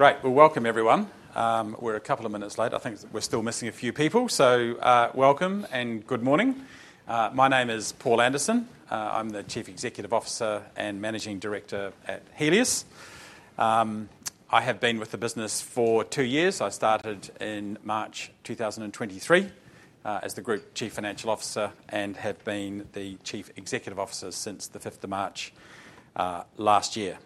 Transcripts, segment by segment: Great. Welcome, everyone. We're a couple of minutes late. I think we're still missing a few people. Welcome and good morning. My name is Paul Anderson. I'm the Chief Executive Officer and Managing Director at Healius. I have been with the business for two years. I started in March 2023 as the Group Chief Financial Officer and have been the Chief Executive Officer since the 5th of March last year.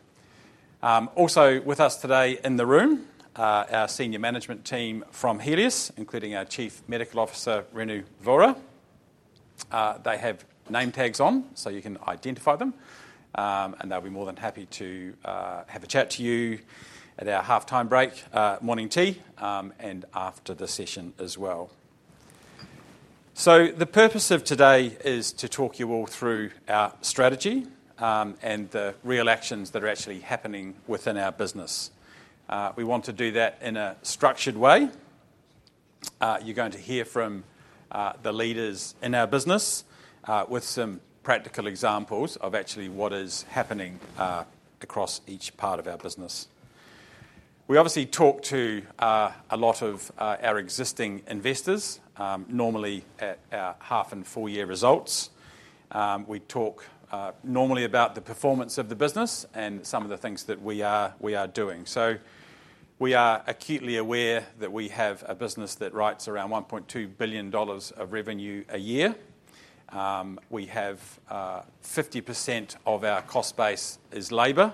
Also with us today in the room, our senior management team from Healius, including our Chief Medical Officer, Renu Vohra. They have name tags on, so you can identify them, and they'll be more than happy to have a chat to you at our halftime break, morning tea, and after the session as well. The purpose of today is to talk you all through our strategy and the real actions that are actually happening within our business. We want to do that in a structured way. You're going to hear from the leaders in our business with some practical examples of actually what is happening across each part of our business. We obviously talk to a lot of our existing investors, normally at our half and full-year results. We talk normally about the performance of the business and some of the things that we are doing. We are acutely aware that we have a business that writes around 1.2 billion dollars of revenue a year. We have 50% of our cost base is labor,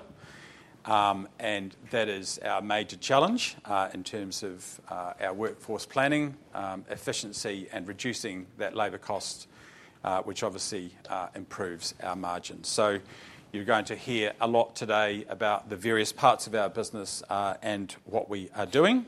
and that is our major challenge in terms of our workforce planning, efficiency, and reducing that labor cost, which obviously improves our margins. You're going to hear a lot today about the various parts of our business and what we are doing.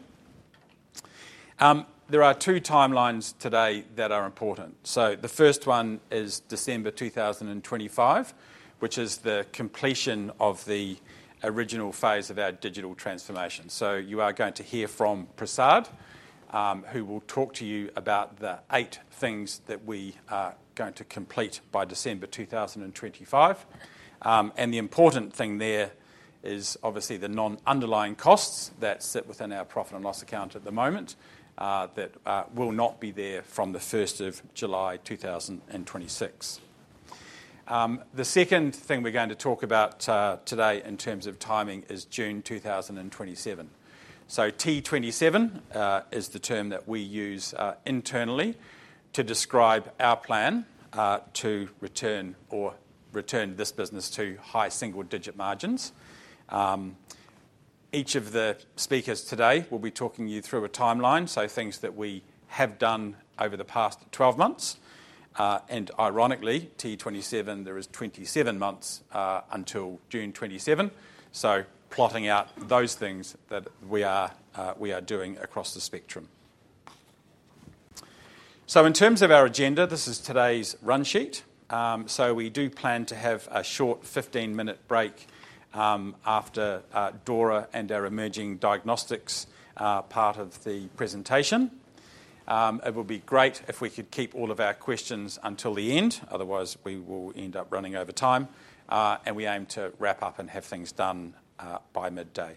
There are two timelines today that are important. The first one is December 2025, which is the completion of the original phase of our digital transformation. You are going to hear from Prasad, who will talk to you about the eight things that we are going to complete by December 2025. The important thing there is obviously the non-underlying costs that sit within our profit and loss account at the moment that will not be there from the 1st of July 2026. The second thing we are going to talk about today in terms of timing is June 2027. T27 is the term that we use internally to describe our plan to return or return this business to high single-digit margins. Each of the speakers today will be talking you through a timeline, so things that we have done over the past 12 months. Ironically, T27, there is 27 months until June 27, so plotting out those things that we are doing across the spectrum. In terms of our agenda, this is today's run sheet. We do plan to have a short 15-minute break after Dora and our Emerging Diagnostics part of the presentation. It would be great if we could keep all of our questions until the end; otherwise, we will end up running over time, and we aim to wrap up and have things done by midday.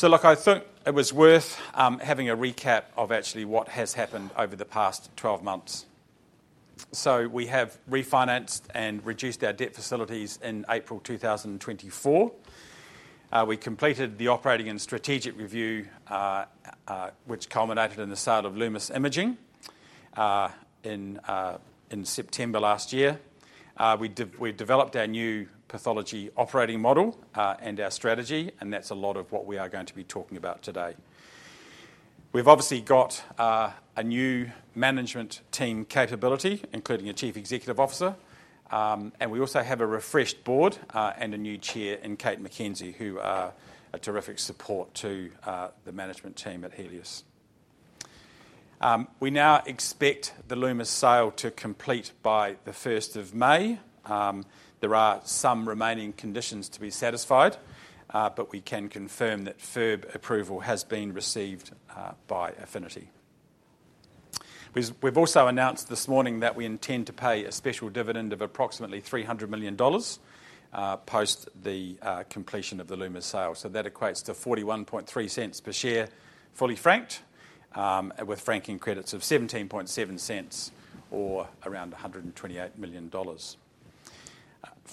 I think it was worth having a recap of actually what has happened over the past 12 months. We have refinanced and reduced our debt facilities in April 2024. We completed the operating and strategic review, which culminated in the start of Lumus Imaging in September last year. We developed our new pathology operating model and our strategy, and that's a lot of what we are going to be talking about today. We've obviously got a new management team capability, including a Chief Executive Officer, and we also have a refreshed board and a new chair in Kate McKenzie, who are a terrific support to the management team at Healius. We now expect the Lumus sale to complete by the 1st of May. There are some remaining conditions to be satisfied, but we can confirm that FIRB approval has been received by Affinity. We've also announced this morning that we intend to pay a special dividend of approximately 300 million dollars post the completion of the Lumus sale. That equates to 0.413 per share fully franked, with franking credits of 0.177 or around 128 million dollars.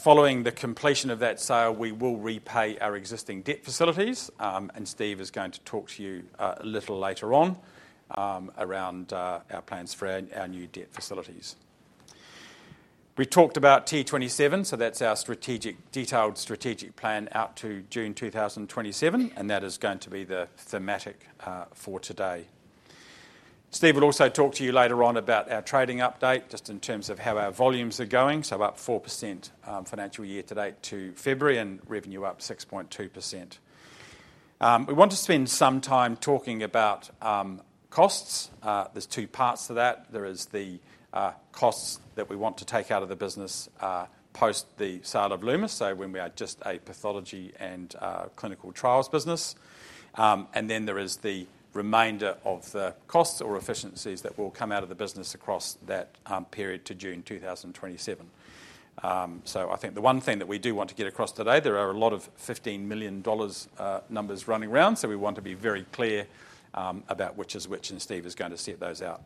Following the completion of that sale, we will repay our existing debt facilities, and Steve is going to talk to you a little later on around our plans for our new debt facilities. We talked about T27, so that's our detailed strategic plan out to June 2027, and that is going to be the thematic for today. Steve will also talk to you later on about our trading update just in terms of how our volumes are going, up 4% financial year to date to February and revenue up 6.2%. We want to spend some time talking about costs. There's two parts to that. There is the costs that we want to take out of the business post the start of Lumus Imaging, so when we are just a pathology and clinical trials business, and then there is the remainder of the costs or efficiencies that will come out of the business across that period to June 2027. I think the one thing that we do want to get across today, there are a lot of 15 million dollars numbers running around, so we want to be very clear about which is which, and Steve is going to set those out.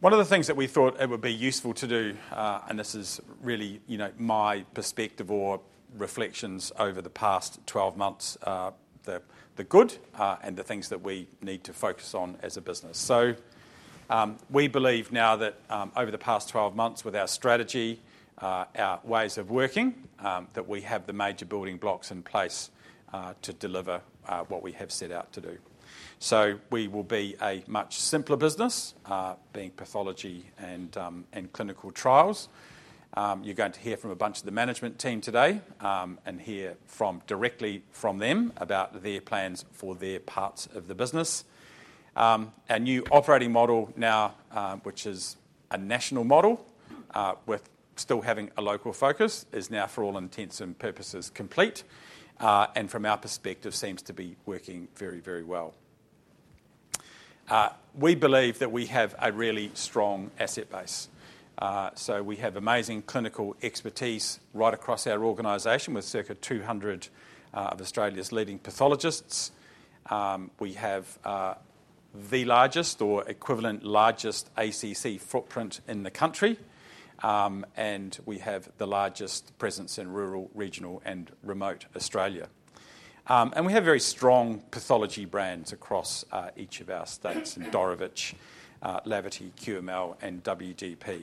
One of the things that we thought it would be useful to do, and this is really my perspective or reflections over the past 12 months, the good and the things that we need to focus on as a business. We believe now that over the past 12 months, with our strategy, our ways of working, that we have the major building blocks in place to deliver what we have set out to do. We will be a much simpler business, being pathology and clinical trials. You're going to hear from a bunch of the management team today and hear directly from them about their plans for their parts of the business. Our new operating model now, which is a national model with still having a local focus, is now, for all intents and purposes, complete and from our perspective seems to be working very, very well. We believe that we have a really strong asset base. We have amazing clinical expertise right across our organization with circa 200 of Australia's leading pathologists. We have the largest or equivalent largest ACC footprint in the country, and we have the largest presence in rural, regional, and remote Australia. We have very strong pathology brands across each of our states: Dorevitch, Laverty, QML, and WDP.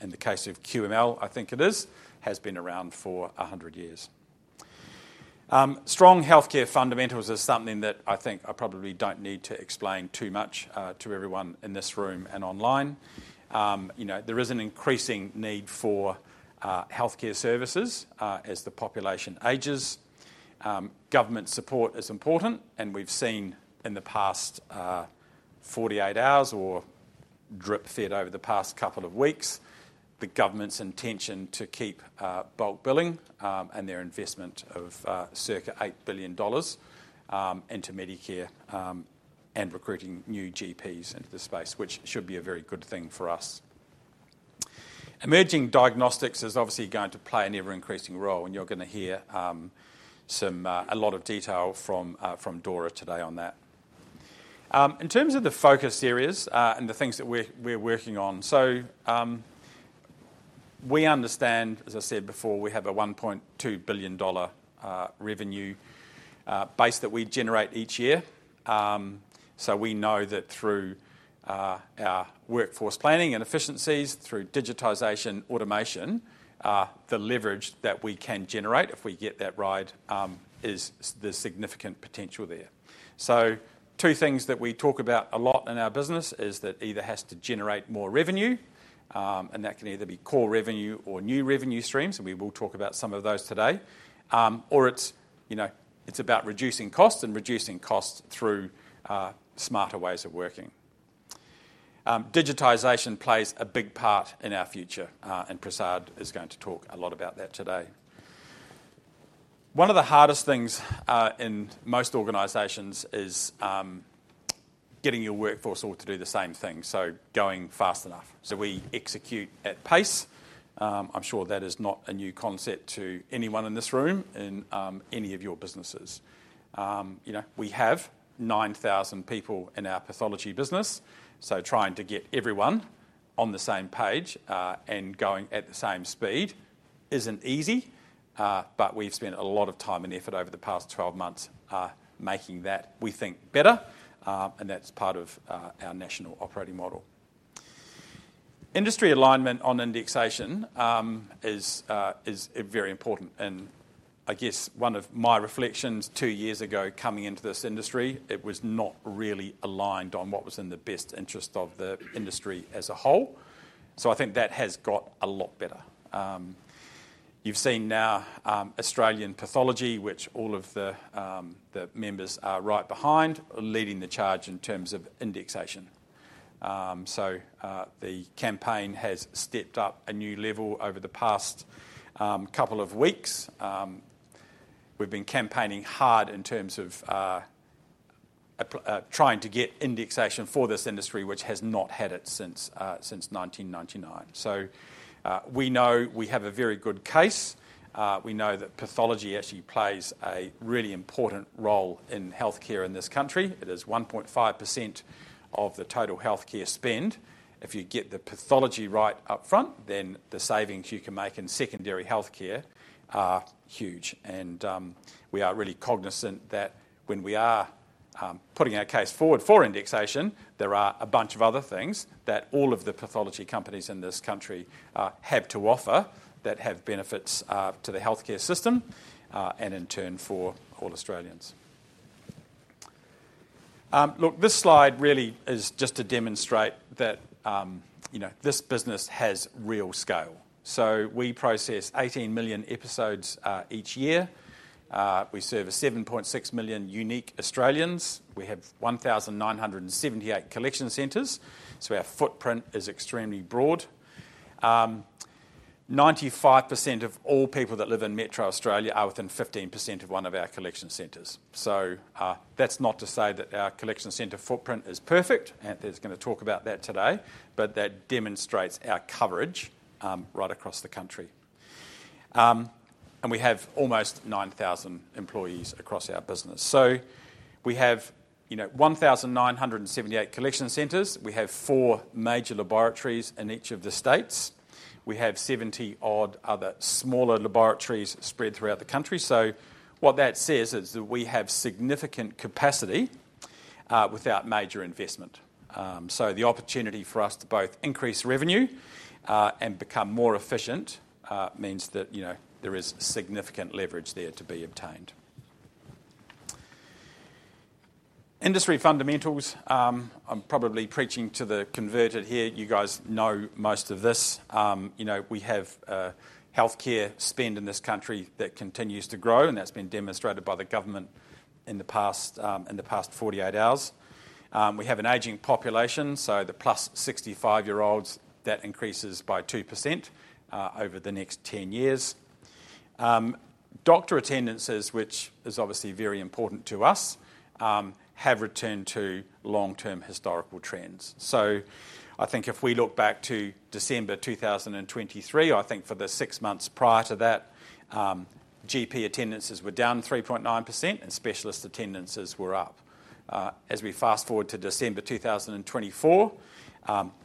In the case of QML, I think it is, has been around for 100 years. Strong healthcare fundamentals is something that I think I probably do not need to explain too much to everyone in this room and online. There is an increasing need for healthcare services as the population ages. Government support is important, and we have seen in the past 48 hours or drip-fed over the past couple of weeks, the government's intention to keep bulk billing and their investment of circa 8 billion dollars into Medicare and recruiting new GPs into the space, which should be a very good thing for us. Emerging diagnostics is obviously going to play an ever-increasing role, and you're going to hear a lot of detail from Dora today on that. In terms of the focus areas and the things that we're working on, you know, we understand, as I said before, we have a 1.2 billion dollar revenue base that we generate each year. We know that through our workforce planning and efficiencies, through digitization, automation, the leverage that we can generate if we get that right is the significant potential there. Two things that we talk about a lot in our business is that it either has to generate more revenue, and that can either be core revenue or new revenue streams, and we will talk about some of those today, or it's about reducing costs and reducing costs through smarter ways of working. Digitisation plays a big part in our future, and Prasad is going to talk a lot about that today. One of the hardest things in most organisations is getting your workforce all to do the same thing, so going fast enough. We execute at pace. I'm sure that is not a new concept to anyone in this room in any of your businesses. We have 9,000 people in our pathology business, so trying to get everyone on the same page and going at the same speed isn't easy, but we've spent a lot of time and effort over the past 12 months making that, we think, better, and that's part of our national operating model. Industry alignment on indexation is very important, and I guess one of my reflections two years ago coming into this industry, it was not really aligned on what was in the best interest of the industry as a whole. I think that has got a lot better. You've seen now Australian Pathology, which all of the members are right behind, leading the charge in terms of indexation. The campaign has stepped up a new level over the past couple of weeks. We've been campaigning hard in terms of trying to get indexation for this industry, which has not had it since 1999. We know we have a very good case. We know that pathology actually plays a really important role in healthcare in this country. It is 1.5% of the total healthcare spend. If you get the pathology right upfront, then the savings you can make in secondary healthcare are huge. We are really cognizant that when we are putting our case forward for indexation, there are a bunch of other things that all of the pathology companies in this country have to offer that have benefits to the healthcare system and in turn for all Australians. Look, this slide really is just to demonstrate that this business has real scale. We process 18 million episodes each year. We serve 7.6 million unique Australians. We have 1,978 collection centers. Our footprint is extremely broad, 95% of all people that live in metro Australia are within 15% of one of our collection centers. That is not to say that our collection centre footprint is perfect, and I am going to talk about that today, but that demonstrates our coverage right across the country. We have almost 9,000 employees across our business. We have 1,978 collection centres. We have four major laboratories in each of the states. We have 70-odd other smaller laboratories spread throughout the country. What that says is that we have significant capacity without major investment. The opportunity for us to both increase revenue and become more efficient means that there is significant leverage there to be obtained. Industry fundamentals. I am probably preaching to the converted here. You guys know most of this. We have healthcare spend in this country that continues to grow, and that has been demonstrated by the government in the past 48 hours. We have an aging population, so the plus 65-year-olds, that increases by 2% over the next 10 years. Doctor attendances, which is obviously very important to us, have returned to long-term historical trends. I think if we look back to December 2023, I think for the six months prior to that, GP attendances were down 3.9% and specialist attendances were up. As we fast forward to December 2024,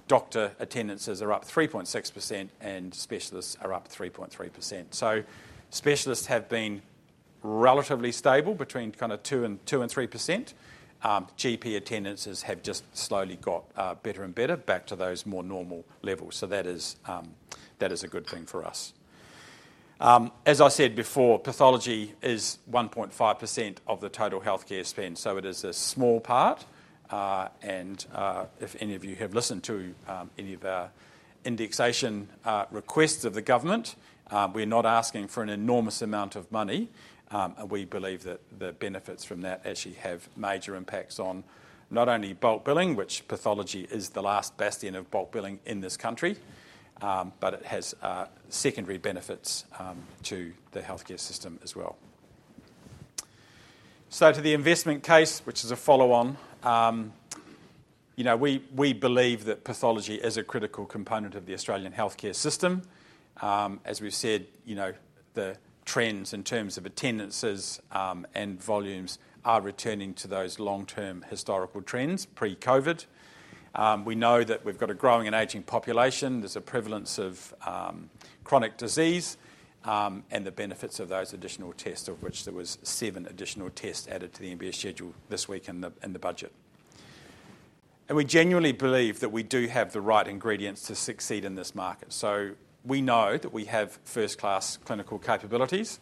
doctor attendances are up 3.6% and specialists are up 3.3%. Specialists have been relatively stable between kind of 2%-3%. GP attendances have just slowly got better and better back to those more normal levels. That is a good thing for us. As I said before, pathology is 1.5% of the total healthcare spend, so it is a small part. If any of you have listened to any of our indexation requests of the government, we're not asking for an enormous amount of money. We believe that the benefits from that actually have major impacts on not only bulk billing, which pathology is the last bastion of bulk billing in this country, but it has secondary benefits to the healthcare system as well. To the investment case, which is a follow-on, we believe that pathology is a critical component of the Australian healthcare system. As we've said, the trends in terms of attendances and volumes are returning to those long-term historical trends pre-COVID. We know that we've got a growing and aging population. There's a prevalence of chronic disease and the benefits of those additional tests, of which there were seven additional tests added to the MBS schedule this week in the budget. We genuinely believe that we do have the right ingredients to succeed in this market. We know that we have first-class clinical capabilities.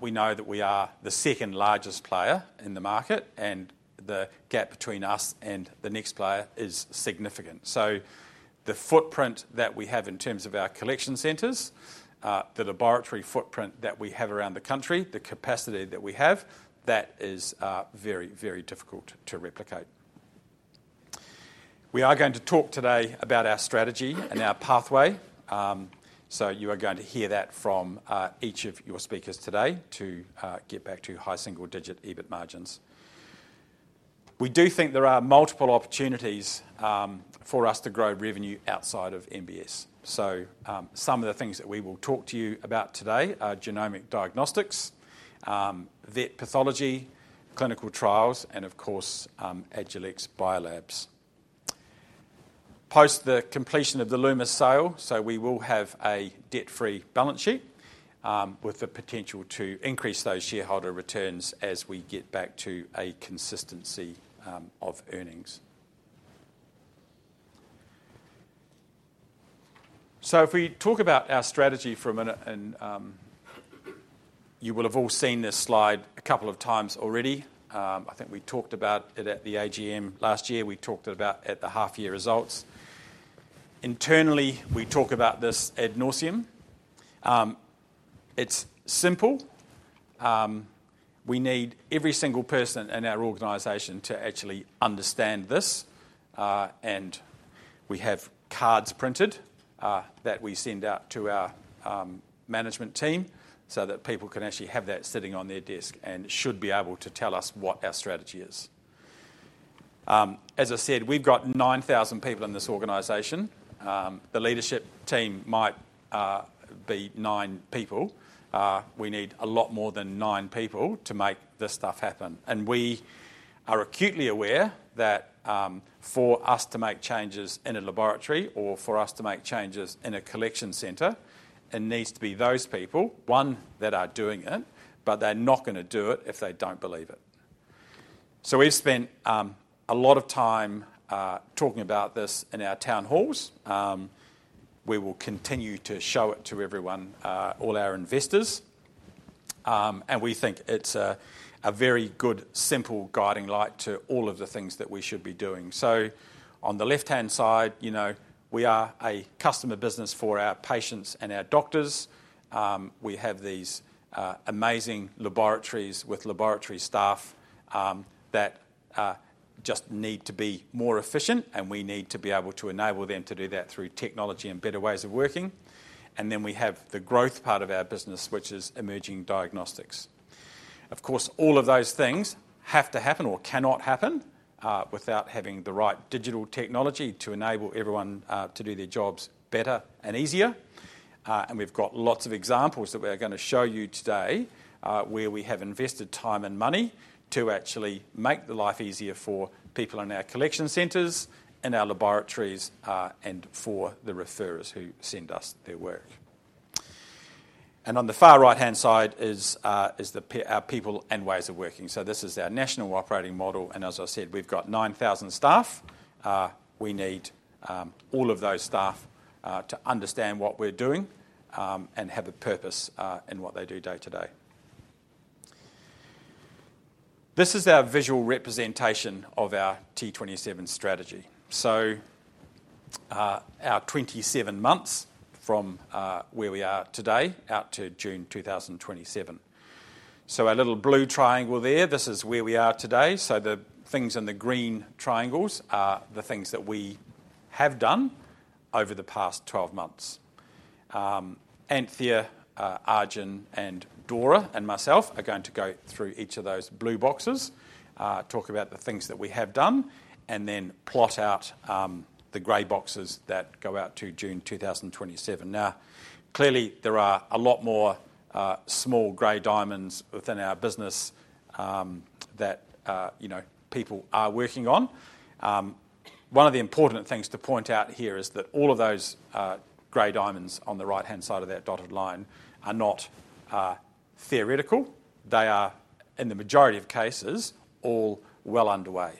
We know that we are the second largest player in the market, and the gap between us and the next player is significant. The footprint that we have in terms of our collection centers, the laboratory footprint that we have around the country, the capacity that we have, that is very, very difficult to replicate. We are going to talk today about our strategy and our Pathway. You are going to hear that from each of your speakers today to get back to high single-digit EBIT margins. We do think there are multiple opportunities for us to grow revenue outside of MBS. Some of the things that we will talk to you about today are genomic diagnostics, vet pathology, clinical trials, and of course, Agilex Biolabs. Post the completion of the Lumus sale, we will have a debt-free balance sheet with the potential to increase those shareholder returns as we get back to a consistency of earnings. If we talk about our strategy for a minute, you will have all seen this slide a couple of times already. I think we talked about it at the AGM last year. We talked about it at the half-year results. Internally, we talk about this ad nauseam. It's simple. We need every single person in our organization to actually understand this, and we have cards printed that we send out to our management team so that people can actually have that sitting on their desk and should be able to tell us what our strategy is. As I said, we've got 9,000 people in this organization. The leadership team might be nine people. We need a lot more than nine people to make this stuff happen. We are acutely aware that for us to make changes in a laboratory or for us to make changes in a collection center, it needs to be those people, one, that are doing it, but they're not going to do it if they don't believe it. We have spent a lot of time talking about this in our town halls. We will continue to show it to everyone, all our investors, and we think it's a very good, simple guiding light to all of the things that we should be doing. On the left-hand side, we are a customer business for our patients and our doctors. We have these amazing laboratories with laboratory staff that just need to be more efficient, and we need to be able to enable them to do that through technology and better ways of working. We have the growth part of our business, which is Emerging Diagnostics. Of course, all of those things have to happen or cannot happen without having the right digital technology to enable everyone to do their jobs better and easier. We have lots of examples that we're going to show you today where we have invested time and money to actually make life easier for people in our collection centers, in our laboratories, and for the referrers who send us their work. On the far right-hand side is our people and ways of working. This is our national operating model, and as I said, we have 9,000 staff. We need all of those staff to understand what we're doing and have a purpose in what they do day to day. This is our visual representation of our T27 strategy. Our 27 months from where we are today out to June 2027. Our little blue triangle there, this is where we are today. The things in the green triangles are the things that we have done over the past 12 months. Anthea, Arjun, and Dora and myself are going to go through each of those blue boxes, talk about the things that we have done, and then plot out the grey boxes that go out to June 2027. Now, clearly, there are a lot more small grey diamonds within our business that people are working on. One of the important things to point out here is that all of those grey diamonds on the right-hand side of that dotted line are not theoretical. They are, in the majority of cases, all well underway.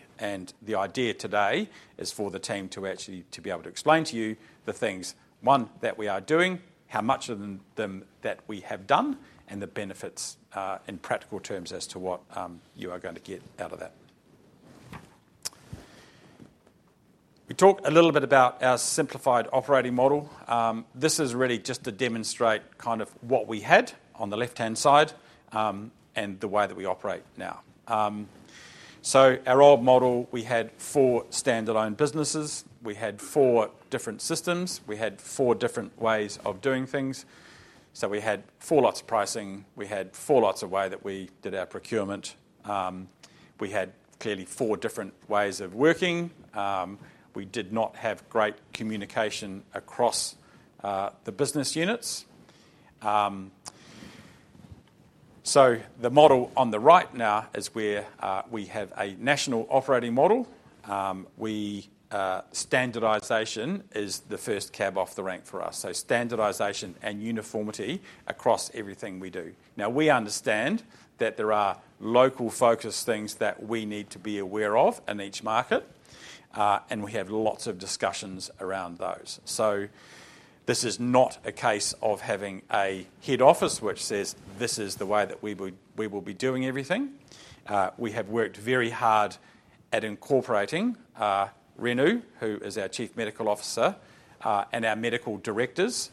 The idea today is for the team to actually be able to explain to you the things, one, that we are doing, how much of them that we have done, and the benefits in practical terms as to what you are going to get out of that. We talked a little bit about our simplified operating model. This is really just to demonstrate kind of what we had on the left-hand side and the way that we operate now. Our old model, we had four standalone businesses. We had four different systems. We had four different ways of doing things. We had four lots of pricing. We had four lots of ways that we did our procurement. We had clearly four different ways of working. We did not have great communication across the business units. The model on the right now is where we have a national operating model. Standardisation is the first cab off the ramp for us. Standardisation and uniformity across everything we do. Now, we understand that there are local-focused things that we need to be aware of in each market, and we have lots of discussions around those. This is not a case of having a head office which says, "This is the way that we will be doing everything." We have worked very hard at incorporating Renu, who is our Chief Medical Officer, and our medical directors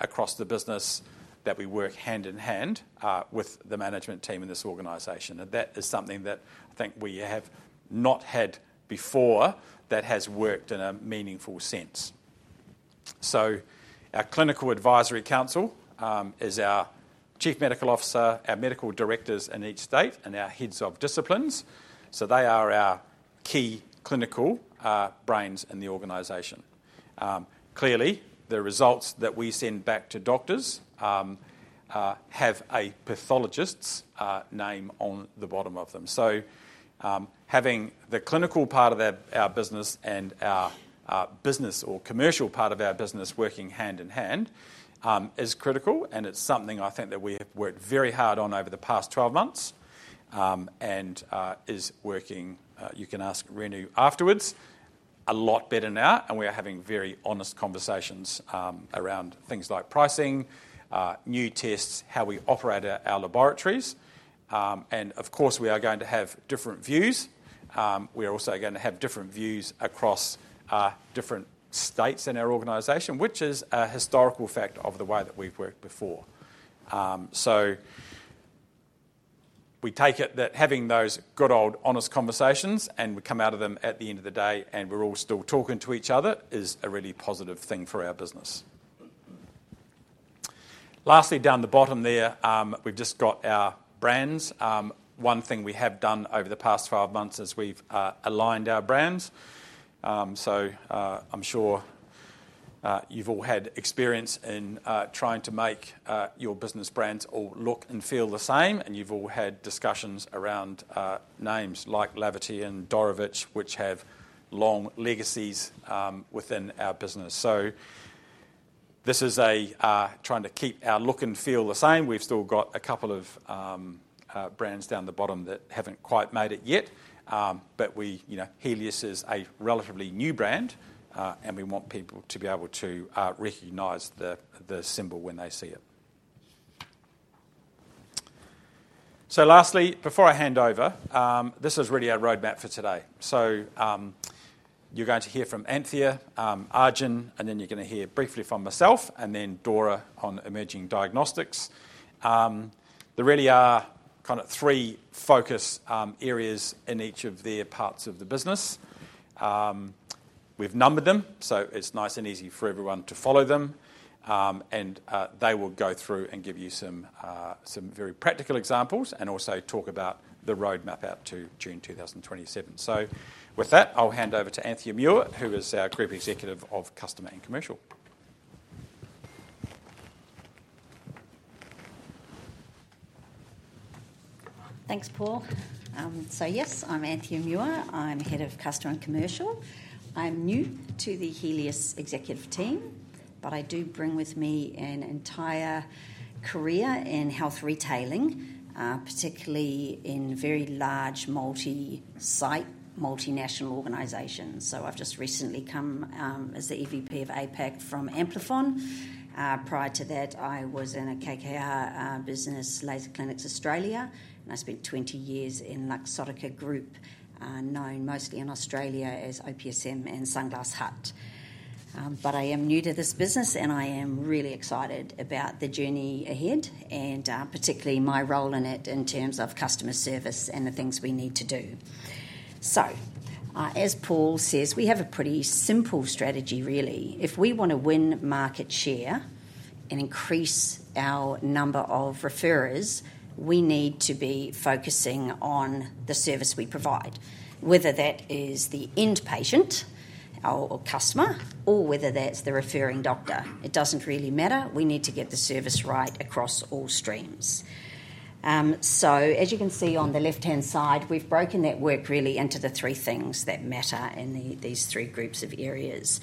across the business that we work hand in hand with the management team in this organization. That is something that I think we have not had before that has worked in a meaningful sense. Our clinical advisory council is our Chief Medical Officer, our medical directors in each state, and our heads of disciplines. They are our key clinical brains in the organization. Clearly, the results that we send back to doctors have a pathologist's name on the bottom of them. Having the clinical part of our business and our business or commercial part of our business working hand in hand is critical, and it's something I think that we have worked very hard on over the past 12 months and is working—you can ask Renu afterwards—a lot better now. We are having very honest conversations around things like pricing, new tests, how we operate our laboratories. Of course, we are going to have different views. We are also going to have different views across different states in our organization, which is a historical fact of the way that we've worked before. We take it that having those good old honest conversations, and we come out of them at the end of the day, and we're all still talking to each other is a really positive thing for our business. Lastly, down the bottom there, we've just got our brands. One thing we have done over the past 12 months is we've aligned our brands. I'm sure you've all had experience in trying to make your business brands all look and feel the same, and you've all had discussions around names like Laverty and Dorevitch, which have long legacies within our business. This is trying to keep our look and feel the same. We've still got a couple of brands down the bottom that haven't quite made it yet, but Healius is a relatively new brand, and we want people to be able to recognize the symbol when they see it. Lastly, before I hand over, this is really our roadmap for today. You're going to hear from Anthea, Arjun and then you're going to hear briefly from myself, and then Dora on imaging diagnostics. There really are kind of three focus areas in each of their parts of the business. We have numbered them, so it is nice and easy for everyone to follow them. They will go through and give you some very practical examples and also talk about the roadmap out to June 2027. With that, I will hand over to Anthea Muir, who is our Group Executive of Customer and Commercial. Thanks, Paul. Yes, I'm Anthea Muir. I'm Head of Customer and Commercial. I'm new to the Healius executive team, but I do bring with me an entire career in health retailing, particularly in very large multi-site, multinational organizations. I've just recently come as the EVP of APAC from Amplifon. Prior to that, I was in a KKR business, Laser Clinics Australia, and I spent 20 years in Luxottica Group, known mostly in Australia as OPSM and Sunglass Hut. I am new to this business, and I am really excited about the journey ahead, and particularly my role in it in terms of customer service and the things we need to do. As Paul says, we have a pretty simple strategy, really. If we want to win market share and increase our number of referrers, we need to be focusing on the service we provide, whether that is the end patient or customer or whether that's the referring doctor. It doesn't really matter. We need to get the service right across all streams. As you can see on the left-hand side, we've broken that work really into the three things that matter in these three groups of areas.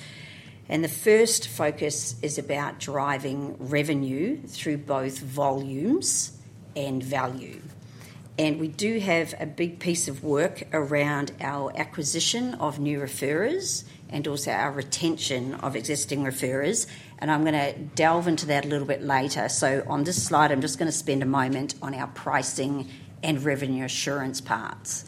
The first focus is about driving revenue through both volumes and value. We do have a big piece of work around our acquisition of new referrers and also our retention of existing referrers. I'm going to delve into that a little bit later. On this slide, I'm just going to spend a moment on our pricing and revenue assurance parts.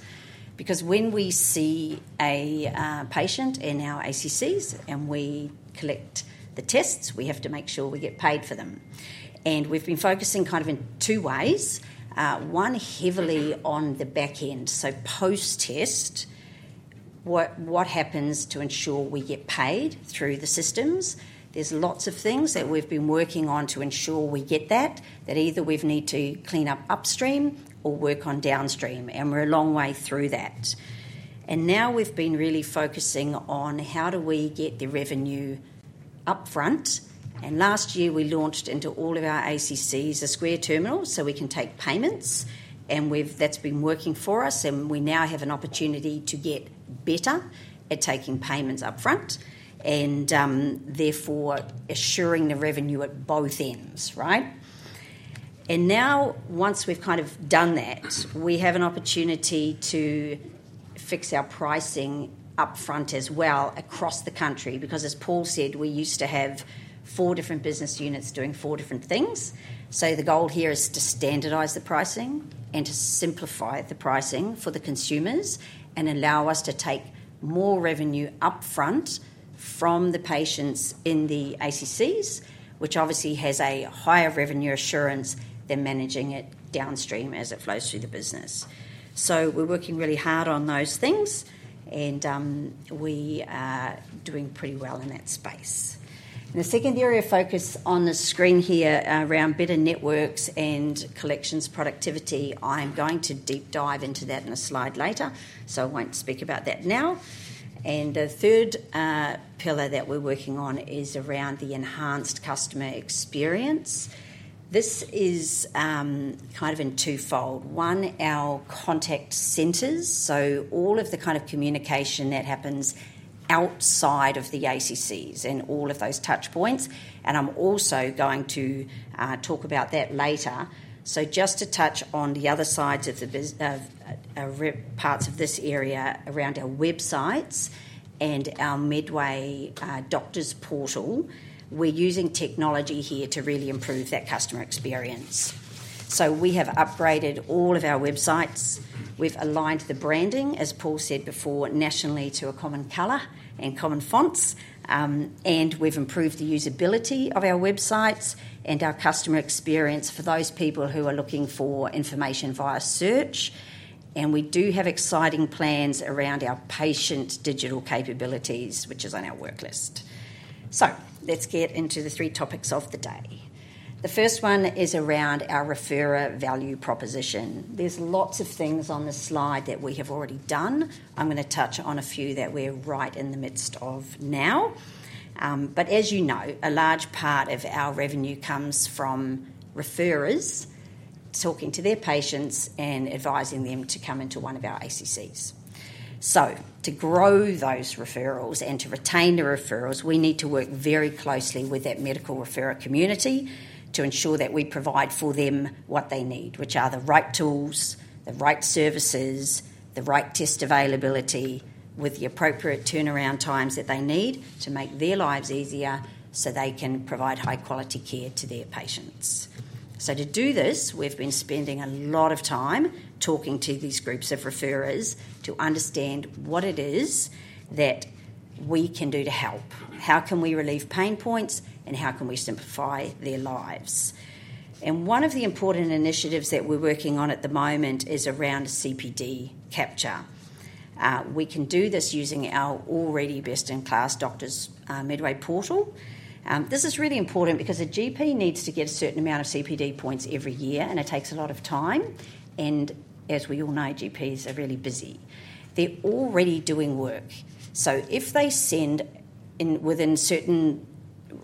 Because when we see a patient in our ACCs and we collect the tests, we have to make sure we get paid for them. We have been focusing kind of in two ways. One, heavily on the back end. Post-test, what happens to ensure we get paid through the systems? There are lots of things that we have been working on to ensure we get that, that either we need to clean up upstream or work on downstream. We are a long way through that. Now we have been really focusing on how do we get the revenue upfront. Last year, we launched into all of our ACCs a Square Terminal so we can take payments. That has been working for us. We now have an opportunity to get better at taking payments upfront and therefore assuring the revenue at both ends, right? Now, once we've kind of done that, we have an opportunity to fix our pricing upfront as well across the country. Because as Paul said, we used to have four different business units doing four different things. The goal here is to standardize the pricing and to simplify the pricing for the consumers and allow us to take more revenue upfront from the patients in the ACCs, which obviously has a higher revenue assurance than managing it downstream as it flows through the business. We're working really hard on those things, and we are doing pretty well in that space. The second area of focus on the screen here around better networks and collections productivity, I'm going to deep dive into that in a slide later, so I won't speak about that now. The third pillar that we're working on is around the enhanced customer experience. This is kind of in twofold. One, our contact centers, so all of the kind of communication that happens outside of the ACCs and all of those touchpoints. I'm also going to talk about that later. Just to touch on the other sides of parts of this area around our websites and our Medway Doctors Portal, we're using technology here to really improve that customer experience. We have upgraded all of our websites. We've aligned the branding, as Paul said before, nationally to a common color and common fonts. We've improved the usability of our websites and our customer experience for those people who are looking for information via search. We do have exciting plans around our patient digital capabilities, which is on our worklist. Let's get into the three topics of the day. The first one is around our referrer value proposition. There are lots of things on the slide that we have already done. I'm going to touch on a few that we're right in the midst of now. As you know, a large part of our revenue comes from referrers talking to their patients and advising them to come into one of our ACCs. To grow those referrals and to retain the referrals, we need to work very closely with that medical referrer community to ensure that we provide for them what they need, which are the right tools, the right services, the right test availability with the appropriate turnaround times that they need to make their lives easier so they can provide high-quality care to their patients. To do this, we've been spending a lot of time talking to these groups of referrers to understand what it is that we can do to help. How can we relieve pain points and how can we simplify their lives? One of the important initiatives that we're working on at the moment is around CPD capture. We can do this using our already best-in-class doctors' Medway portal. This is really important because a GP needs to get a certain amount of CPD points every year, and it takes a lot of time. As we all know, GPs are really busy. They're already doing work. If they send within certain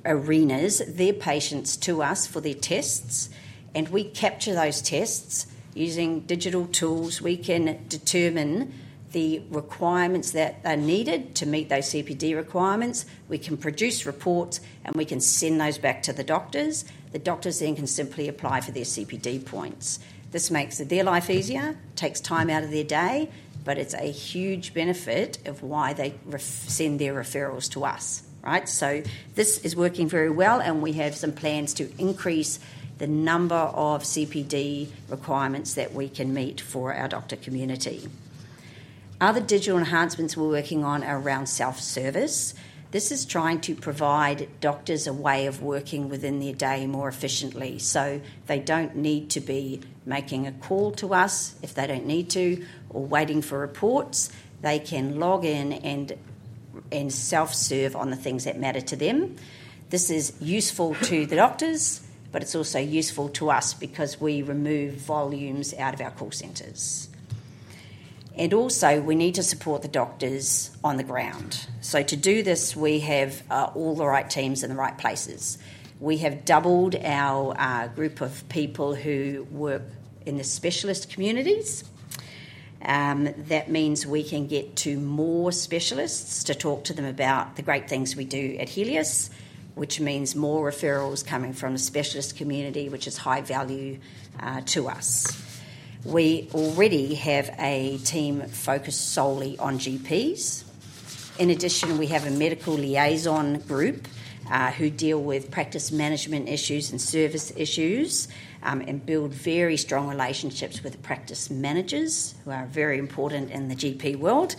arenas their patients to us for their tests, and we capture those tests using digital tools, we can determine the requirements that are needed to meet those CPD requirements. We can produce reports, and we can send those back to the doctors. The doctors then can simply apply for their CPD points. This makes their life easier, takes time out of their day, but it's a huge benefit of why they send their referrals to us, right? This is working very well, and we have some plans to increase the number of CPD requirements that we can meet for our doctor community. Other digital enhancements we're working on are around self-service. This is trying to provide doctors a way of working within their day more efficiently. They don't need to be making a call to us if they don't need to or waiting for reports. They can log in and self-serve on the things that matter to them. This is useful to the doctors, but it's also useful to us because we remove volumes out of our call centers. We also need to support the doctors on the ground. To do this, we have all the right teams in the right places. We have doubled our group of people who work in the specialist communities. That means we can get to more specialists to talk to them about the great things we do at Healius, which means more referrals coming from the specialist community, which is high value to us. We already have a team focused solely on GPs. In addition, we have a medical liaison group who deal with practice management issues and service issues and build very strong relationships with practice managers who are very important in the GP world.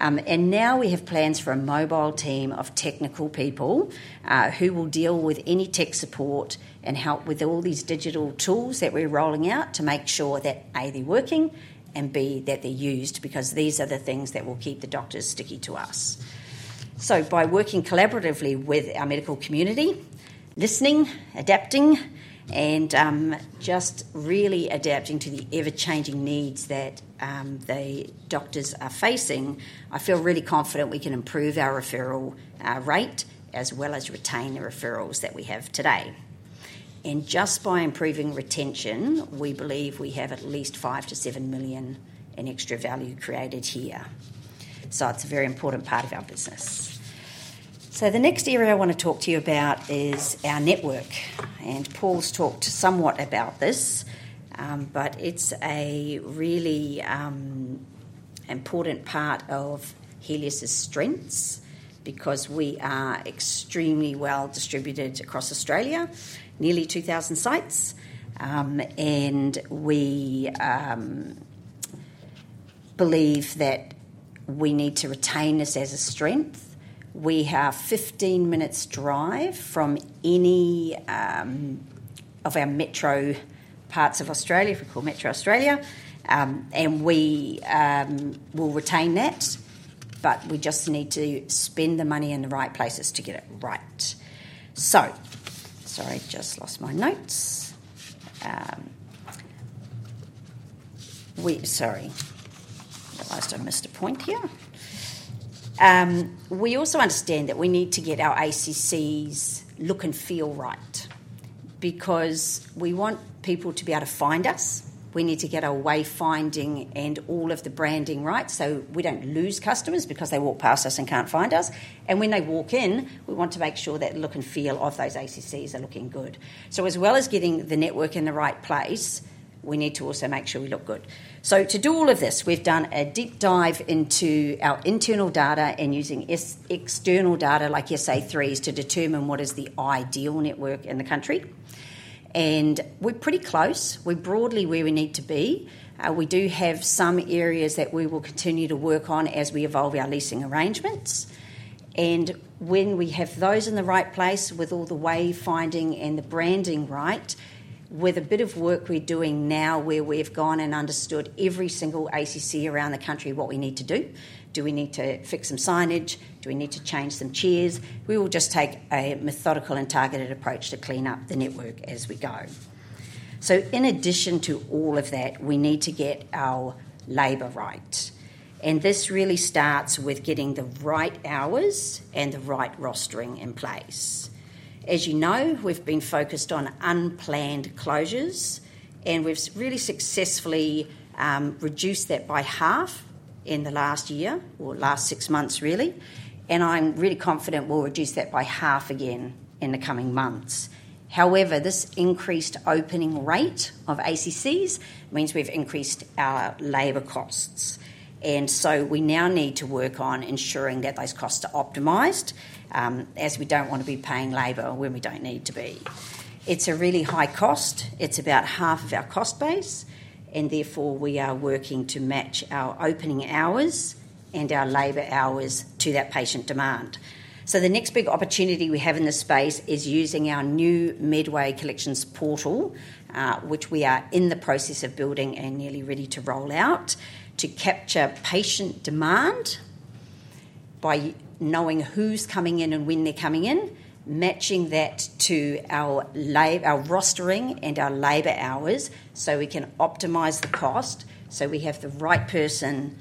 We have plans for a mobile team of technical people who will deal with any tech support and help with all these digital tools that we're rolling out to make sure that, A, they're working, and B, that they're used, because these are the things that will keep the doctors sticky to us. By working collaboratively with our medical community, listening, adapting, and just really adapting to the ever-changing needs that the doctors are facing, I feel really confident we can improve our referral rate as well as retain the referrals that we have today. Just by improving retention, we believe we have at least 5 million-7 million in extra value created here. It is a very important part of our business. The next area I want to talk to you about is our network. Paul's talked somewhat about this, but it's a really important part of Healius's strengths because we are extremely well distributed across Australia, nearly 2,000 sites. We believe that we need to retain this as a strength. We have 15 minutes' drive from any of our metro parts of Australia, if we call Metro Australia. We will retain that, but we just need to spend the money in the right places to get it right. Sorry, just lost my notes. Sorry. I must have missed a point here. We also understand that we need to get our ACCs look and feel right because we want people to be able to find us. We need to get our wayfinding and all of the branding right so we don't lose customers because they walk past us and can't find us. When they walk in, we want to make sure that look and feel of those ACCs are looking good. As well as getting the network in the right place, we need to also make sure we look good. To do all of this, we've done a deep dive into our internal data and using external data like SA3s to determine what is the ideal network in the country. We're pretty close. We're broadly where we need to be. We do have some areas that we will continue to work on as we evolve our leasing arrangements. When we have those in the right place with all the wayfinding and the branding right, with a bit of work we're doing now where we've gone and understood every single ACC around the country, what we need to do. Do we need to fix some signage? Do we need to change some chairs? We will just take a methodical and targeted approach to clean up the network as we go. In addition to all of that, we need to get our labor right. This really starts with getting the right hours and the right rostering in place. As you know, we've been focused on unplanned closures, and we've really successfully reduced that by half in the last year or last six months, really. I'm really confident we'll reduce that by half again in the coming months. However, this increased opening rate of ACCs means we've increased our labor costs. We now need to work on ensuring that those costs are optimized as we don't want to be paying labor when we don't need to be. It's a really high cost. It's about half of our cost base. Therefore, we are working to match our opening hours and our labor hours to that patient demand. The next big opportunity we have in this space is using our new Medway Collections Portal, which we are in the process of building and nearly ready to roll out, to capture patient demand by knowing who's coming in and when they're coming in, matching that to our rostering and our labor hours so we can optimize the cost so we have the right person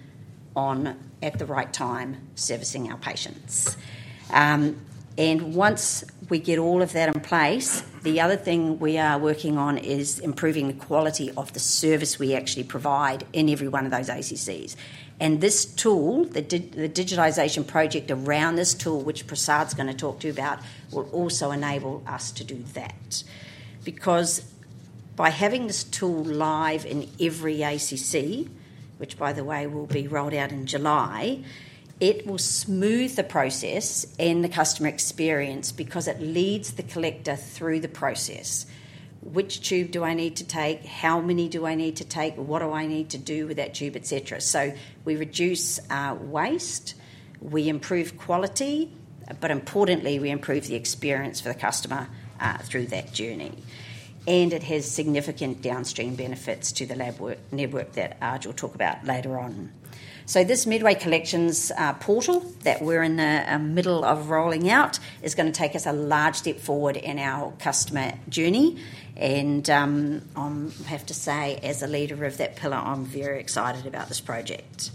at the right time servicing our patients. Once we get all of that in place, the other thing we are working on is improving the quality of the service we actually provide in every one of those ACCs. This tool, the digitization project around this tool, which Prasad's going to talk to you about, will also enable us to do that. Because by having this tool live in every ACC, which, by the way, will be rolled out in July, it will smooth the process and the customer experience because it leads the collector through the process. Which tube do I need to take? How many do I need to take? What do I need to do with that tube, etc.? We reduce waste. We improve quality. Importantly, we improve the experience for the customer through that journey. It has significant downstream benefits to the labor network that Aj will talk about later on. This Medway Collections Portal that we're in the middle of rolling out is going to take us a large step forward in our customer journey. I have to say, as a leader of that pillar, I'm very excited about this project.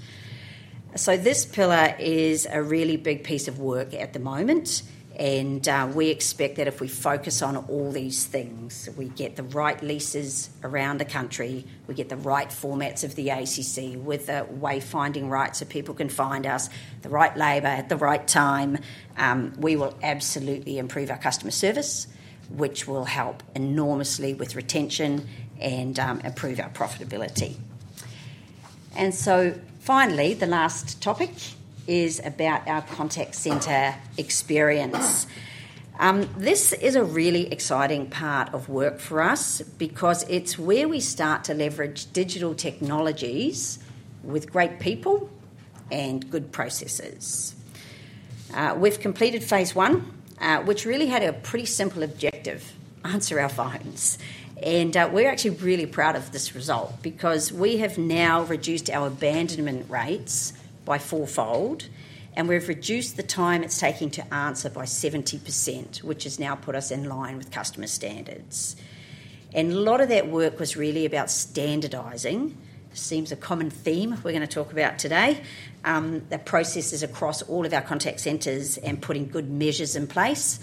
This pillar is a really big piece of work at the moment. We expect that if we focus on all these things, we get the right leases around the country, we get the right formats of the ACC with the wayfinding rights so people can find us, the right labor at the right time, we will absolutely improve our customer service, which will help enormously with retention and improve our profitability. Finally, the last topic is about our contact center experience. This is a really exciting part of work for us because it's where we start to leverage digital technologies with great people and good processes. We've completed phase one, which really had a pretty simple objective: answer our phones. We're actually really proud of this result because we have now reduced our abandonment rates by fourfold, and we've reduced the time it's taking to answer by 70%, which has now put us in line with customer standards. A lot of that work was really about standardizing. It seems a common theme we're going to talk about today, the processes across all of our contact centers and putting good measures in place.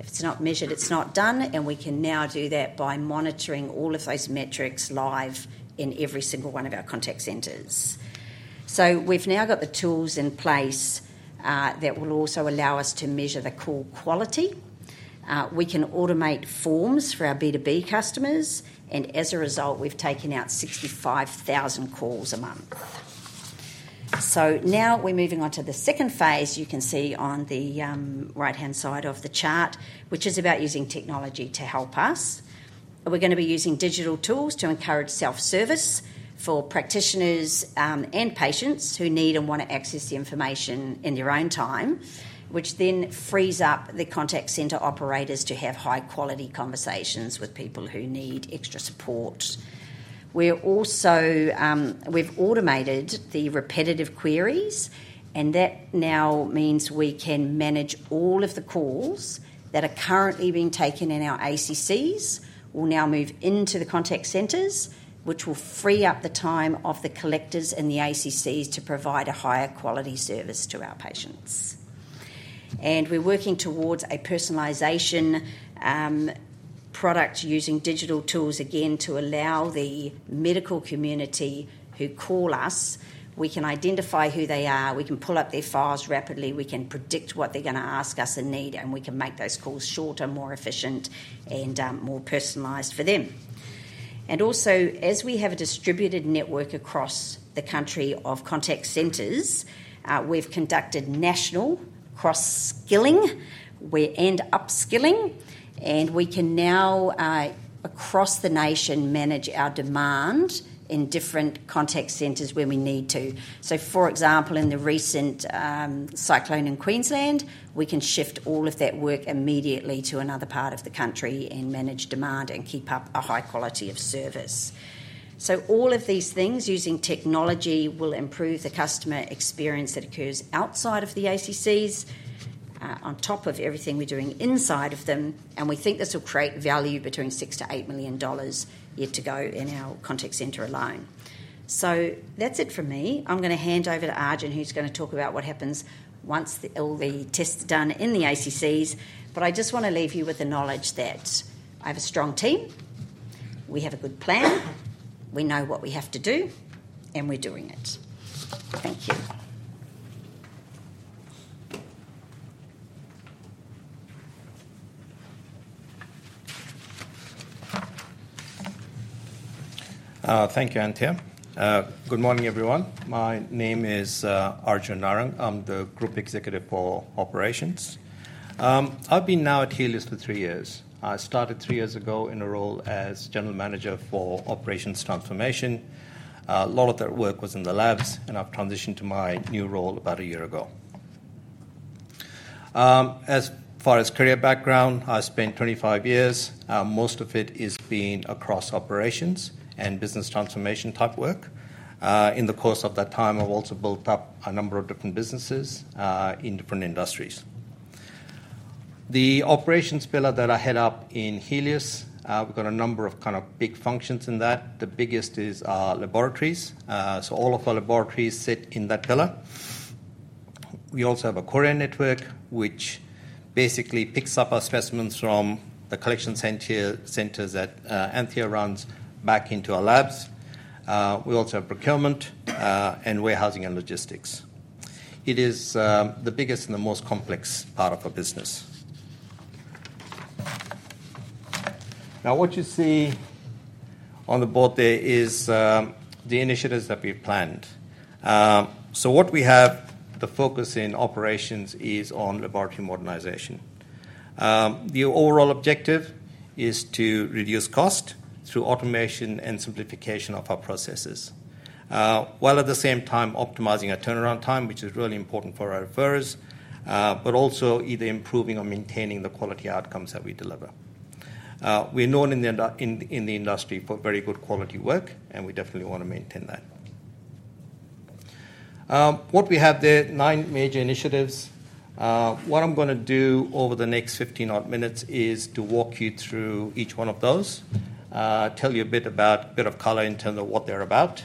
If it's not measured, it's not done. We can now do that by monitoring all of those metrics live in every single one of our contact centers. We've now got the tools in place that will also allow us to measure the call quality. We can automate forms for our B2B customers. As a result, we've taken out 65,000 calls a month. We are moving on to the second phase, you can see on the right-hand side of the chart, which is about using technology to help us. We are going to be using digital tools to encourage self-service for practitioners and patients who need and want to access the information in their own time, which then frees up the contact center operators to have high-quality conversations with people who need extra support. We have automated the repetitive queries, and that now means we can manage all of the calls that are currently being taken in our ACCs will now move into the contact centers, which will free up the time of the collectors and the ACCs to provide a higher quality service to our patients. We are working towards a personalization product using digital tools, again, to allow the medical community who call us. We can identify who they are. We can pull up their files rapidly. We can predict what they're going to ask us and need, and we can make those calls shorter, more efficient, and more personalized for them. Also, as we have a distributed network across the country of contact centers, we've conducted national cross-skilling and upskilling, and we can now, across the nation, manage our demand in different contact centers where we need to. For example, in the recent cyclone in Queensland, we can shift all of that work immediately to another part of the country and manage demand and keep up a high quality of service. All of these things using technology will improve the customer experience that occurs outside of the ACCs on top of everything we're doing inside of them. We think this will create value between 6 million-8 million dollars a year to go in our contact center alone. That is it for me. I am going to hand over to Arjun, who is going to talk about what happens once all the tests are done in the ACCs. I just want to leave you with the knowledge that I have a strong team. We have a good plan. We know what we have to do, and we are doing it. Thank you. Thank you, Anthea. Good morning, everyone. My name is Arjun Narang. I am the Group Executive for Operations. I have been now at Healius for three years. I started three years ago in a role as General Manager for Operations Transformation. A lot of that work was in the labs, and I have transitioned to my new role about a year ago. As far as career background, I spent 25 years. Most of it has been across operations and business transformation type work. In the course of that time, I've also built up a number of different businesses in different industries. The operations pillar that I head up in Healius, we've got a number of kind of big functions in that. The biggest is our laboratories. All of our laboratories sit in that pillar. We also have a courier network, which basically picks up our specimens from the collection center that Anthea runs back into our labs. We also have procurement and warehousing and logistics. It is the biggest and the most complex part of our business. What you see on the board there is the initiatives that we've planned. What we have the focus in operations is on laboratory modernization. The overall objective is to reduce cost through automation and simplification of our processes, while at the same time optimizing our turnaround time, which is really important for our referrers, but also either improving or maintaining the quality outcomes that we deliver. We're known in the industry for very good quality work, and we definitely want to maintain that. What we have there, nine major initiatives. What I'm going to do over the next 15 odd minutes is to walk you through each one of those, tell you a bit about a bit of color in terms of what they're about,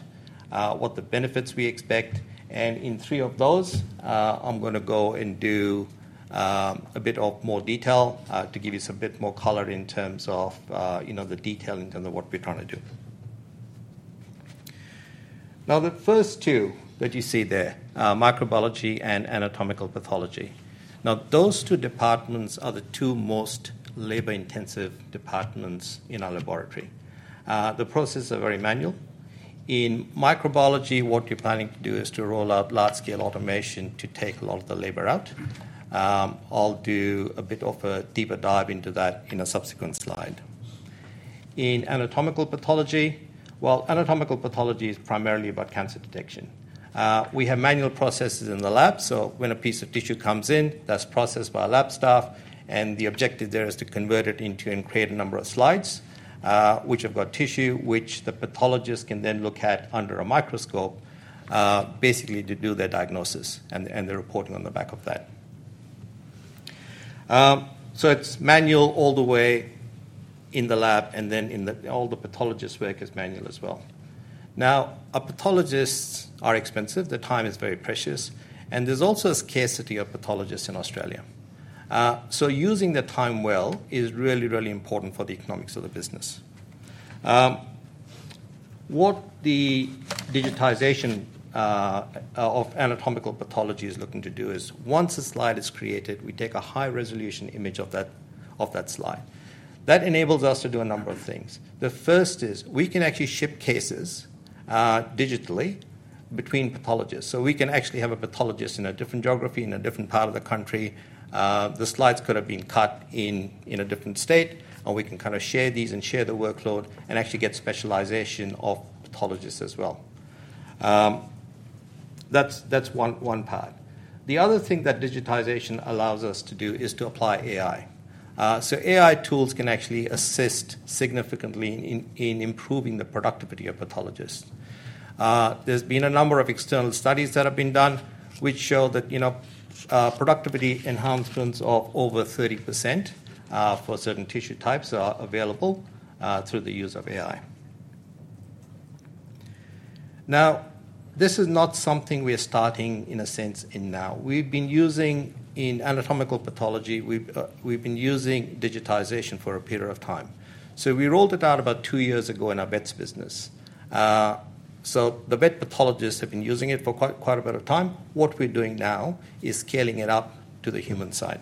what the benefits we expect. In three of those, I'm going to go and do a bit more detail to give you some bit more color in terms of the detail in terms of what we're trying to do. Now, the first two that you see there, microbiology and anatomical pathology. Now, those two departments are the two most labor-intensive departments in our laboratory. The processes are very manual. In microbiology, what we're planning to do is to roll out large-scale automation to take a lot of the labor out. I'll do a bit of a deeper dive into that in a subsequent slide. In anatomical pathology, anatomical pathology is primarily about cancer detection. We have manual processes in the lab. When a piece of tissue comes in, that's processed by lab staff. The objective there is to convert it into and create a number of slides, which have got tissue, which the pathologist can then look at under a microscope, basically to do their diagnosis and the reporting on the back of that. It's manual all the way in the lab, and then all the pathologist work is manual as well. Now, pathologists are expensive. Their time is very precious. There's also a scarcity of pathologists in Australia. Using their time well is really, really important for the economics of the business. What the digitization of anatomical pathology is looking to do is, once a slide is created, we take a high-resolution image of that slide. That enables us to do a number of things. The first is we can actually ship cases digitally between pathologists. We can actually have a pathologist in a different geography, in a different part of the country. The slides could have been cut in a different state, and we can kind of share these and share the workload and actually get specialization of pathologists as well. That's one part. The other thing that digitisation allows us to do is to apply AI. AI tools can actually assist significantly in improving the productivity of pathologists. There have been a number of external studies that have been done, which show that productivity enhancements of over 30% for certain tissue types are available through the use of AI. This is not something we are starting, in a sense, now. In anatomical pathology, we have been using digitisation for a period of time. We rolled it out about two years ago in our vets business. The vet pathologists have been using it for quite a bit of time. What we are doing now is scaling it up to the human side.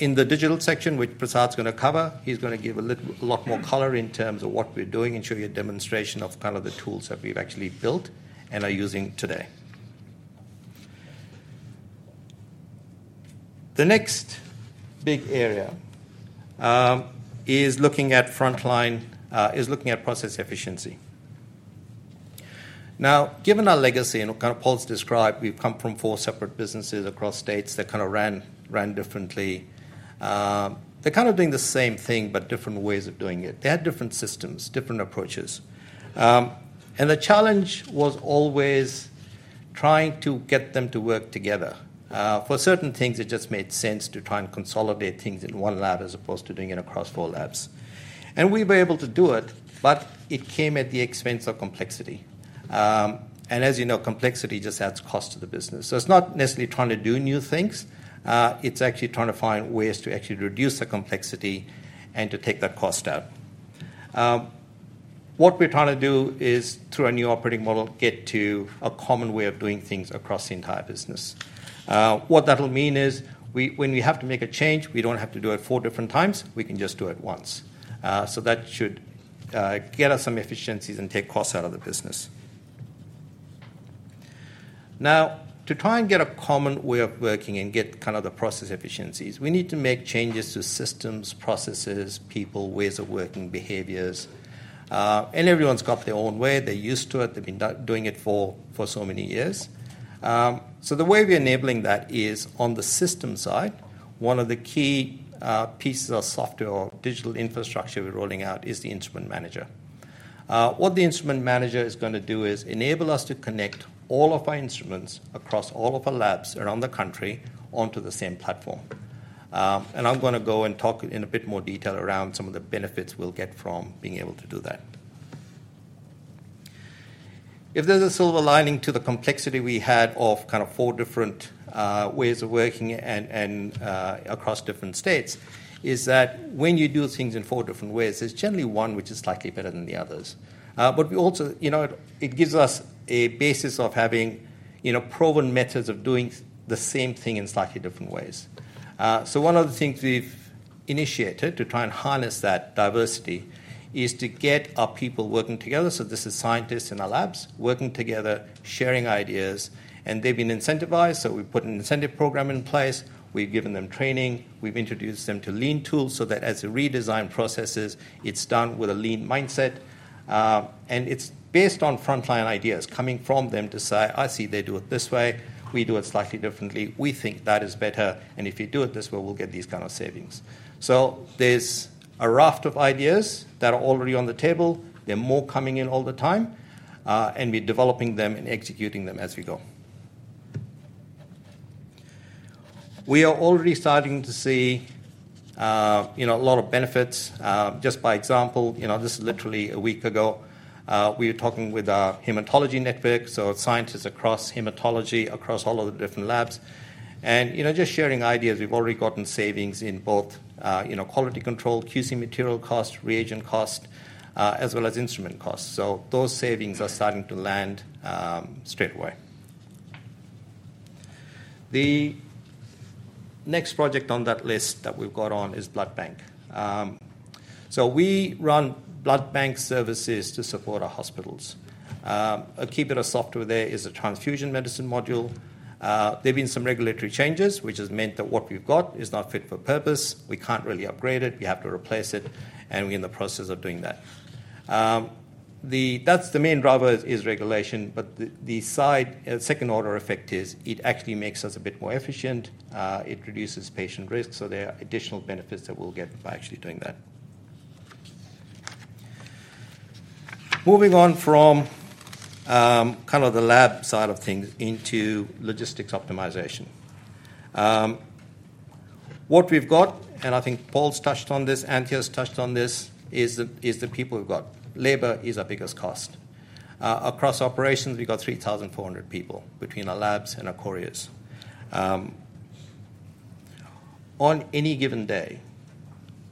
In the digital section, which Prasad's going to cover, he's going to give a lot more color in terms of what we're doing and show you a demonstration of kind of the tools that we've actually built and are using today. The next big area is looking at process efficiency. Now, given our legacy and what kind of Paul's described, we've come from four separate businesses across states that kind of ran differently. They're kind of doing the same thing, but different ways of doing it. They had different systems, different approaches. The challenge was always trying to get them to work together. For certain things, it just made sense to try and consolidate things in one lab as opposed to doing it across four labs. We were able to do it, but it came at the expense of complexity. As you know, complexity just adds cost to the business. It is not necessarily trying to do new things. It is actually trying to find ways to actually reduce the complexity and to take that cost out. What we are trying to do is, through our new operating model, get to a common way of doing things across the entire business. What that will mean is, when we have to make a change, we do not have to do it four different times. We can just do it once. That should get us some efficiencies and take costs out of the business. To try and get a common way of working and get kind of the process efficiencies, we need to make changes to systems, processes, people, ways of working, behaviors. Everyone has their own way. They are used to it. They have been doing it for so many years. The way we're enabling that is, on the system side, one of the key pieces of software or digital infrastructure we're rolling out is the Instrument Manager. What the Instrument Manager is going to do is enable us to connect all of our instruments across all of our labs around the country onto the same platform. I'm going to go and talk in a bit more detail around some of the benefits we'll get from being able to do that. If there's a silver lining to the complexity we had of kind of four different ways of working across different states, it's that when you do things in four different ways, there's generally one which is slightly better than the others. It gives us a basis of having proven methods of doing the same thing in slightly different ways. One of the things we've initiated to try and harness that diversity is to get our people working together. This is scientists in our labs working together, sharing ideas. They've been incentivized. We've put an incentive program in place. We've given them training. We've introduced them to lean tools so that as we redesign processes, it's done with a lean mindset. It's based on frontline ideas coming from them to say, "I see they do it this way. We do it slightly differently. We think that is better. If you do it this way, we'll get these kind of savings." There's a raft of ideas that are already on the table. More are coming in all the time. We're developing them and executing them as we go. We are already starting to see a lot of benefits. Just by example, literally a week ago, we were talking with our haematology network, so scientists across haematology, across all of the different labs. Just sharing ideas, we've already gotten savings in both quality control, QC material cost, reagent cost, as well as instrument cost. Those savings are starting to land straight away. The next project on that list that we've got on is blood bank. We run blood bank services to support our hospitals. A key bit of software there is a transfusion medicine module. There have been some regulatory changes, which has meant that what we've got is not fit for purpose. We can't really upgrade it. We have to replace it. We are in the process of doing that. That's the main driver, regulation. The second order effect is it actually makes us a bit more efficient. It reduces patient risk. There are additional benefits that we'll get by actually doing that. Moving on from kind of the lab side of things into logistics optimization. What we've got, and I think Paul has touched on this, Anthea has touched on this, is the people we've got. Labour is our biggest cost. Across operations, we've got 3,400 people between our labs and our couriers. On any given day,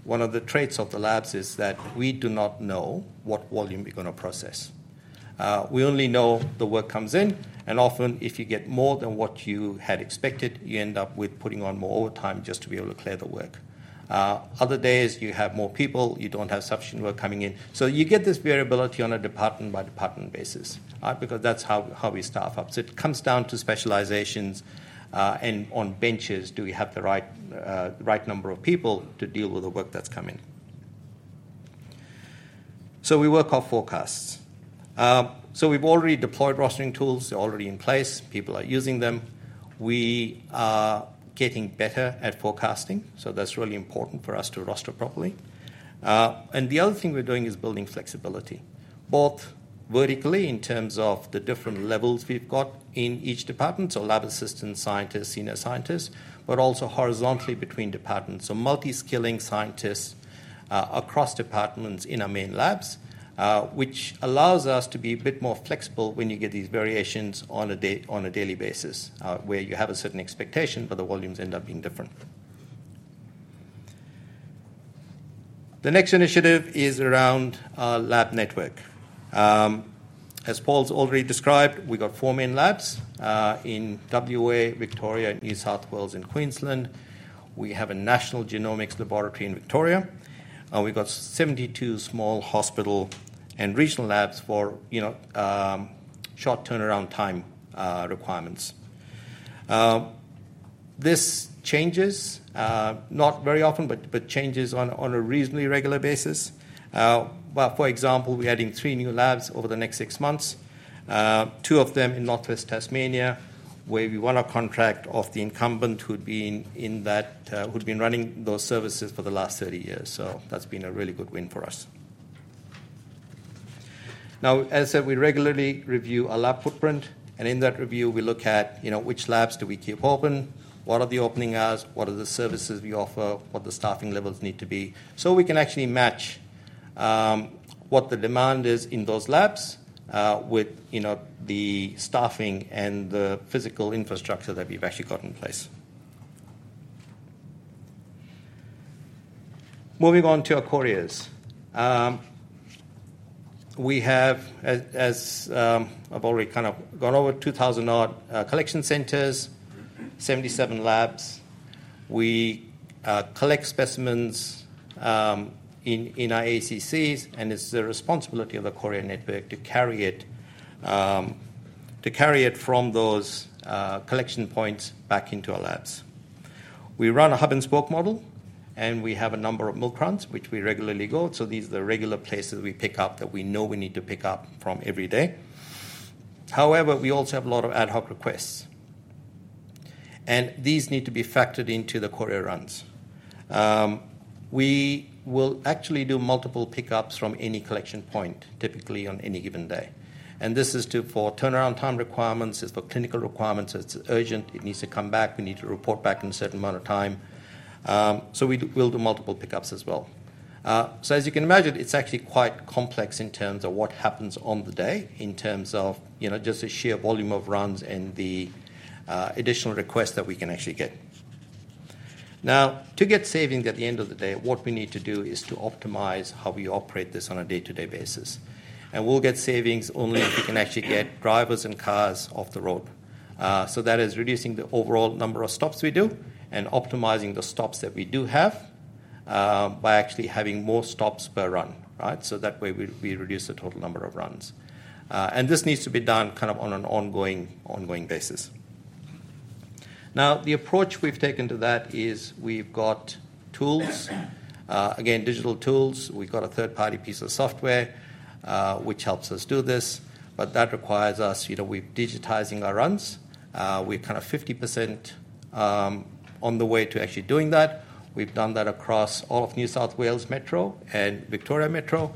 one of the traits of the labs is that we do not know what volume we're going to process. We only know the work comes in. Often, if you get more than what you had expected, you end up with putting on more overtime just to be able to clear the work. Other days, you have more people. You do not have sufficient work coming in. You get this variability on a department-by-department basis, because that's how we staff up. It comes down to specializations and on benches, do we have the right number of people to deal with the work that's coming? We work off forecasts. We've already deployed rostering tools. They're already in place. People are using them. We are getting better at forecasting. That's really important for us to roster properly. The other thing we're doing is building flexibility, both vertically in terms of the different levels we've got in each department, so lab assistants, scientists, senior scientists, but also horizontally between departments, so multi-skilling scientists across departments in our main labs, which allows us to be a bit more flexible when you get these variations on a daily basis where you have a certain expectation, but the volumes end up being different. The next initiative is around our lab network. As Paul's already described, we've got four main labs in Western Australia, Victoria, New South Wales, and Queensland. We have a national genomics laboratory in Victoria. We've got 72 small hospital and regional labs for short turnaround time requirements. This changes, not very often, but changes on a reasonably regular basis. For example, we're adding three new labs over the next six months, two of them in Northwest Tasmania, where we won a contract off the incumbent who'd been running those services for the last 30 years. That's been a really good win for us. Now, as I said, we regularly review our lab footprint. In that review, we look at which labs do we keep open, what are the opening hours, what are the services we offer, what the staffing levels need to be, so we can actually match what the demand is in those labs with the staffing and the physical infrastructure that we have actually got in place. Moving on to our couriers. We have, as I have already kind of gone over, 2,000-odd collection centers, 77 labs. We collect specimens in our ACCs, and it is the responsibility of the courier network to carry it from those collection points back into our labs. We run a hub-and-spoke model, and we have a number of milk runs, which we regularly go. These are the regular places we pick up that we know we need to pick up from every day. However, we also have a lot of ad hoc requests. These need to be factored into the courier runs. We will actually do multiple pickups from any collection point, typically on any given day. This is for turnaround time requirements. It is for clinical requirements. It is urgent. It needs to come back. We need to report back in a certain amount of time. We will do multiple pickups as well. As you can imagine, it is actually quite complex in terms of what happens on the day in terms of just the sheer volume of runs and the additional requests that we can actually get. To get savings at the end of the day, what we need to do is to optimize how we operate this on a day-to-day basis. We will get savings only if we can actually get drivers and cars off the road. That is reducing the overall number of stops we do and optimizing the stops that we do have by actually having more stops per run, right? That way, we reduce the total number of runs. This needs to be done kind of on an ongoing basis. The approach we've taken to that is we've got tools. Again, digital tools. We've got a third-party piece of software, which helps us do this. That requires us, we're digitizing our runs. We're kind of 50% on the way to actually doing that. We've done that across all of New South Wales Metro and Victoria Metro.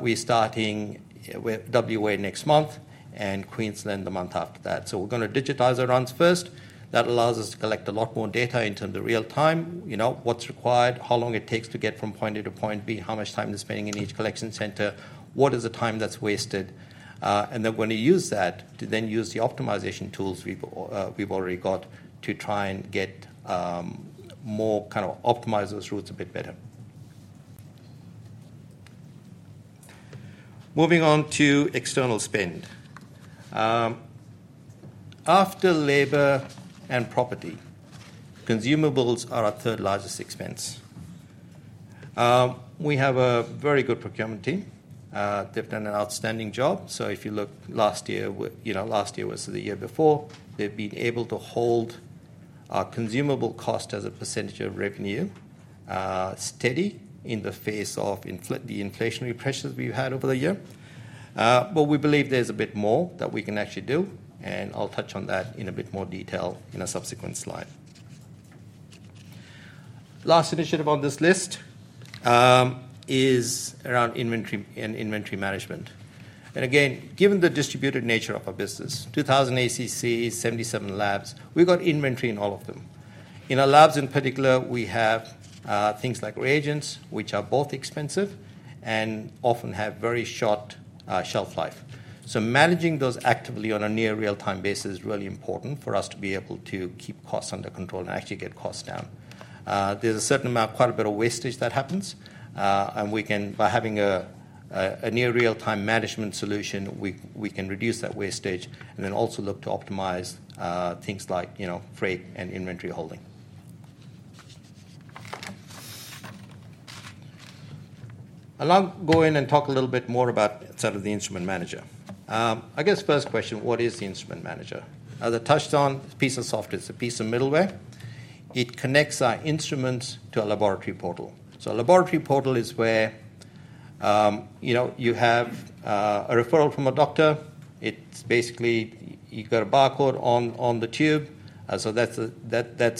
We're starting with Western Australia next month and Queensland the month after that. We're going to digitize our runs first. That allows us to collect a lot more data in terms of real time, what's required, how long it takes to get from point A to point B, how much time they're spending in each collection center, what is the time that's wasted. We are going to use that to then use the optimization tools we've already got to try and get more kind of optimize those routes a bit better. Moving on to external spend. After labor and property, consumables are our third largest expense. We have a very good procurement team. They've done an outstanding job. If you look last year, last year was the year before, they've been able to hold our consumable cost as a % of revenue steady in the face of the inflationary pressures we've had over the year. We believe there's a bit more that we can actually do. I'll touch on that in a bit more detail in a subsequent slide. The last initiative on this list is around inventory management. Given the distributed nature of our business, 2,000 ACCs, 77 labs, we've got inventory in all of them. In our labs, in particular, we have things like reagents, which are both expensive and often have very short shelf life. Managing those actively on a near real-time basis is really important for us to be able to keep costs under control and actually get costs down. There's a certain amount, quite a bit of wastage that happens. By having a near real-time management solution, we can reduce that wastage and then also look to optimize things like freight and inventory holding. I'll go in and talk a little bit more about the Instrument Manager. I guess first question, what is the Instrument Manager? As I touched on, it's a piece of software. It's a piece of middleware. It connects our instruments to a laboratory portal. A laboratory portal is where you have a referral from a doctor. It's basically you've got a barcode on the tube. That's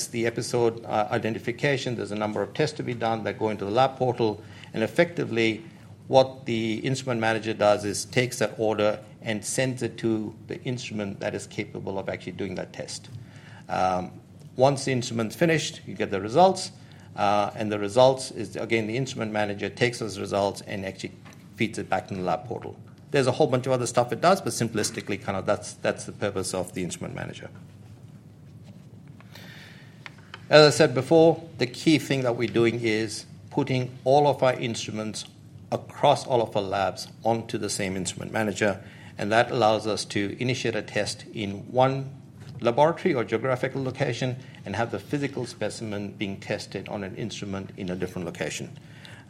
the episode identification. There's a number of tests to be done. They go into the lab portal. Effectively, what the Instrument Manager does is takes that order and sends it to the instrument that is capable of actually doing that test. Once the instrument's finished, you get the results. The results is, again, the Instrument Manager takes those results and actually feeds it back in the lab portal. There's a whole bunch of other stuff it does, but simplistically, kind of that's the purpose of the Instrument Manager. As I said before, the key thing that we're doing is putting all of our instruments across all of our labs onto the same Instrument Manager. That allows us to initiate a test in one laboratory or geographical location and have the physical specimen being tested on an instrument in a different location.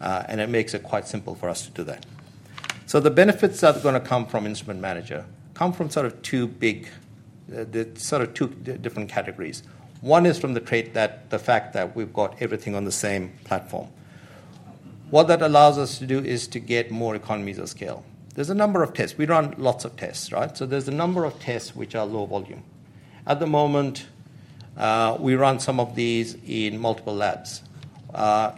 It makes it quite simple for us to do that. The benefits that are going to come from Instrument Manager come from sort of two big, sort of two different categories. One is from the fact that we've got everything on the same platform. What that allows us to do is to get more economies of scale. There's a number of tests. We run lots of tests, right? There's a number of tests which are low volume. At the moment, we run some of these in multiple labs.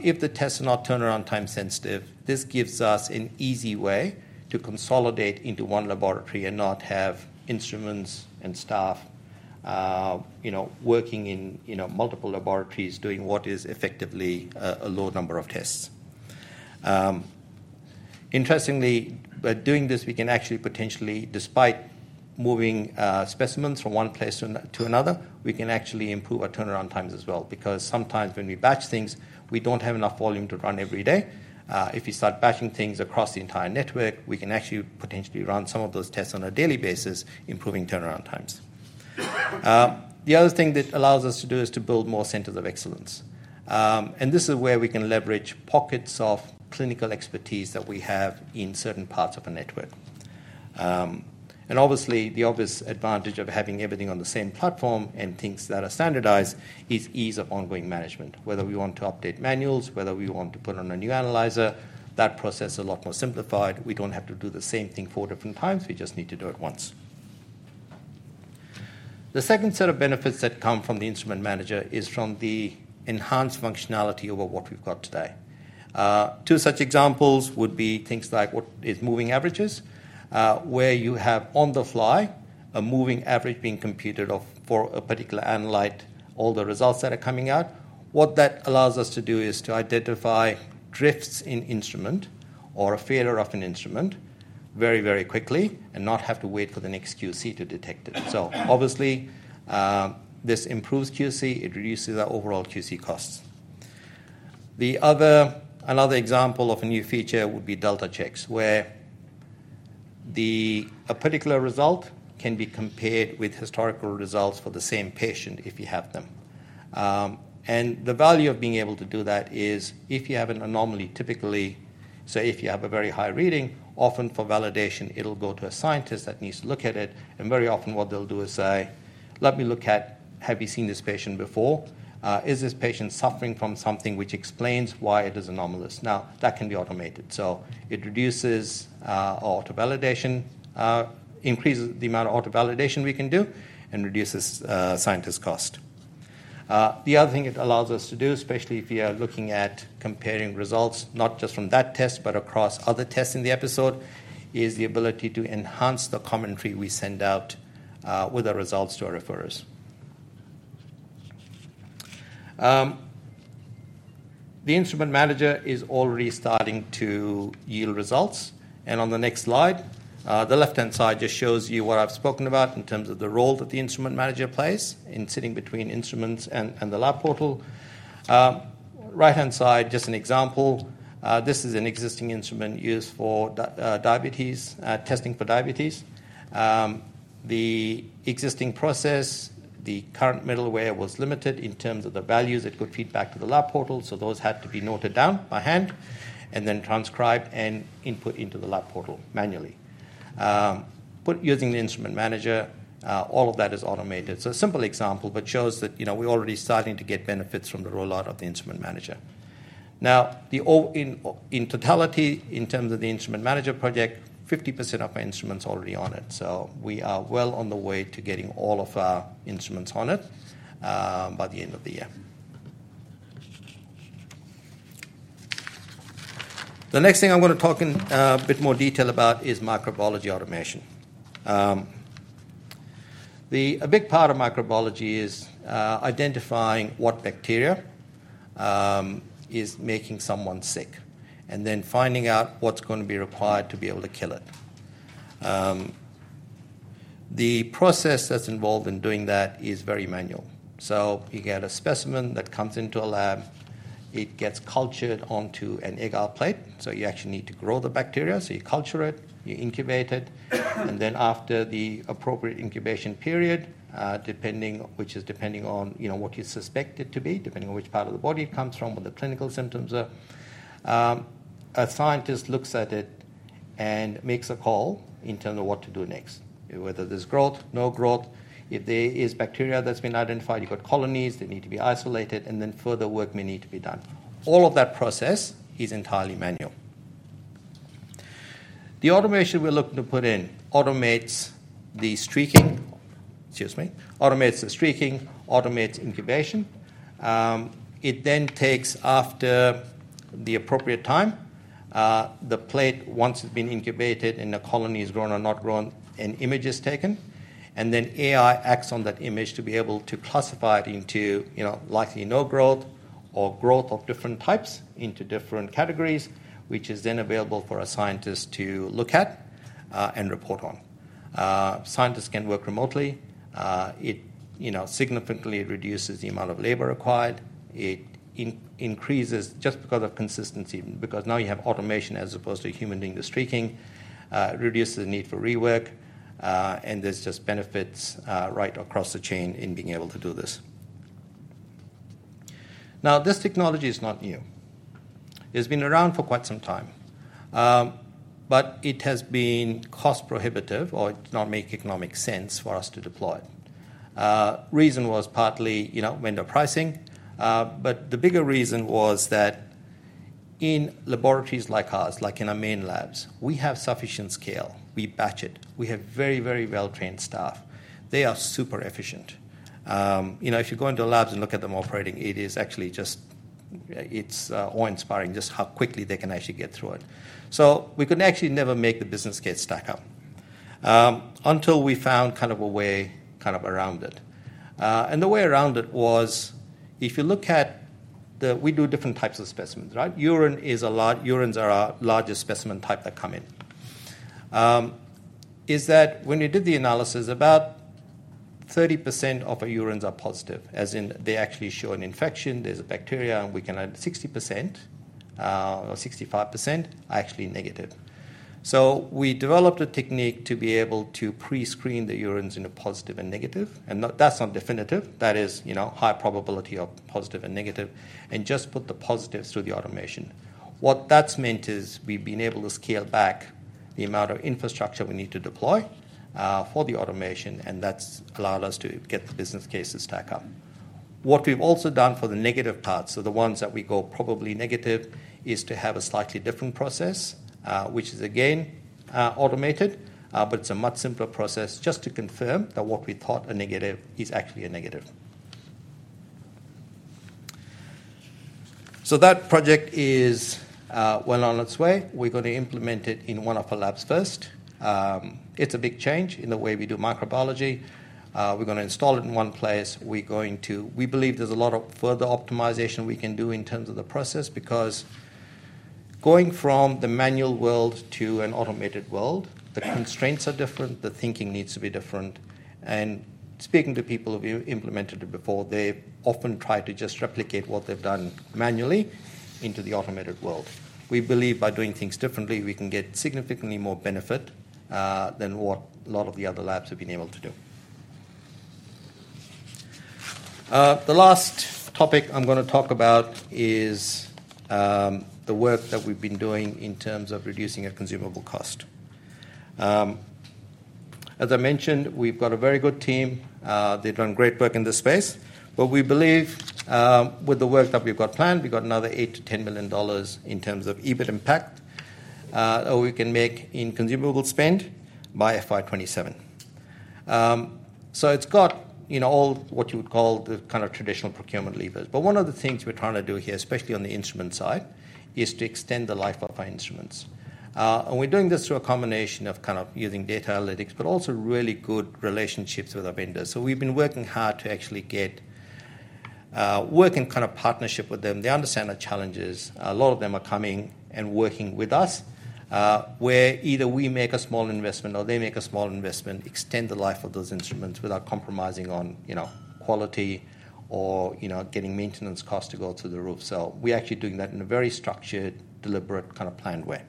If the tests are not turnaround time sensitive, this gives us an easy way to consolidate into one laboratory and not have instruments and staff working in multiple laboratories doing what is effectively a low number of tests. Interestingly, by doing this, we can actually potentially, despite moving specimens from one place to another, we can actually improve our turnaround times as well. Because sometimes when we batch things, we do not have enough volume to run every day. If we start batching things across the entire network, we can actually potentially run some of those tests on a daily basis, improving turnaround times. The other thing that allows us to do is to build more centers of excellence. This is where we can leverage pockets of clinical expertise that we have in certain parts of a network. Obviously, the obvious advantage of having everything on the same platform and things that are standardized is ease of ongoing management. Whether we want to update manuals, whether we want to put on a new analyzer, that process is a lot more simplified. We don't have to do the same thing four different times. We just need to do it once. The second set of benefits that come from the Instrument Manager is from the enhanced functionality of what we've got today. Two such examples would be things like what is moving averages, where you have on the fly a moving average being computed for a particular analyte, all the results that are coming out. What that allows us to do is to identify drifts in instrument or a failure of an instrument very, very quickly and not have to wait for the next QC to detect it. Obviously, this improves QC. It reduces our overall QC costs. Another example of a new feature would be delta checks, where a particular result can be compared with historical results for the same patient if you have them. The value of being able to do that is if you have an anomaly, typically, if you have a very high reading, often for validation, it will go to a scientist that needs to look at it. Very often, what they will do is say, "Let me look at, have you seen this patient before? Is this patient suffering from something which explains why it is anomalous?" That can be automated. It reduces auto-validation, increases the amount of auto-validation we can do, and reduces scientist cost. The other thing it allows us to do, especially if you're looking at comparing results, not just from that test, but across other tests in the episode, is the ability to enhance the commentary we send out with our results to our referrers. The Instrument Manager is already starting to yield results. On the next slide, the left-hand side just shows you what I've spoken about in terms of the role that the Instrument Manager plays in sitting between instruments and the lab portal. The right-hand side, just an example. This is an existing instrument used for diabetes, testing for diabetes. The existing process, the current middleware was limited in terms of the values it could feed back to the lab portal. Those had to be noted down by hand and then transcribed and input into the lab portal manually. Using the Instrument Manager, all of that is automated. A simple example, but shows that we're already starting to get benefits from the rollout of the Instrument Manager. Now, in totality, in terms of the Instrument Manager project, 50% of our instruments are already on it. We are well on the way to getting all of our instruments on it by the end of the year. The next thing I'm going to talk in a bit more detail about is microbiology automation. A big part of microbiology is identifying what bacteria is making someone sick and then finding out what's going to be required to be able to kill it. The process that's involved in doing that is very manual. You get a specimen that comes into a lab. It gets cultured onto an agar plate. You actually need to grow the bacteria. You culture it, you incubate it. After the appropriate incubation period, which is depending on what you suspect it to be, depending on which part of the body it comes from, what the clinical symptoms are, a scientist looks at it and makes a call in terms of what to do next, whether there is growth, no growth. If there is bacteria that has been identified, you have colonies. They need to be isolated. Further work may need to be done. All of that process is entirely manual. The automation we are looking to put in automates the streaking. Excuse me. Automates the streaking, automates incubation. It then takes, after the appropriate time, the plate, once it has been incubated and the colony is grown or not grown, an image is taken. AI acts on that image to be able to classify it into likely no growth or growth of different types into different categories, which is then available for a scientist to look at and report on. Scientists can work remotely. It significantly reduces the amount of labor required. It increases just because of consistency, because now you have automation as opposed to a human doing the streaking. It reduces the need for rework. There are just benefits right across the chain in being able to do this. This technology is not new. It has been around for quite some time. It has been cost-prohibitive, or it does not make economic sense for us to deploy. The reason was partly vendor pricing. The bigger reason was that in laboratories like ours, like in our main labs, we have sufficient scale. We batch it. We have very, very well-trained staff. They are super efficient. If you go into labs and look at them operating, it is actually just awe-inspiring just how quickly they can actually get through it. We could actually never make the business case stack up until we found kind of a way kind of around it. The way around it was, if you look at the we do different types of specimens, right? Urine is a lot. Urines are our largest specimen type that come in. When we did the analysis, about 30% of our urines are positive, as in they actually show an infection. There is a bacteria. We can add 60% or 65% actually negative. We developed a technique to be able to pre-screen the urines into positive and negative. That is not definitive. That is high probability of positive and negative. Just put the positives through the automation. What that has meant is we have been able to scale back the amount of infrastructure we need to deploy for the automation. That has allowed us to get the business cases stack up. What we have also done for the negative parts, so the ones that we go probably negative, is to have a slightly different process, which is again automated. It is a much simpler process just to confirm that what we thought a negative is actually a negative. That project is well on its way. We are going to implement it in one of our labs first. It is a big change in the way we do microbiology. We are going to install it in one place. We believe there's a lot of further optimization we can do in terms of the process because going from the manual world to an automated world, the constraints are different. The thinking needs to be different. Speaking to people who've implemented it before, they often try to just replicate what they've done manually into the automated world. We believe by doing things differently, we can get significantly more benefit than what a lot of the other labs have been able to do. The last topic I'm going to talk about is the work that we've been doing in terms of reducing our consumable cost. As I mentioned, we've got a very good team. They've done great work in this space. We believe with the work that we've got planned, we've got another 8 million-10 million dollars in terms of EBIT impact that we can make in consumable spend by FY 2027. It has all what you would call the kind of traditional procurement levers. One of the things we're trying to do here, especially on the instrument side, is to extend the life of our instruments. We're doing this through a combination of kind of using data analytics, but also really good relationships with our vendors. We've been working hard to actually get work in kind of partnership with them. They understand our challenges. A lot of them are coming and working with us, where either we make a small investment or they make a small investment, extend the life of those instruments without compromising on quality or getting maintenance costs to go through the roof. We are actually doing that in a very structured, deliberate, kind of planned way.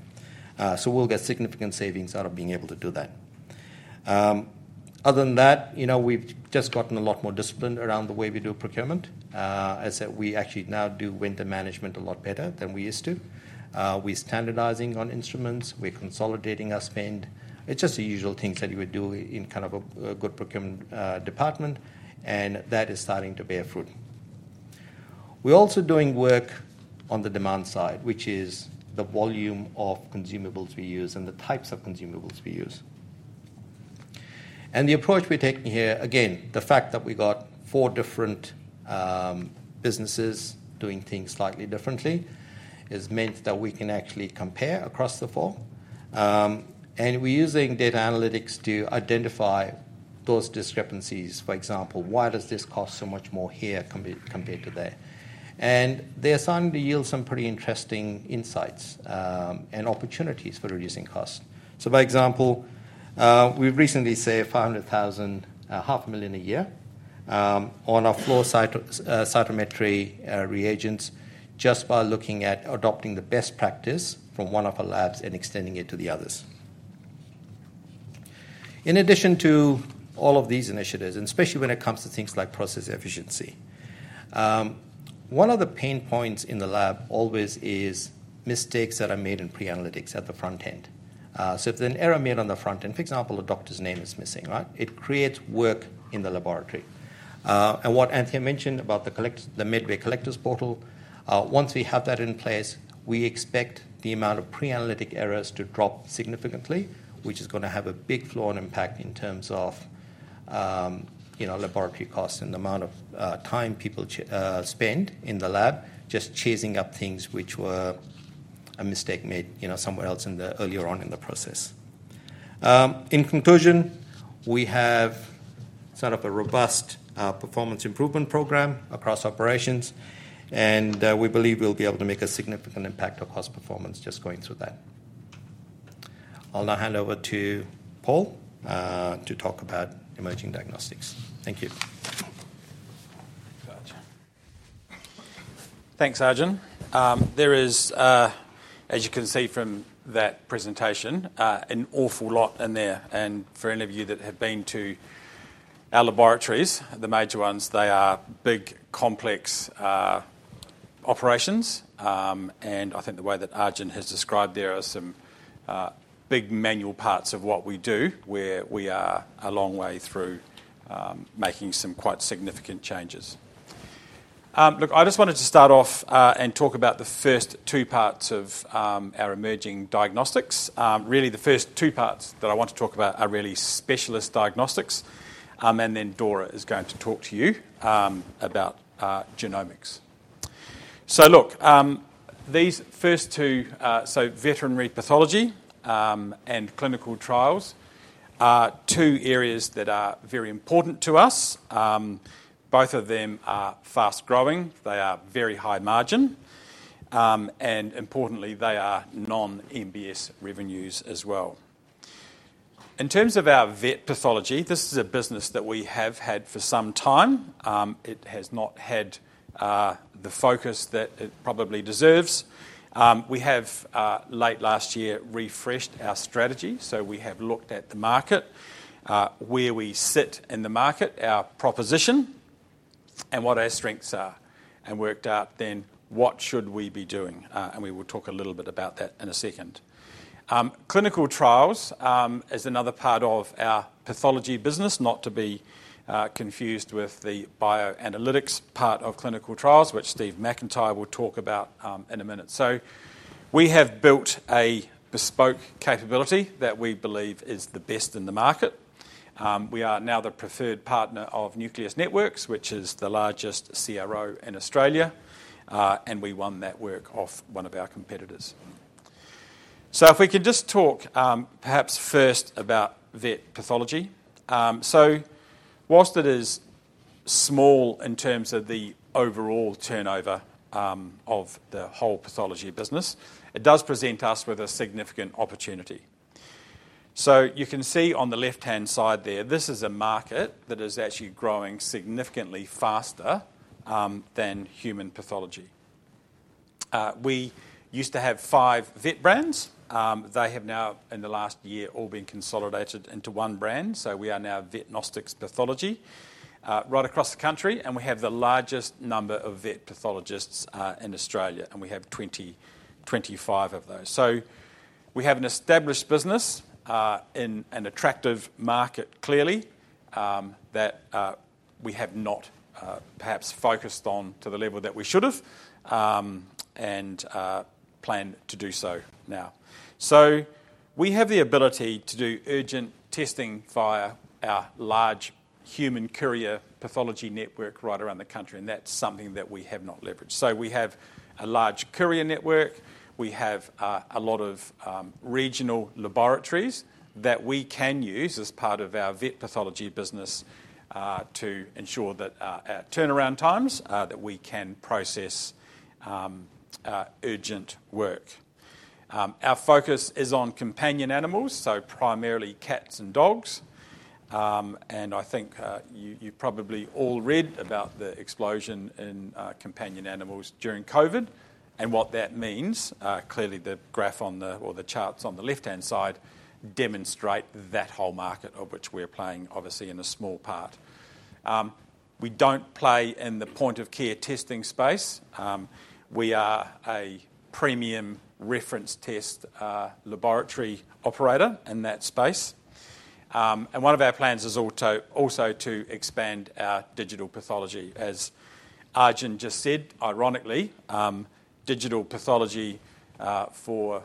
We will get significant savings out of being able to do that. Other than that, we have just gotten a lot more discipline around the way we do procurement, as in we actually now do winter management a lot better than we used to. We are standardizing on instruments. We are consolidating our spend. It is just the usual things that you would do in kind of a good procurement department. That is starting to bear fruit. We're also doing work on the demand side, which is the volume of consumables we use and the types of consumables we use. The approach we're taking here, again, the fact that we got four different businesses doing things slightly differently has meant that we can actually compare across the four. We're using data analytics to identify those discrepancies. For example, why does this cost so much more here compared to there? They're starting to yield some pretty interesting insights and opportunities for reducing costs. By example, we've recently saved 500,000, 500,000 a year on our flow cytometry reagents just by looking at adopting the best practice from one of our labs and extending it to the others. In addition to all of these initiatives, and especially when it comes to things like process efficiency, one of the pain points in the lab always is mistakes that are made in pre-analytics at the front end. If there is an error made on the front end, for example, a doctor's name is missing, right? It creates work in the laboratory. What Anthea mentioned about the Medway Collections Portal, once we have that in place, we expect the amount of pre-analytic errors to drop significantly, which is going to have a big flow-on impact in terms of laboratory costs and the amount of time people spend in the lab just chasing up things which were a mistake made somewhere else earlier on in the process. In conclusion, we have set up a robust performance improvement program across operations. We believe we will be able to make a significant impact across performance just going through that. I will now hand over to Paul to talk about Emerging Diagnostics. Thank you. Gotcha. Thanks, Arjun. As you can see from that presentation, there is an awful lot in there. For any of you that have been to our laboratories, the major ones, they are big, complex operations. I think the way that Arjun has described, there are some big manual parts of what we do, where we are a long way through making some quite significant changes. Look, I just wanted to start off and talk about the first two parts of our Emerging Diagnostics. Really, the first two parts that I want to talk about are really specialist diagnostics. Dora is going to talk to you about genomics. These first two, veterinary pathology and clinical trials, are two areas that are very important to us. Both of them are fast-growing. They are very high margin. Importantly, they are non-MBS revenues as well. In terms of our vet pathology, this is a business that we have had for some time. It has not had the focus that it probably deserves. We have, late last year, refreshed our strategy. We have looked at the market, where we sit in the market, our proposition, and what our strengths are, and worked out then what should we be doing. We will talk a little bit about that in a second. Clinical trials is another part of our pathology business, not to be confused with the bioanalytics part of clinical trials, which Steve McIntyre will talk about in a minute. We have built a bespoke capability that we believe is the best in the market. We are now the preferred partner of Nucleus Networks, which is the largest CRO in Australia. We won that work off one of our competitors. If we can just talk perhaps first about vet pathology. Whilst it is small in terms of the overall turnover of the whole pathology business, it does present us with a significant opportunity. You can see on the left-hand side there, this is a market that is actually growing significantly faster than human pathology. We used to have five vet brands. They have now, in the last year, all been consolidated into one brand. We are now Vetnostics Pathology right across the country. We have the largest number of vet pathologists in Australia. We have 20-25 of those. We have an established business in an attractive market, clearly, that we have not perhaps focused on to the level that we should have and plan to do so now. We have the ability to do urgent testing via our large human courier pathology network right around the country. That is something that we have not leveraged. We have a large courier network. We have a lot of regional laboratories that we can use as part of our vet pathology business to ensure that our turnaround times, that we can process urgent work. Our focus is on companion animals, so primarily cats and dogs. I think you've probably all read about the explosion in companion animals during COVID and what that means. Clearly, the graph or the charts on the left-hand side demonstrate that whole market, of which we're playing, obviously, in a small part. We do not play in the point-of-care testing space. We are a premium reference test laboratory operator in that space. One of our plans is also to expand our digital pathology. As Arjun just said, ironically, digital pathology for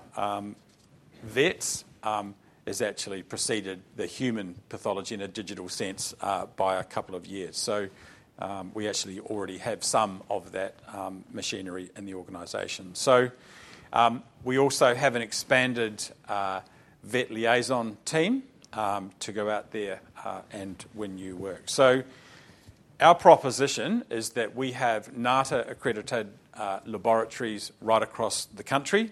vets has actually preceded the human pathology in a digital sense by a couple of years. We actually already have some of that machinery in the organization. We also have an expanded vet liaison team to go out there and renew work. Our proposition is that we have NATA-accredited laboratories right across the country.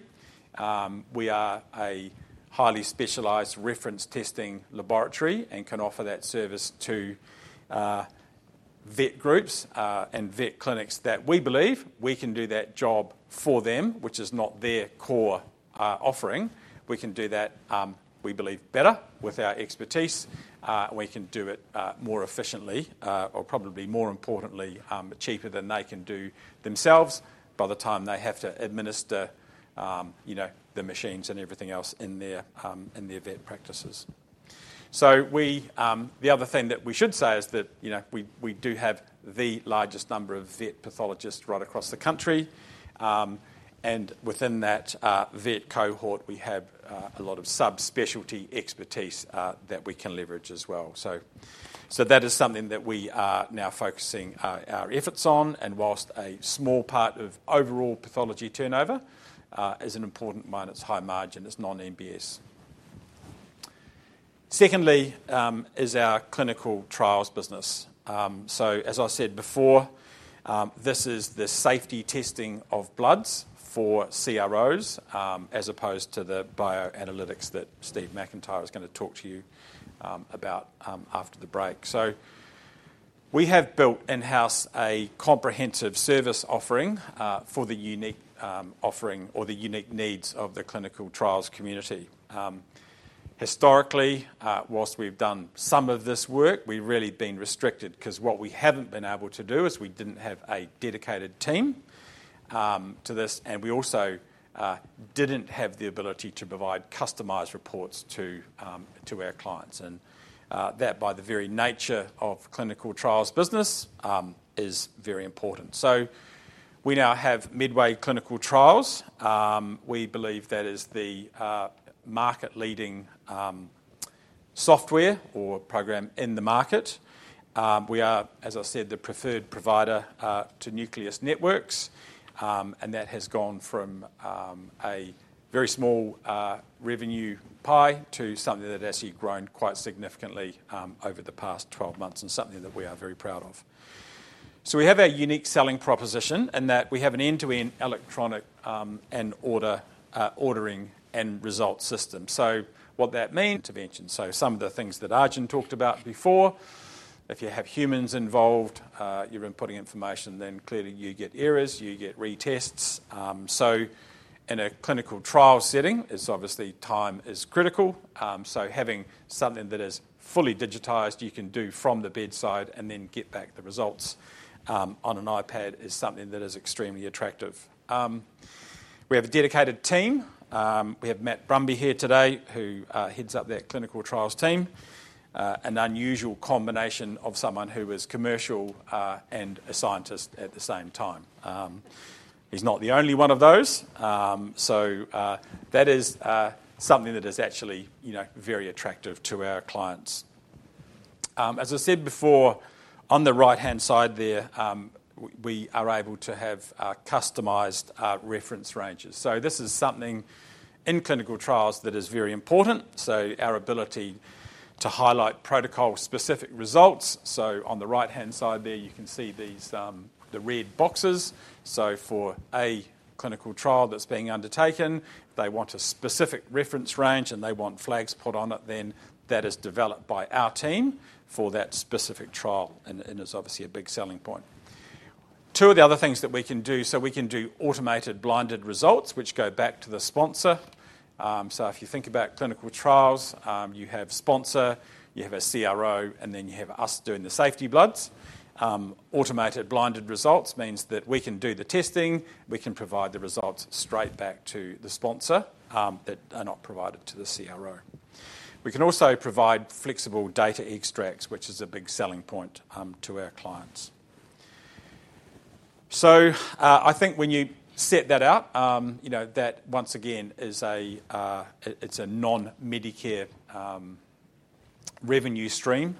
We are a highly specialized reference testing laboratory and can offer that service to vet groups and vet clinics that we believe we can do that job for them, which is not their core offering. We can do that, we believe, better with our expertise. We can do it more efficiently or probably, more importantly, cheaper than they can do themselves by the time they have to administer the machines and everything else in their vet practices. The other thing that we should say is that we do have the largest number of vet pathologists right across the country. Within that vet cohort, we have a lot of subspecialty expertise that we can leverage as well. That is something that we are now focusing our efforts on. Whilst a small part of overall pathology turnover, it is an important one. It is high margin. It is non-MBS. Secondly is our clinical trials business. As I said before, this is the safety testing of bloods for CROs as opposed to the bioanalytics that Steve McIntyre is going to talk to you about after the break. We have built in-house a comprehensive service offering for the unique offering or the unique needs of the clinical trials community. Historically, whilst we've done some of this work, we've really been restricted because what we haven't been able to do is we didn't have a dedicated team to this. We also didn't have the ability to provide customised reports to our clients. That, by the very nature of clinical trials business, is very important. We now have Medway Clinical Trials. We believe that is the market-leading software or program in the market. We are, as I said, the preferred provider to Nucleus Networks. That has gone from a very small revenue pie to something that has actually grown quite significantly over the past 12 months and something that we are very proud of. We have a unique selling proposition in that we have an end-to-end electronic and ordering and result system. What that means. Intervention. Some of the things that Arjun talked about before, if you have humans involved, you're inputting information, then clearly you get errors. You get retests. In a clinical trial setting, obviously, time is critical. Having something that is fully digitized, you can do from the bedside and then get back the results on an iPad is something that is extremely attractive. We have a dedicated team. We have Matt Brumby here today, who heads up that clinical trials team, an unusual combination of someone who is commercial and a scientist at the same time. He's not the only one of those. That is something that is actually very attractive to our clients. As I said before, on the right-hand side there, we are able to have customized reference ranges. This is something in clinical trials that is very important. Our ability to highlight protocol-specific results, on the right-hand side there, you can see the red boxes. For a clinical trial that's being undertaken, they want a specific reference range and they want flags put on it, then that is developed by our team for that specific trial. It's obviously a big selling point. Two of the other things that we can do, we can do automated blinded results, which go back to the sponsor. If you think about clinical trials, you have sponsor, you have a CRO, and then you have us doing the safety bloods. Automated blinded results means that we can do the testing. We can provide the results straight back to the sponsor that are not provided to the CRO. We can also provide flexible data extracts, which is a big selling point to our clients. I think when you set that out, that once again, it's a non-Medicare revenue stream.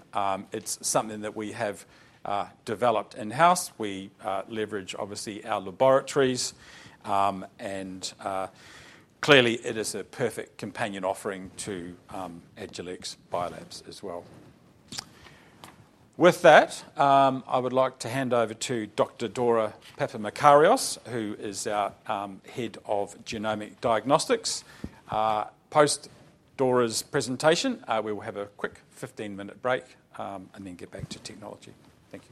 It's something that we have developed in-house. We leverage, obviously, our laboratories. And clearly, it is a perfect companion offering to Agilex Biolabs as well. With that, I would like to hand over to Dr. Dora Papamakarios, who is our Head of Genomic Diagnostics. Post Dora's presentation, we will have a quick 15-minute break and then get back to technology. Thank you.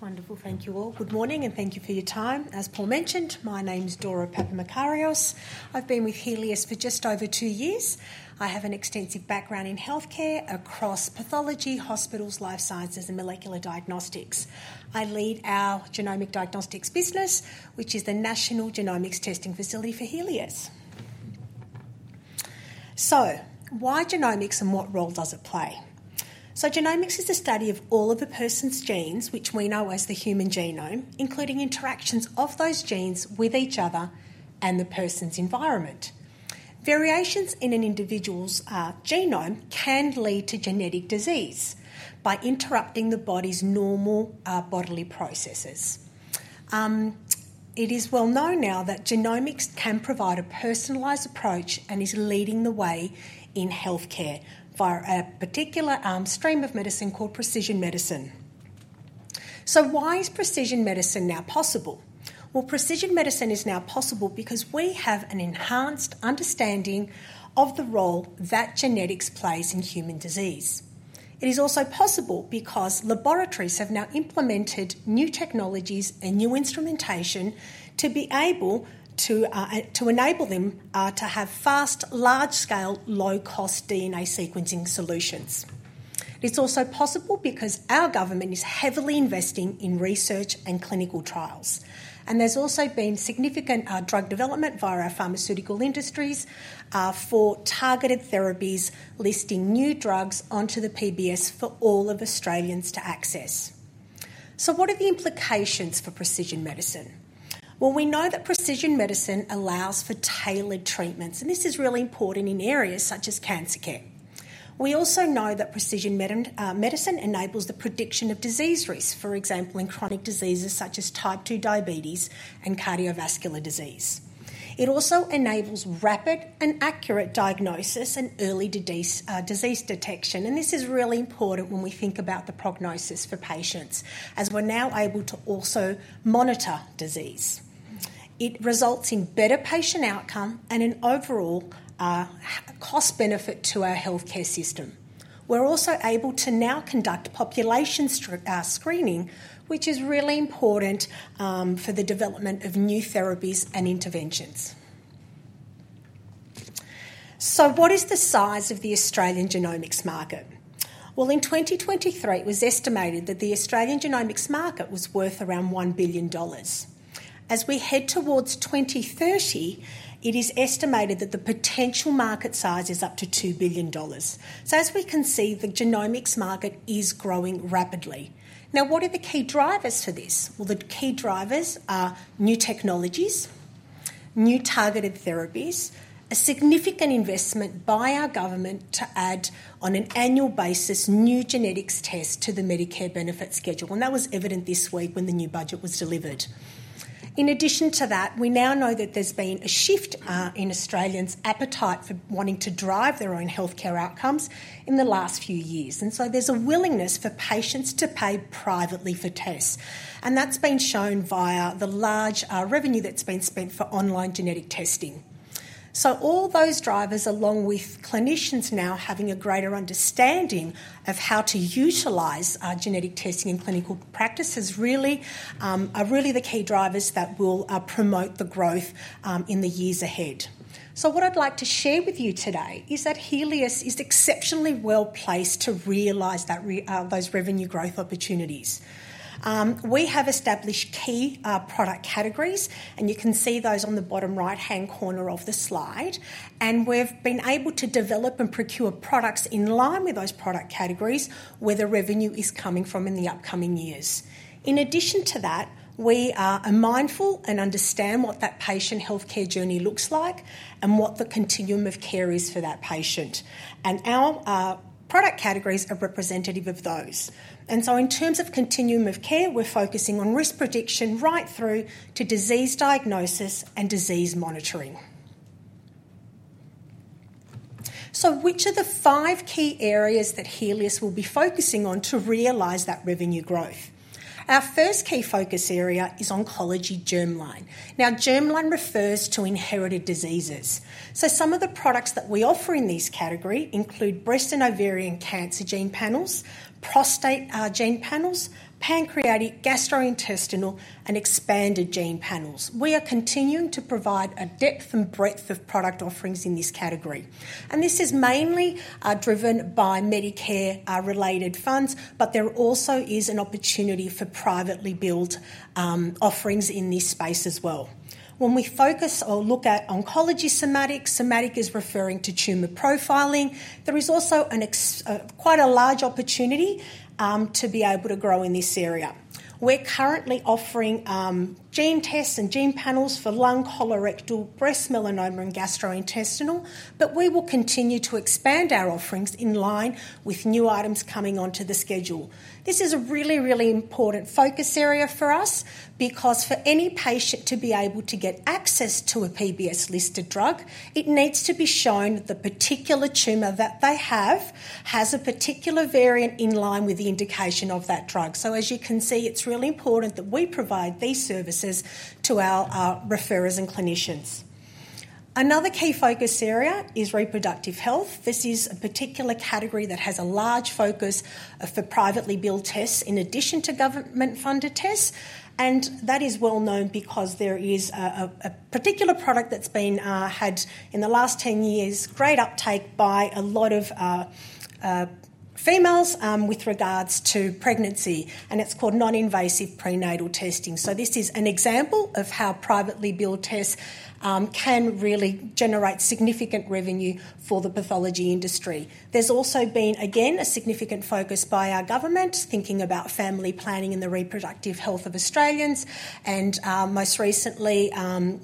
Wonderful. Thank you all. Good morning and thank you for your time. As Paul mentioned, my name is Dora Papamakarios. I've been with Healius for just over two years. I have an extensive background in healthcare across pathology, hospitals, life sciences, and molecular diagnostics. I lead our Genomic Diagnostics business, which is the national genomics testing facility for Healius. Why genomics and what role does it play? Genomics is the study of all of a person's genes, which we know as the human genome, including interactions of those genes with each other and the person's environment. Variations in an individual's genome can lead to genetic disease by interrupting the body's normal bodily processes. It is well known now that genomics can provide a personalized approach and is leading the way in healthcare via a particular stream of medicine called precision medicine. Why is precision medicine now possible? Precision medicine is now possible because we have an enhanced understanding of the role that genetics plays in human disease. It is also possible because laboratories have now implemented new technologies and new instrumentation to be able to enable them to have fast, large-scale, low-cost DNA sequencing solutions. It is also possible because our government is heavily investing in research and clinical trials. There has also been significant drug development via our pharmaceutical industries for targeted therapies listing new drugs onto the PBS for all of Australians to access. What are the implications for precision medicine? We know that precision medicine allows for tailored treatments. This is really important in areas such as cancer care. We also know that precision medicine enables the prediction of disease risk, for example, in chronic diseases such as type 2 diabetes and cardiovascular disease. It also enables rapid and accurate diagnosis and early disease detection. This is really important when we think about the prognosis for patients as we're now able to also monitor disease. It results in better patient outcome and an overall cost-benefit to our healthcare system. We're also able to now conduct population screening, which is really important for the development of new therapies and interventions. What is the size of the Australian genomics market? In 2023, it was estimated that the Australian genomics market was worth around 1 billion dollars. As we head towards 2030, it is estimated that the potential market size is up to 2 billion dollars. As we can see, the genomics market is growing rapidly. What are the key drivers for this? The key drivers are new technologies, new targeted therapies, a significant investment by our government to add on an annual basis new genetics tests to the Medicare Benefits Schedule. That was evident this week when the new budget was delivered. In addition to that, we now know that there's been a shift in Australians' appetite for wanting to drive their own healthcare outcomes in the last few years. There is a willingness for patients to pay privately for tests. That has been shown via the large revenue that has been spent for online genetic testing. All those drivers, along with clinicians now having a greater understanding of how to utilize genetic testing in clinical practice, are really the key drivers that will promote the growth in the years ahead. What I'd like to share with you today is that Healius is exceptionally well placed to realize those revenue growth opportunities. We have established key product categories, and you can see those on the bottom right-hand corner of the slide. We have been able to develop and procure products in line with those product categories where the revenue is coming from in the upcoming years. In addition to that, we are mindful and understand what that patient healthcare journey looks like and what the continuum of care is for that patient. Our product categories are representative of those. In terms of continuum of care, we are focusing on risk prediction right through to disease diagnosis and disease monitoring. Which are the five key areas that Healius will be focusing on to realize that revenue growth? Our first key focus area is oncology germline. Now, germline refers to inherited diseases. Some of the products that we offer in this category include breast and ovarian cancer gene panels, prostate gene panels, pancreatic, gastrointestinal, and expanded gene panels. We are continuing to provide a depth and breadth of product offerings in this category. This is mainly driven by Medicare-related funds, but there also is an opportunity for privately built offerings in this space as well. When we focus or look at oncology somatics, somatic is referring to tumor profiling. There is also quite a large opportunity to be able to grow in this area. We are currently offering gene tests and gene panels for lung, colorectal, breast, melanoma, and gastrointestinal, but we will continue to expand our offerings in line with new items coming onto the schedule. This is a really, really important focus area for us because for any patient to be able to get access to a PBS-listed drug, it needs to be shown that the particular tumor that they have has a particular variant in line with the indication of that drug. As you can see, it's really important that we provide these services to our referrers and clinicians. Another key focus area is reproductive health. This is a particular category that has a large focus for privately billed tests in addition to government-funded tests. That is well known because there is a particular product that's been had in the last 10 years, great uptake by a lot of females with regards to pregnancy. It's called non-invasive prenatal testing. This is an example of how privately billed tests can really generate significant revenue for the pathology industry. There's also been, again, a significant focus by our government thinking about family planning and the reproductive health of Australians. Most recently,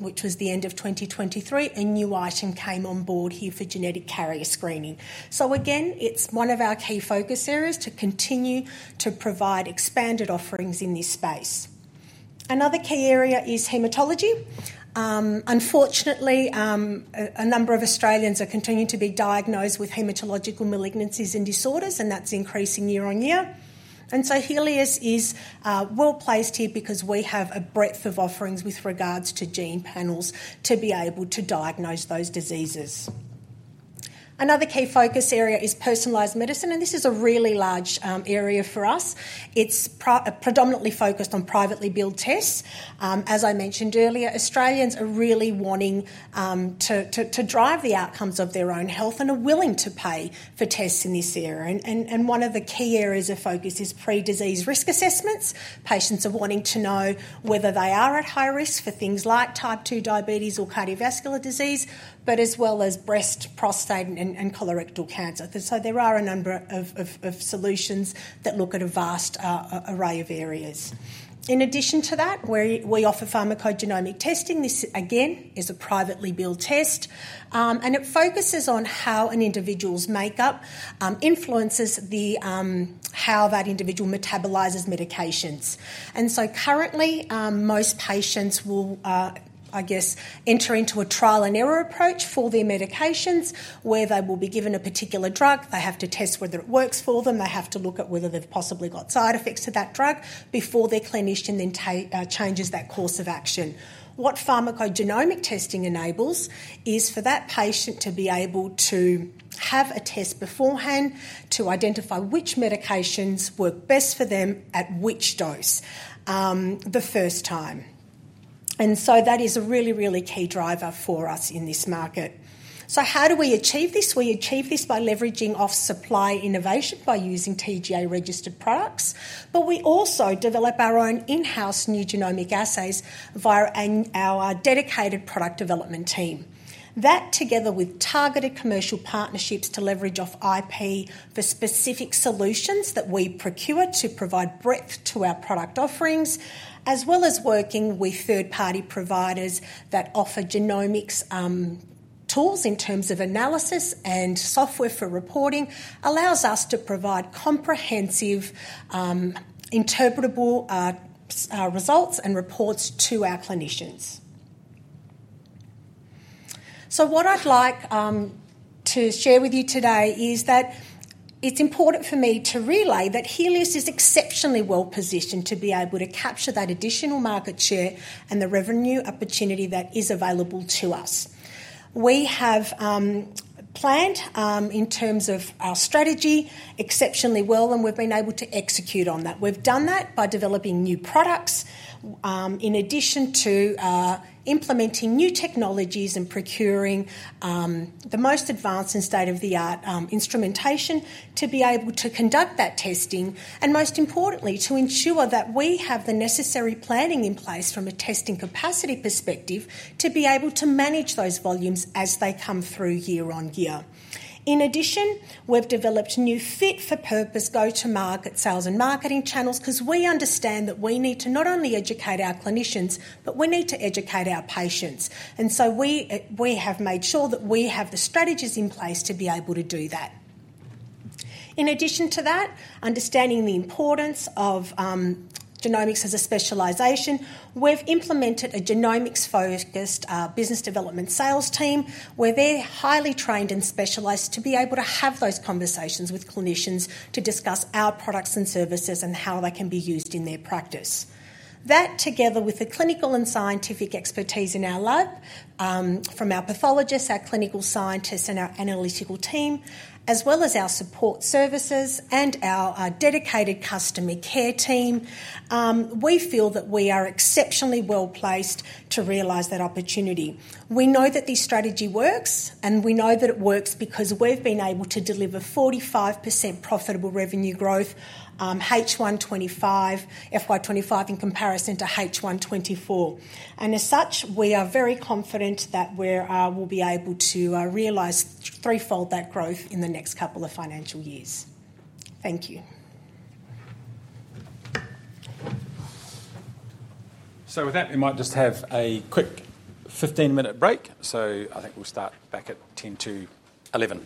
which was the end of 2023, a new item came on board here for genetic carrier screening. Again, it's one of our key focus areas to continue to provide expanded offerings in this space. Another key area is haematology. Unfortunately, a number of Australians are continuing to be diagnosed with haematological malignancies and disorders, and that's increasing year on year. Healius is well placed here because we have a breadth of offerings with regards to gene panels to be able to diagnose those diseases. Another key focus area is personalised medicine. This is a really large area for us. It's predominantly focused on privately billed tests. As I mentioned earlier, Australians are really wanting to drive the outcomes of their own health and are willing to pay for tests in this area. One of the key areas of focus is pre-disease risk assessments. Patients are wanting to know whether they are at high risk for things like type 2 diabetes or cardiovascular disease, as well as breast, prostate, and colorectal cancer. There are a number of solutions that look at a vast array of areas. In addition to that, we offer pharmacogenomic testing. This, again, is a privately billed test. It focuses on how an individual's makeup influences how that individual metabolizes medications. Currently, most patients will, I guess, enter into a trial-and-error approach for their medications where they will be given a particular drug. They have to test whether it works for them. They have to look at whether they've possibly got side effects to that drug before their clinician then changes that course of action. What pharmacogenomic testing enables is for that patient to be able to have a test beforehand to identify which medications work best for them at which dose the first time. That is a really, really key driver for us in this market. How do we achieve this? We achieve this by leveraging off-supply innovation by using TGA-registered products. We also develop our own in-house new genomic assays via our dedicated product development team. That, together with targeted commercial partnerships to leverage off IP for specific solutions that we procure to provide breadth to our product offerings, as well as working with third-party providers that offer genomics tools in terms of analysis and software for reporting, allows us to provide comprehensive, interpretable results and reports to our clinicians. What I'd like to share with you today is that it's important for me to relay that Healius is exceptionally well positioned to be able to capture that additional market share and the revenue opportunity that is available to us. We have planned in terms of our strategy exceptionally well, and we've been able to execute on that. We've done that by developing new products in addition to implementing new technologies and procuring the most advanced and state-of-the-art instrumentation to be able to conduct that testing. Most importantly, to ensure that we have the necessary planning in place from a testing capacity perspective to be able to manage those volumes as they come through year on year. In addition, we've developed new fit-for-purpose go-to-market sales and marketing channels because we understand that we need to not only educate our clinicians, but we need to educate our patients. We have made sure that we have the strategies in place to be able to do that. In addition to that, understanding the importance of genomics as a specialisation, we've implemented a genomics-focused business development sales team where they're highly trained and specialised to be able to have those conversations with clinicians to discuss our products and services and how they can be used in their practice. That, together with the clinical and scientific expertise in our lab from our pathologists, our clinical scientists, and our analytical team, as well as our support services and our dedicated customer care team, we feel that we are exceptionally well placed to realise that opportunity. We know that this strategy works, and we know that it works because we've been able to deliver 45% profitable revenue growth, H1 2025, FY 2025 in comparison to H1 2024. As such, we are very confident that we'll be able to realise threefold that growth in the next couple of financial years. Thank you. With that, we might just have a quick 15-minute break. I think we'll start back at 10:50 A.M. Where do you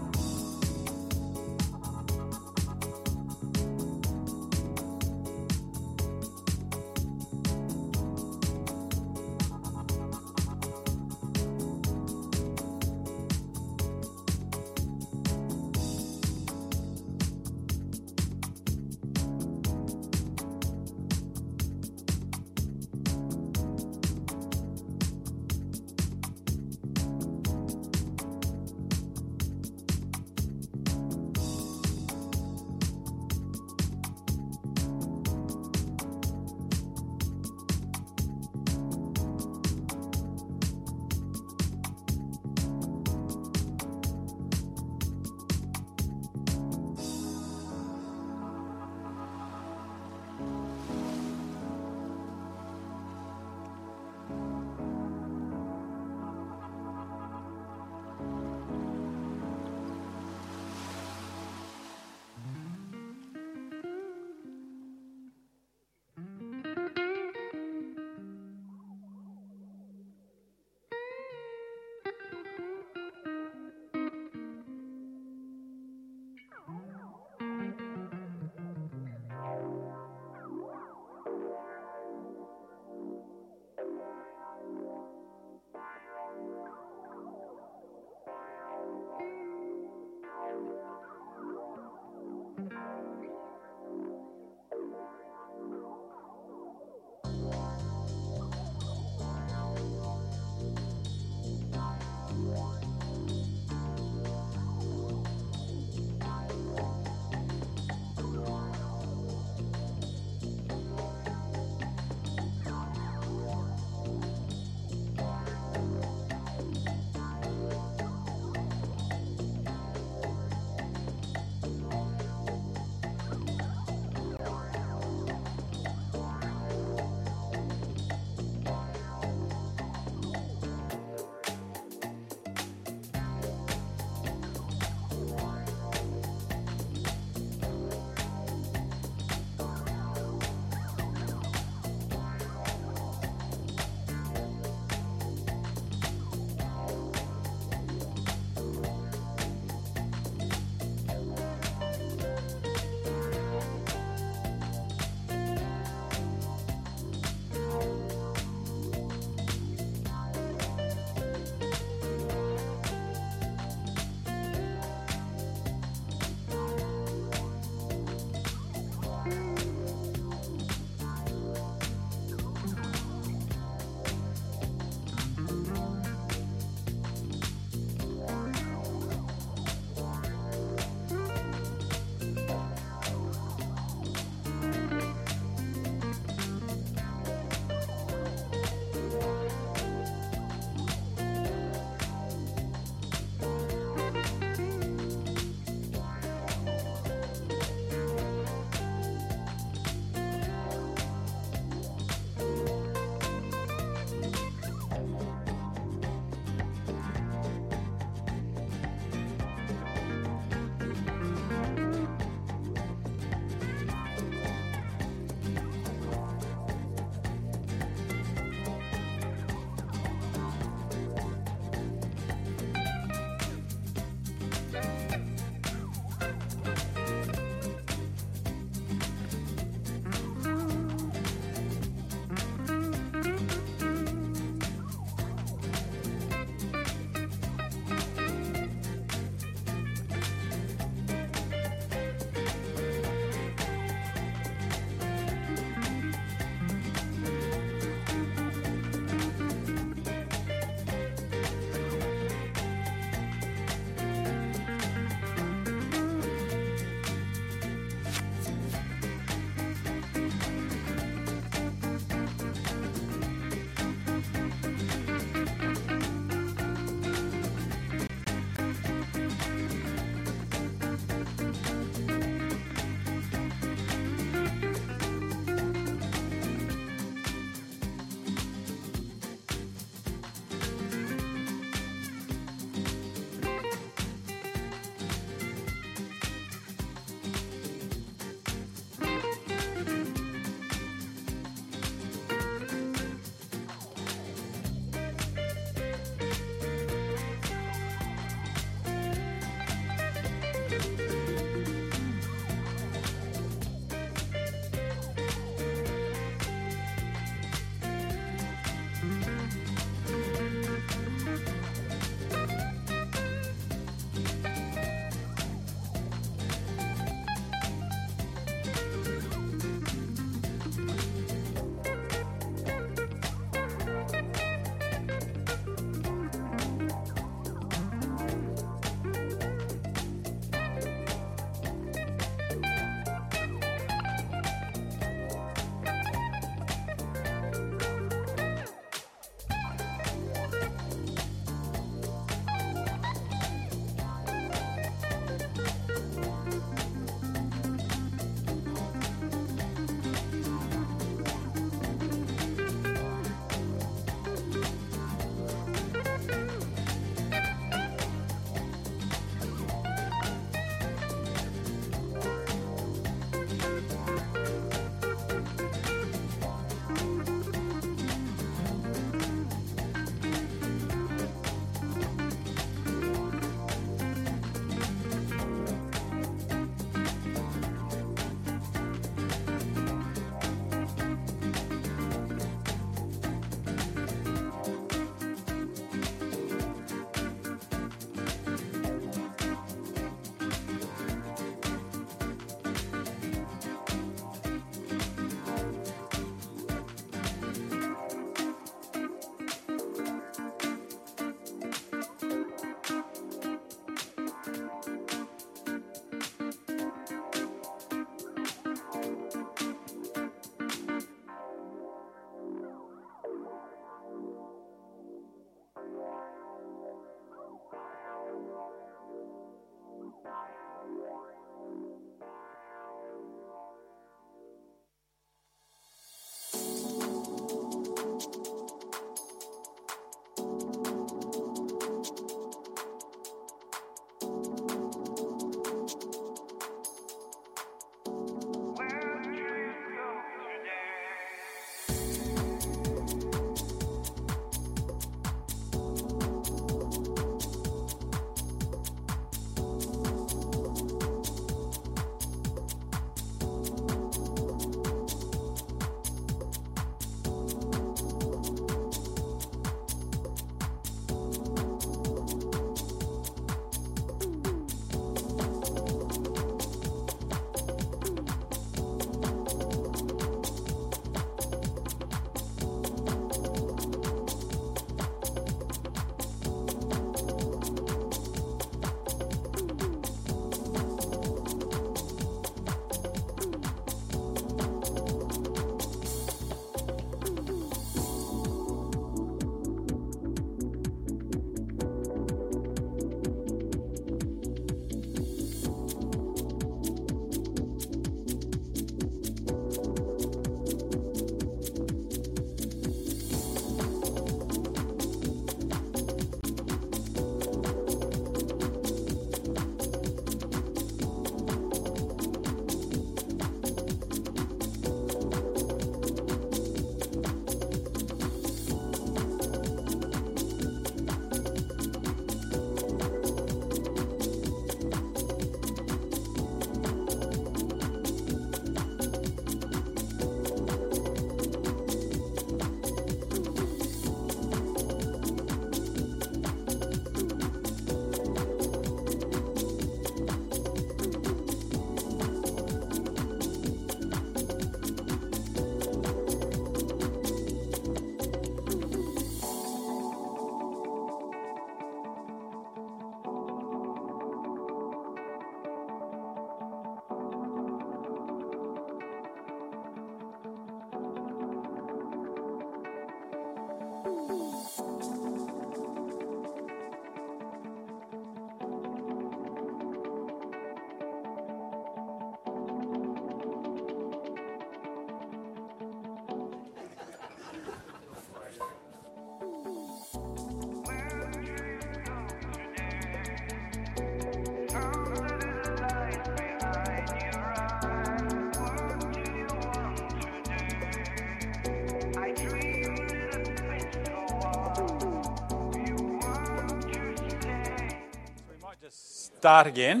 go today? Something is lying behind your eyes. What do you want today? I dreamed a little bit for a while. You want to stay. We might just start again.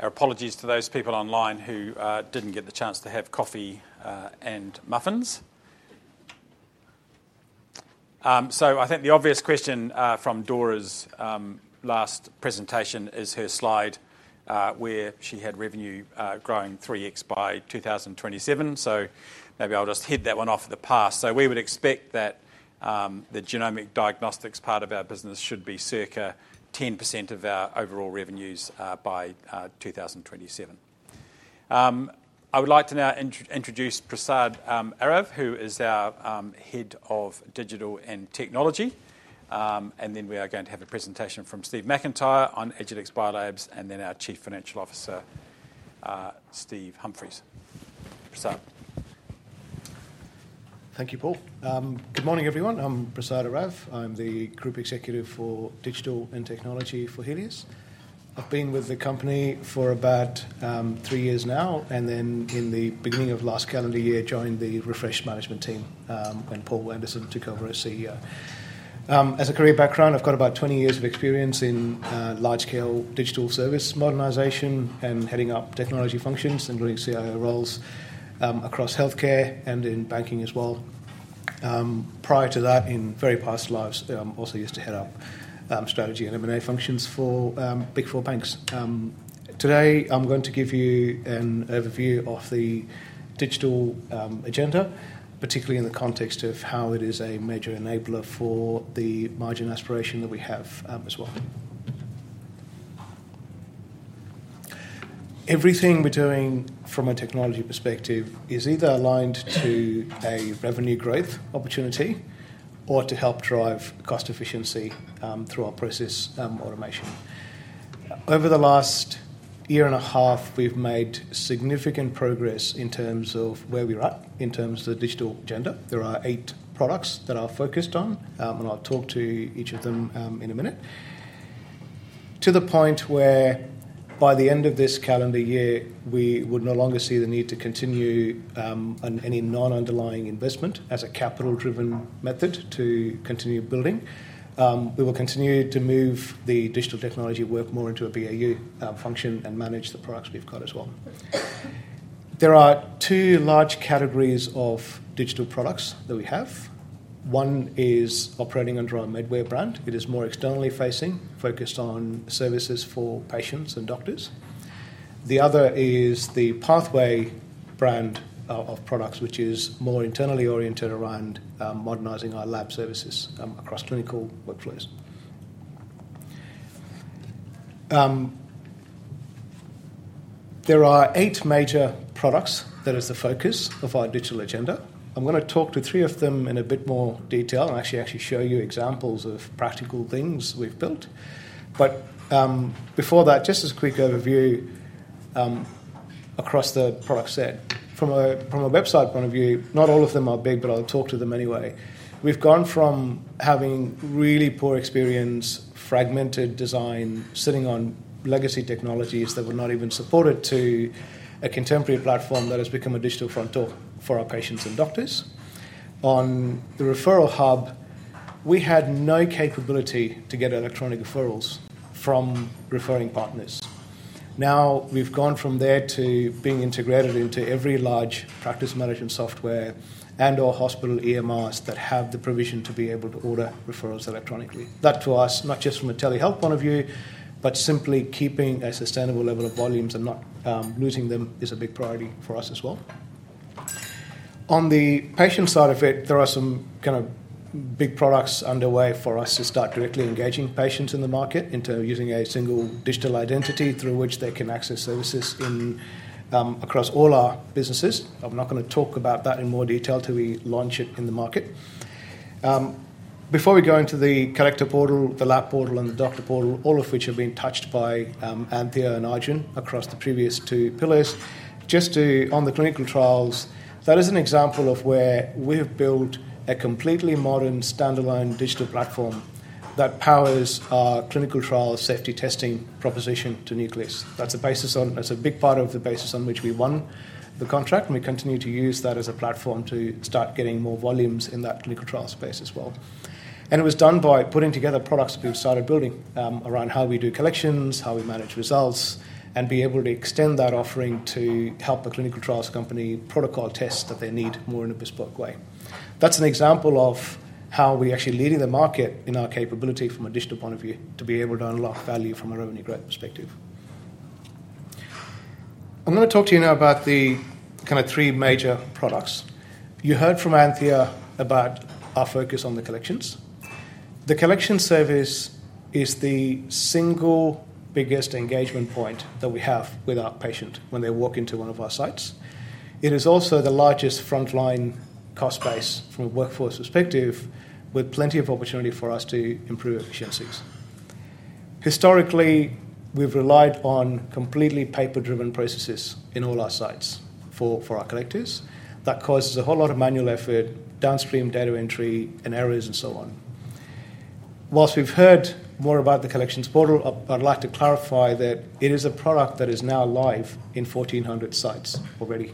Our apologies to those people online who did not get the chance to have coffee and muffins. I think the obvious question from Dora's last presentation is her slide where she had revenue growing 3x by 2027. Maybe I will just hit that one off at the pass. We would expect that the Genomic Diagnostics part of our business should be circa 10% of our overall revenues by 2027. I would like to now introduce Prasad Arav, who is our Head of Digital and Technology. We are going to have a presentation from Steve McIntyre on Agilex Biolabs and then our Chief Financial Officer, Steve Humphreys. Prasad. Thank you, Paul. Good morning, everyone. I am Prasad Arav. I am the Group Executive for Digital and Technology for Healius. I've been with the company for about three years now, and then in the beginning of last calendar year, joined the Refresh Management team when Paul Anderson took over as CEO. As a career background, I've got about 20 years of experience in large-scale digital service modernization and heading up technology functions and doing CIO roles across healthcare and in banking as well. Prior to that, in very past lives, I also used to head up strategy and M&A functions for Big Four banks. Today, I'm going to give you an overview of the digital agenda, particularly in the context of how it is a major enabler for the margin aspiration that we have as well. Everything we're doing from a technology perspective is either aligned to a revenue growth opportunity or to help drive cost efficiency through our process automation. Over the last year and a half, we've made significant progress in terms of where we're at in terms of the digital agenda. There are eight products that are focused on, and I'll talk to each of them in a minute, to the point where by the end of this calendar year, we would no longer see the need to continue any non-underlying investment as a capital-driven method to continue building. We will continue to move the digital technology work more into a BAU function and manage the products we've got as well. There are two large categories of digital products that we have. One is operating under our Medway brand. It is more externally facing, focused on services for patients and doctors. The other is the PathWay brand of products, which is more internally oriented around modernizing our lab services across clinical workflows. There are eight major products that are the focus of our digital agenda. I'm going to talk to three of them in a bit more detail and actually show you examples of practical things we've built. Before that, just a quick overview across the product set. From a website point of view, not all of them are big, but I'll talk to them anyway. We've gone from having really poor experience, fragmented design, sitting on legacy technologies that were not even supported, to a contemporary platform that has become a digital frontier for our patients and doctors. On the referral hub, we had no capability to get electronic referrals from referring partners. Now we've gone from there to being integrated into every large practice management software and/or hospital EMRs that have the provision to be able to order referrals electronically. That to us, not just from a telehealth point of view, but simply keeping a sustainable level of volumes and not losing them is a big priority for us as well. On the patient side of it, there are some kind of big products underway for us to start directly engaging patients in the market into using a single digital identity through which they can access services across all our businesses. I'm not going to talk about that in more detail till we launch it in the market. Before we go into the collector portal, the lab portal, and the doctor portal, all of which have been touched by Anthea and Arjun across the previous two pillars, just on the clinical trials, that is an example of where we have built a completely modern standalone digital platform that powers our clinical trial safety testing proposition to Nucleus. That's a big part of the basis on which we won the contract, and we continue to use that as a platform to start getting more volumes in that clinical trial space as well. It was done by putting together products we've started building around how we do collections, how we manage results, and be able to extend that offering to help a clinical trials company protocol tests that they need more in a bespoke way. That's an example of how we're actually leading the market in our capability from a digital point of view to be able to unlock value from a revenue growth perspective. I'm going to talk to you now about the kind of three major products. You heard from Anthea about our focus on the collections. The collection service is the single biggest engagement point that we have with our patient when they walk into one of our sites. It is also the largest frontline cost base from a workforce perspective, with plenty of opportunity for us to improve efficiencies. Historically, we've relied on completely paper-driven processes in all our sites for our collectors. That causes a whole lot of manual effort, downstream data entry, and errors, and so on. Whilst we've heard more about the collections portal, I'd like to clarify that it is a product that is now live in 1,400 sites already.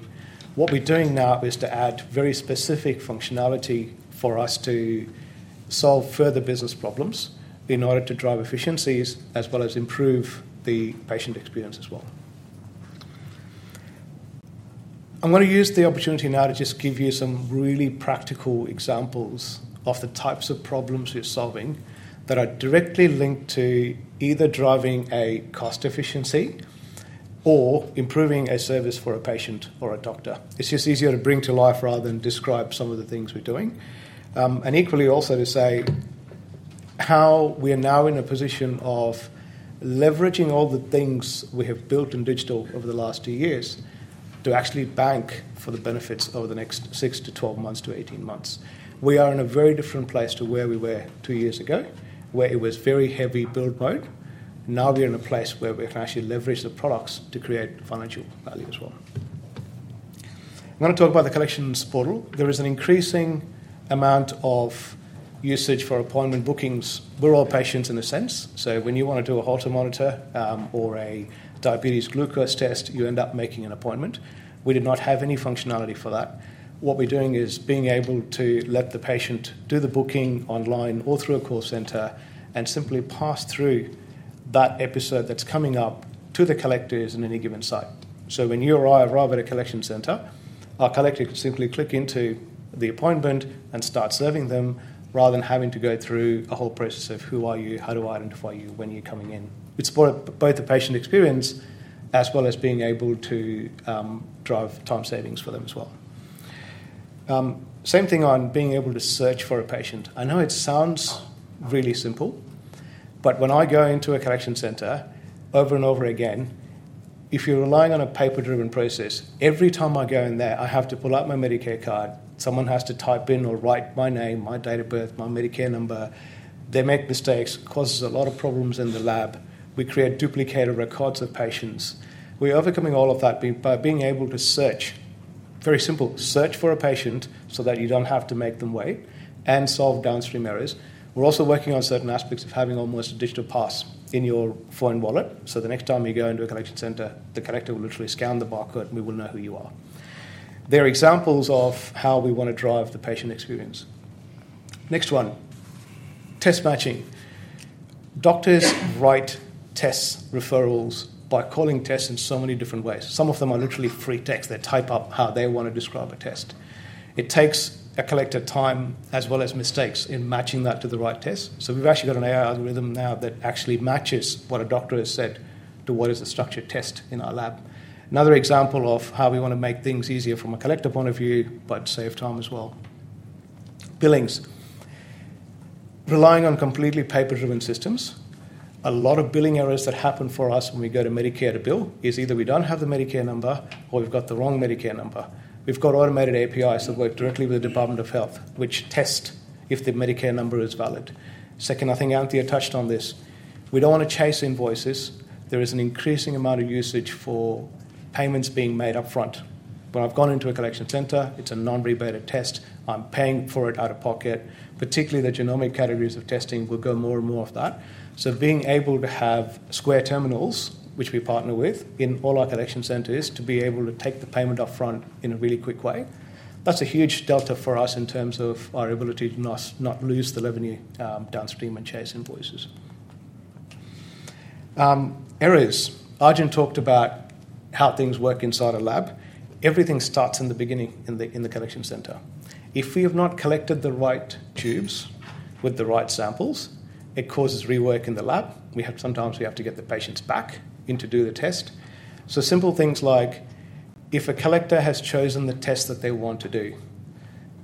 What we're doing now is to add very specific functionality for us to solve further business problems in order to drive efficiencies as well as improve the patient experience as well. I'm going to use the opportunity now to just give you some really practical examples of the types of problems we're solving that are directly linked to either driving a cost efficiency or improving a service for a patient or a doctor. It's just easier to bring to life rather than describe some of the things we're doing. Equally also to say how we are now in a position of leveraging all the things we have built in digital over the last two years to actually bank for the benefits over the next 6-12 months to 18 months. We are in a very different place to where we were two years ago, where it was very heavy build mode. Now we're in a place where we can actually leverage the products to create financial value as well. I'm going to talk about the collections portal. There is an increasing amount of usage for appointment bookings. We're all patients in a sense. When you want to do a Holter monitor or a diabetes glucose test, you end up making an appointment. We did not have any functionality for that. What we're doing is being able to let the patient do the booking online or through a call center and simply pass through that episode that's coming up to the collectors in any given site. When you or I arrive at a collection center, our collector can simply click into the appointment and start serving them rather than having to go through a whole process of who are you, how do I identify you when you're coming in. It's both a patient experience as well as being able to drive time savings for them as well. Same thing on being able to search for a patient. I know it sounds really simple, but when I go into a collection center over and over again, if you're relying on a paper-driven process, every time I go in there, I have to pull out my Medicare card. Someone has to type in or write my name, my date of birth, my Medicare number. They make mistakes, causes a lot of problems in the lab. We create duplicated records of patients. We're overcoming all of that by being able to search, very simple, search for a patient so that you don't have to make them wait and solve downstream errors. We're also working on certain aspects of having almost a digital pass in your phone wallet. The next time you go into a collection center, the collector will literally scan the barcode and we will know who you are. They're examples of how we want to drive the patient experience. Next one, test matching. Doctors write test referrals by calling tests in so many different ways. Some of them are literally free text. They type up how they want to describe a test. It takes a collector time as well as mistakes in matching that to the right test. We have actually got an AI algorithm now that actually matches what a doctor has said to what is a structured test in our lab. Another example of how we want to make things easier from a collector point of view, but save time as well. Billings. Relying on completely paper-driven systems. A lot of billing errors that happen for us when we go to Medicare to bill is either we do not have the Medicare number or we have the wrong Medicare number. We have automated APIs that work directly with the Department of Health, which test if the Medicare number is valid. Second, I think Anthea touched on this. We do not want to chase invoices. There is an increasing amount of usage for payments being made upfront. When I have gone into a collection center, it is a non-rebated test. I am paying for it out of pocket. Particularly, the genomic categories of testing will go more and more off that. Being able to have Square terminals, which we partner with in all our collection centers, to be able to take the payment upfront in a really quick way, that's a huge delta for us in terms of our ability to not lose the revenue downstream and chase invoices. Errors. Arjun talked about how things work inside a lab. Everything starts in the beginning in the collection center. If we have not collected the right tubes with the right samples, it causes rework in the lab. Sometimes we have to get the patients back in to do the test. Simple things like if a collector has chosen the test that they want to do,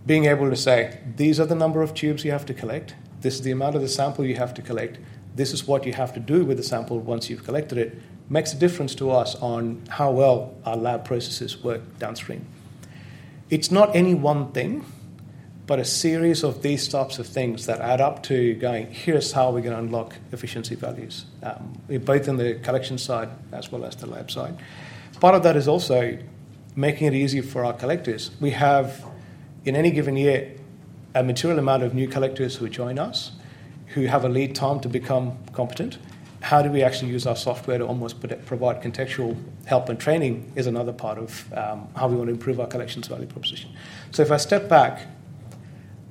being able to say, "These are the number of tubes you have to collect. This is the amount of the sample you have to collect. This is what you have to do with the sample once you've collected it," makes a difference to us on how well our lab processes work downstream. It's not any one thing, but a series of these types of things that add up to going, "Here's how we're going to unlock efficiency values," both in the collection side as well as the lab side. Part of that is also making it easier for our collectors. We have, in any given year, a material amount of new collectors who join us, who have a lead time to become competent. How do we actually use our software to almost provide contextual help and training is another part of how we want to improve our collections value proposition. If I step back,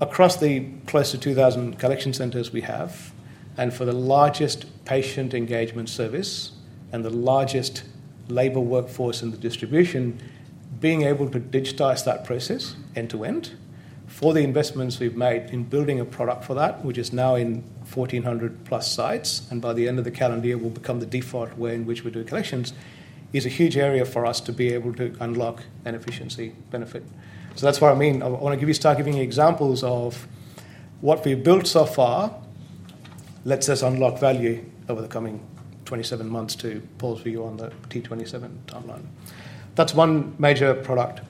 across the close to 2,000 collection centers we have, and for the largest patient engagement service and the largest labor workforce in the distribution, being able to digitize that process end to end for the investments we've made in building a product for that, which is now in 1,400 plus sites, and by the end of the calendar year, will become the default way in which we do collections, is a huge area for us to be able to unlock an efficiency benefit. That's what I mean. I want to start giving you examples of what we've built so far lets us unlock value over the coming 27 months to pause for you on the T27 timeline. That's one major product.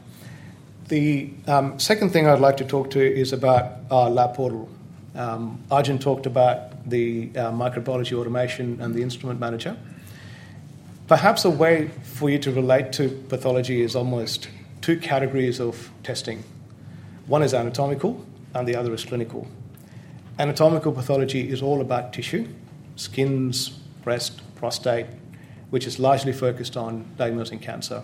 The second thing I'd like to talk to is about our lab portal. Arjun talked about the microbiology automation and the Instrument Manager. Perhaps a way for you to relate to pathology is almost two categories of testing. One is anatomical, and the other is clinical. Anatomical pathology is all about tissue, skins, breast, prostate, which is largely focused on diagnosing cancer.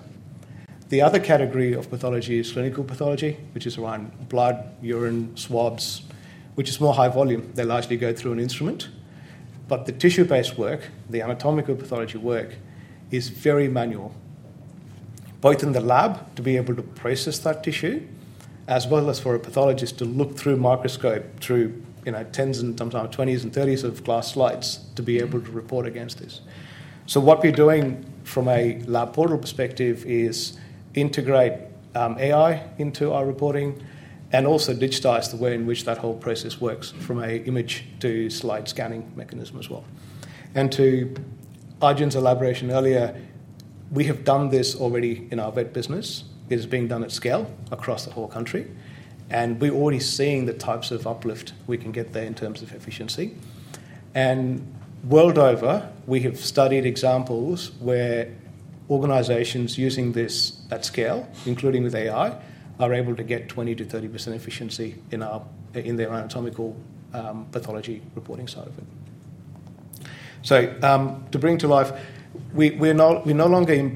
The other category of pathology is clinical pathology, which is around blood, urine, swabs, which is more high volume. They largely go through an instrument. The tissue-based work, the anatomical pathology work, is very manual, both in the lab to be able to process that tissue as well as for a pathologist to look through microscope through 10s and sometimes 20s and 30s of glass slides to be able to report against this. What we are doing from a lab portal perspective is integrate AI into our reporting and also digitize the way in which that whole process works from an image to slide scanning mechanism as well. To Arjun's elaboration earlier, we have done this already in our vet business. It has been done at scale across the whole country, and we're already seeing the types of uplift we can get there in terms of efficiency. World over, we have studied examples where organizations using this at scale, including with AI, are able to get 20-30% efficiency in their anatomical pathology reporting side of it. To bring to life, we no longer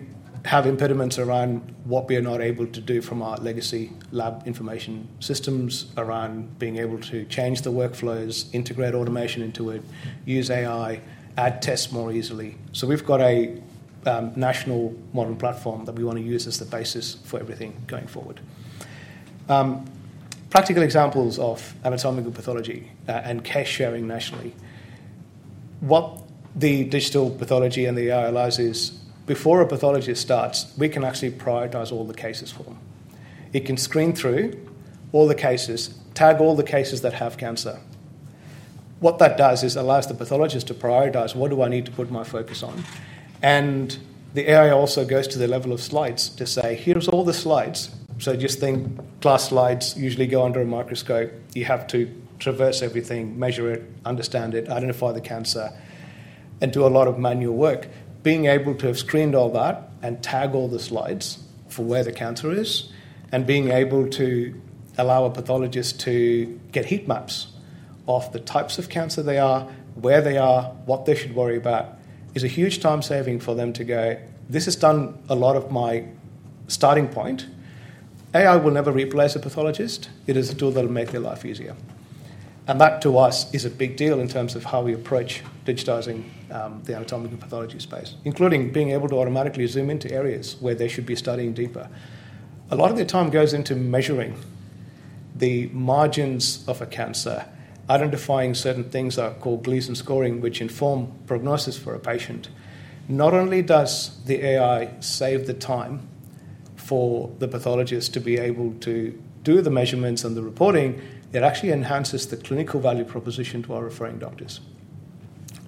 have impediments around what we are not able to do from our legacy lab information systems around being able to change the workflows, integrate automation into it, use AI, add tests more easily. We have a national modern platform that we want to use as the basis for everything going forward. Practical examples of anatomical pathology and cash sharing nationally. What the digital pathology and the AI allows is, before a pathologist starts, we can actually prioritize all the cases for them. It can screen through all the cases, tag all the cases that have cancer. What that does is allows the pathologist to prioritize what do I need to put my focus on. The AI also goes to the level of slides to say, "Here's all the slides." Just think glass slides usually go under a microscope. You have to traverse everything, measure it, understand it, identify the cancer, and do a lot of manual work. Being able to have screened all that and tag all the slides for where the cancer is, and being able to allow a pathologist to get heat maps of the types of cancer they are, where they are, what they should worry about, is a huge time saving for them to go, "This has done a lot of my starting point." AI will never replace a pathologist. It is a tool that will make their life easier. That to us is a big deal in terms of how we approach digitizing the anatomical pathology space, including being able to automatically zoom into areas where they should be studying deeper. A lot of their time goes into measuring the margins of a cancer, identifying certain things that are called Gleason scoring, which inform prognosis for a patient. Not only does the AI save the time for the pathologist to be able to do the measurements and the reporting, it actually enhances the clinical value proposition to our referring doctors.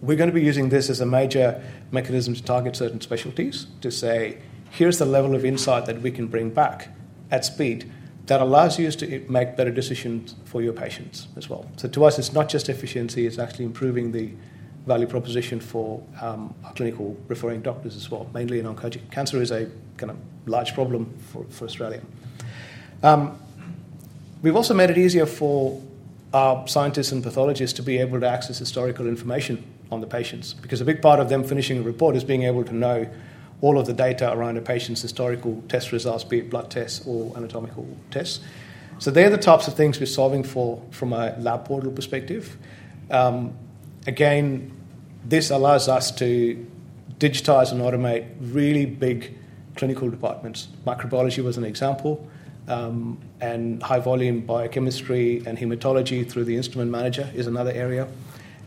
We are going to be using this as a major mechanism to target certain specialties to say, "Here is the level of insight that we can bring back at speed that allows you to make better decisions for your patients as well." To us, it is not just efficiency. It is actually improving the value proposition for clinical referring doctors as well, mainly in oncology. Cancer is a kind of large problem for Australia. We've also made it easier for our scientists and pathologists to be able to access historical information on the patients because a big part of them finishing a report is being able to know all of the data around a patient's historical test results, be it blood tests or anatomical tests. They're the types of things we're solving for from a lab portal perspective. This allows us to digitize and automate really big clinical departments. Microbiology was an example, and high volume biochemistry and hematology through the Instrument Manager is another area,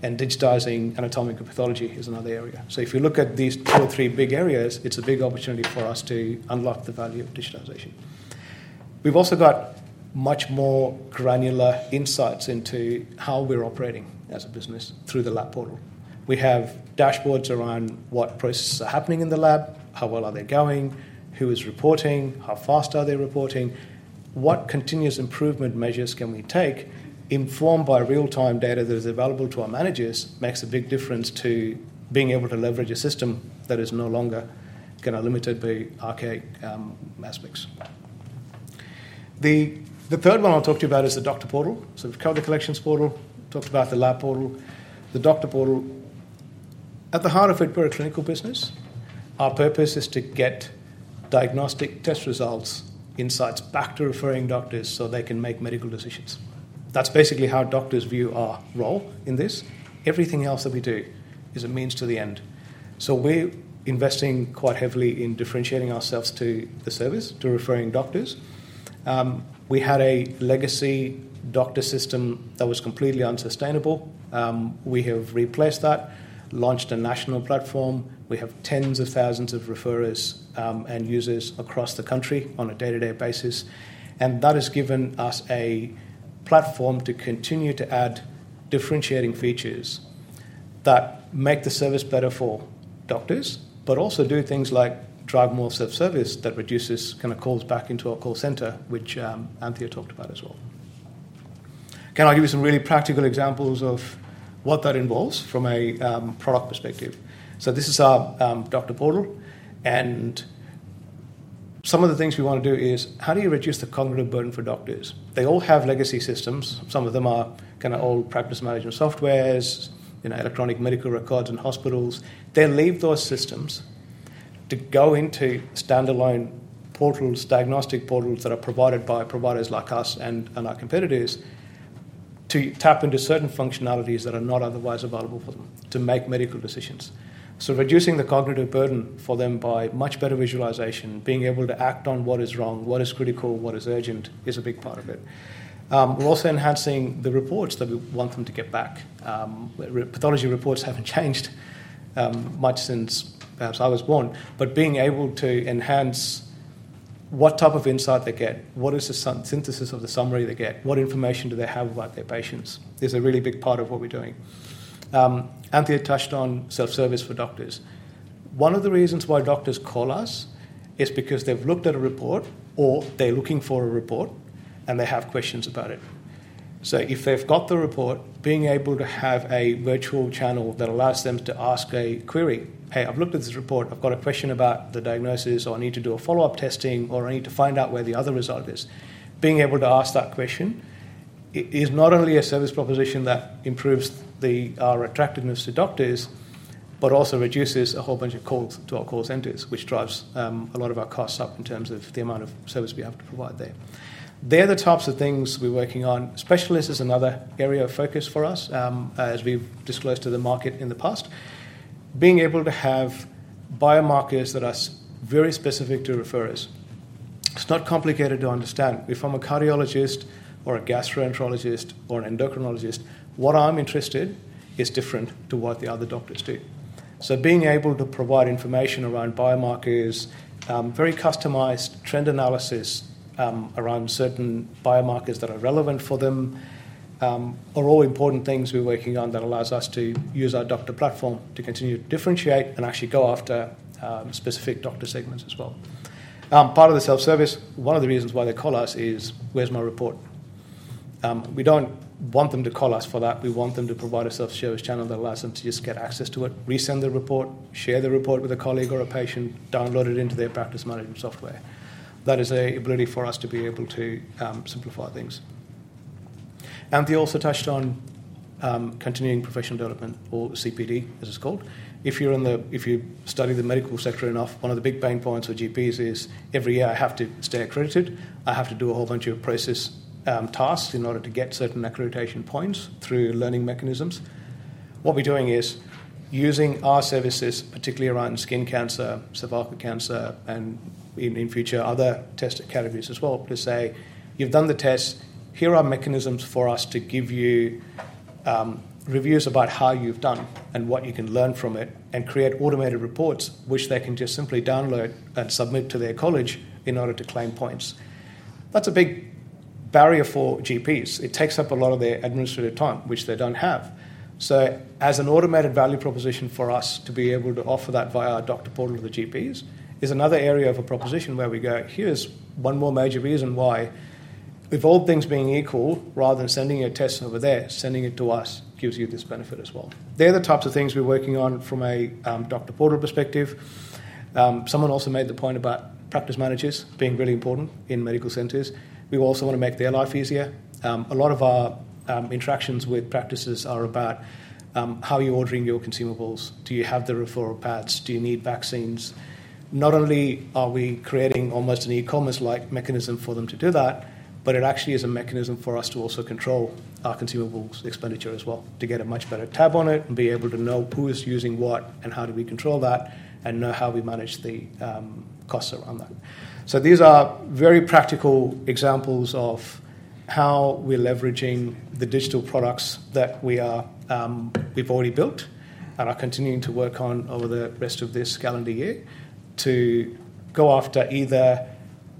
and digitizing anatomical pathology is another area. If you look at these two or three big areas, it's a big opportunity for us to unlock the value of digitization. We've also got much more granular insights into how we're operating as a business through the lab portal. We have dashboards around what processes are happening in the lab, how well are they going, who is reporting, how fast are they reporting, what continuous improvement measures can we take informed by real-time data that is available to our managers makes a big difference to being able to leverage a system that is no longer going to limit it by archaic aspects. The third one I'll talk to you about is the doctor portal. We have covered the collections portal, talked about the lab portal. The doctor portal, at the heart of it, we're a clinical business. Our purpose is to get diagnostic test results, insights back to referring doctors so they can make medical decisions. That's basically how doctors view our role in this. Everything else that we do is a means to the end. We're investing quite heavily in differentiating ourselves to the service, to referring doctors. We had a legacy doctor system that was completely unsustainable. We have replaced that, launched a national platform. We have tens of thousands of referrers and users across the country on a day-to-day basis. That has given us a platform to continue to add differentiating features that make the service better for doctors, but also do things like drive more self-service that reduces kind of calls back into our call center, which Anthea talked about as well. Can I give you some really practical examples of what that involves from a product perspective? This is our doctor portal. Some of the things we want to do is, how do you reduce the cognitive burden for doctors? They all have legacy systems. Some of them are kind of old practice management softwares, electronic medical records in hospitals. They leave those systems to go into standalone portals, diagnostic portals that are provided by providers like us and our competitors to tap into certain functionalities that are not otherwise available for them to make medical decisions. Reducing the cognitive burden for them by much better visualization, being able to act on what is wrong, what is critical, what is urgent is a big part of it. We're also enhancing the reports that we want them to get back. Pathology reports haven't changed much since perhaps I was born, but being able to enhance what type of insight they get, what is the synthesis of the summary they get, what information do they have about their patients is a really big part of what we're doing. Anthea touched on self-service for doctors. One of the reasons why doctors call us is because they've looked at a report or they're looking for a report and they have questions about it. If they've got the report, being able to have a virtual channel that allows them to ask a query, "Hey, I've looked at this report. I've got a question about the diagnosis, or I need to do a follow-up testing, or I need to find out where the other result is." Being able to ask that question is not only a service proposition that improves our attractiveness to doctors, but also reduces a whole bunch of calls to our call centers, which drives a lot of our costs up in terms of the amount of service we have to provide there. They're the types of things we're working on. Specialists is another area of focus for us, as we've disclosed to the market in the past. Being able to have biomarkers that are very specific to referers. It's not complicated to understand. If I'm a cardiologist or a gastroenterologist or an endocrinologist, what I'm interested in is different to what the other doctors do. Being able to provide information around biomarkers, very customized trend analysis around certain biomarkers that are relevant for them are all important things we're working on that allows us to use our doctor platform to continue to differentiate and actually go after specific doctor segments as well. Part of the self-service, one of the reasons why they call us is, "Where's my report?" We don't want them to call us for that. We want them to provide a self-service channel that allows them to just get access to it, resend the report, share the report with a colleague or a patient, download it into their practice management software. That is an ability for us to be able to simplify things. Anthea also touched on continuing professional development, or CPD, as it's called. If you study the medical sector enough, one of the big pain points for GPs is, "Every year I have to stay accredited. I have to do a whole bunch of process tasks in order to get certain accreditation points through learning mechanisms." What we're doing is using our services, particularly around skin cancer, cervical cancer, and in future, other test categories as well, to say, "You've done the test. Here are mechanisms for us to give you reviews about how you've done and what you can learn from it," and create automated reports, which they can just simply download and submit to their college in order to claim points. That's a big barrier for GPs. It takes up a lot of their administrative time, which they don't have. As an automated value proposition for us to be able to offer that via our doctor portal to the GPs is another area of a proposition where we go, "Here's one more major reason why." With all things being equal, rather than sending your tests over there, sending it to us gives you this benefit as well. They're the types of things we're working on from a doctor portal perspective. Someone also made the point about practice managers being really important in medical centers. We also want to make their life easier. A lot of our interactions with practices are about how you're ordering your consumables. Do you have the referral pads? Do you need vaccines? Not only are we creating almost an e-commerce-like mechanism for them to do that, but it actually is a mechanism for us to also control our consumables expenditure as well, to get a much better tab on it and be able to know who is using what and how do we control that and know how we manage the costs around that. These are very practical examples of how we're leveraging the digital products that we've already built and are continuing to work on over the rest of this calendar year to go after either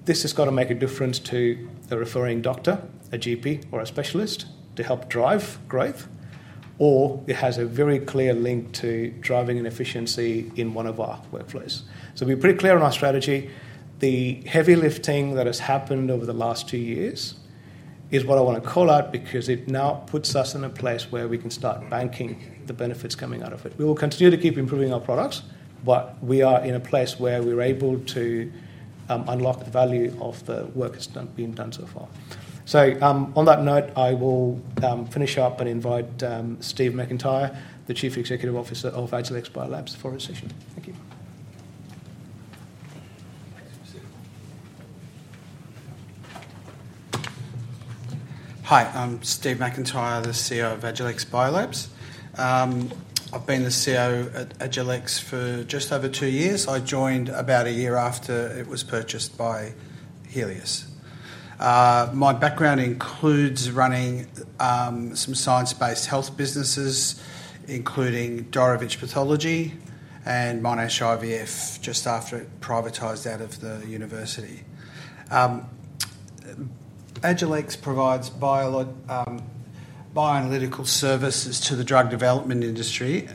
this has got to make a difference to the referring doctor, a GP or a specialist to help drive growth, or it has a very clear link to driving an efficiency in one of our workflows. We're pretty clear on our strategy. The heavy lifting that has happened over the last two years is what I want to call out because it now puts us in a place where we can start banking the benefits coming out of it. We will continue to keep improving our products, but we are in a place where we're able to unlock the value of the work that's been done so far. On that note, I will finish up and invite Steve McIntyre, the Chief Executive Officer of Agilex Biolabs, for a session. Thank you. Hi. I'm Steve McIntyre, the CEO of Agilex Biolabs. I've been the CEO at Agilex for just over two years. I joined about a year after it was purchased by Healius. My background includes running some science-based health businesses, including Dorevitch Pathology and Monash IVF, just after it privatized out of the university. Agilex provides bioanalytical services to the drug development industry.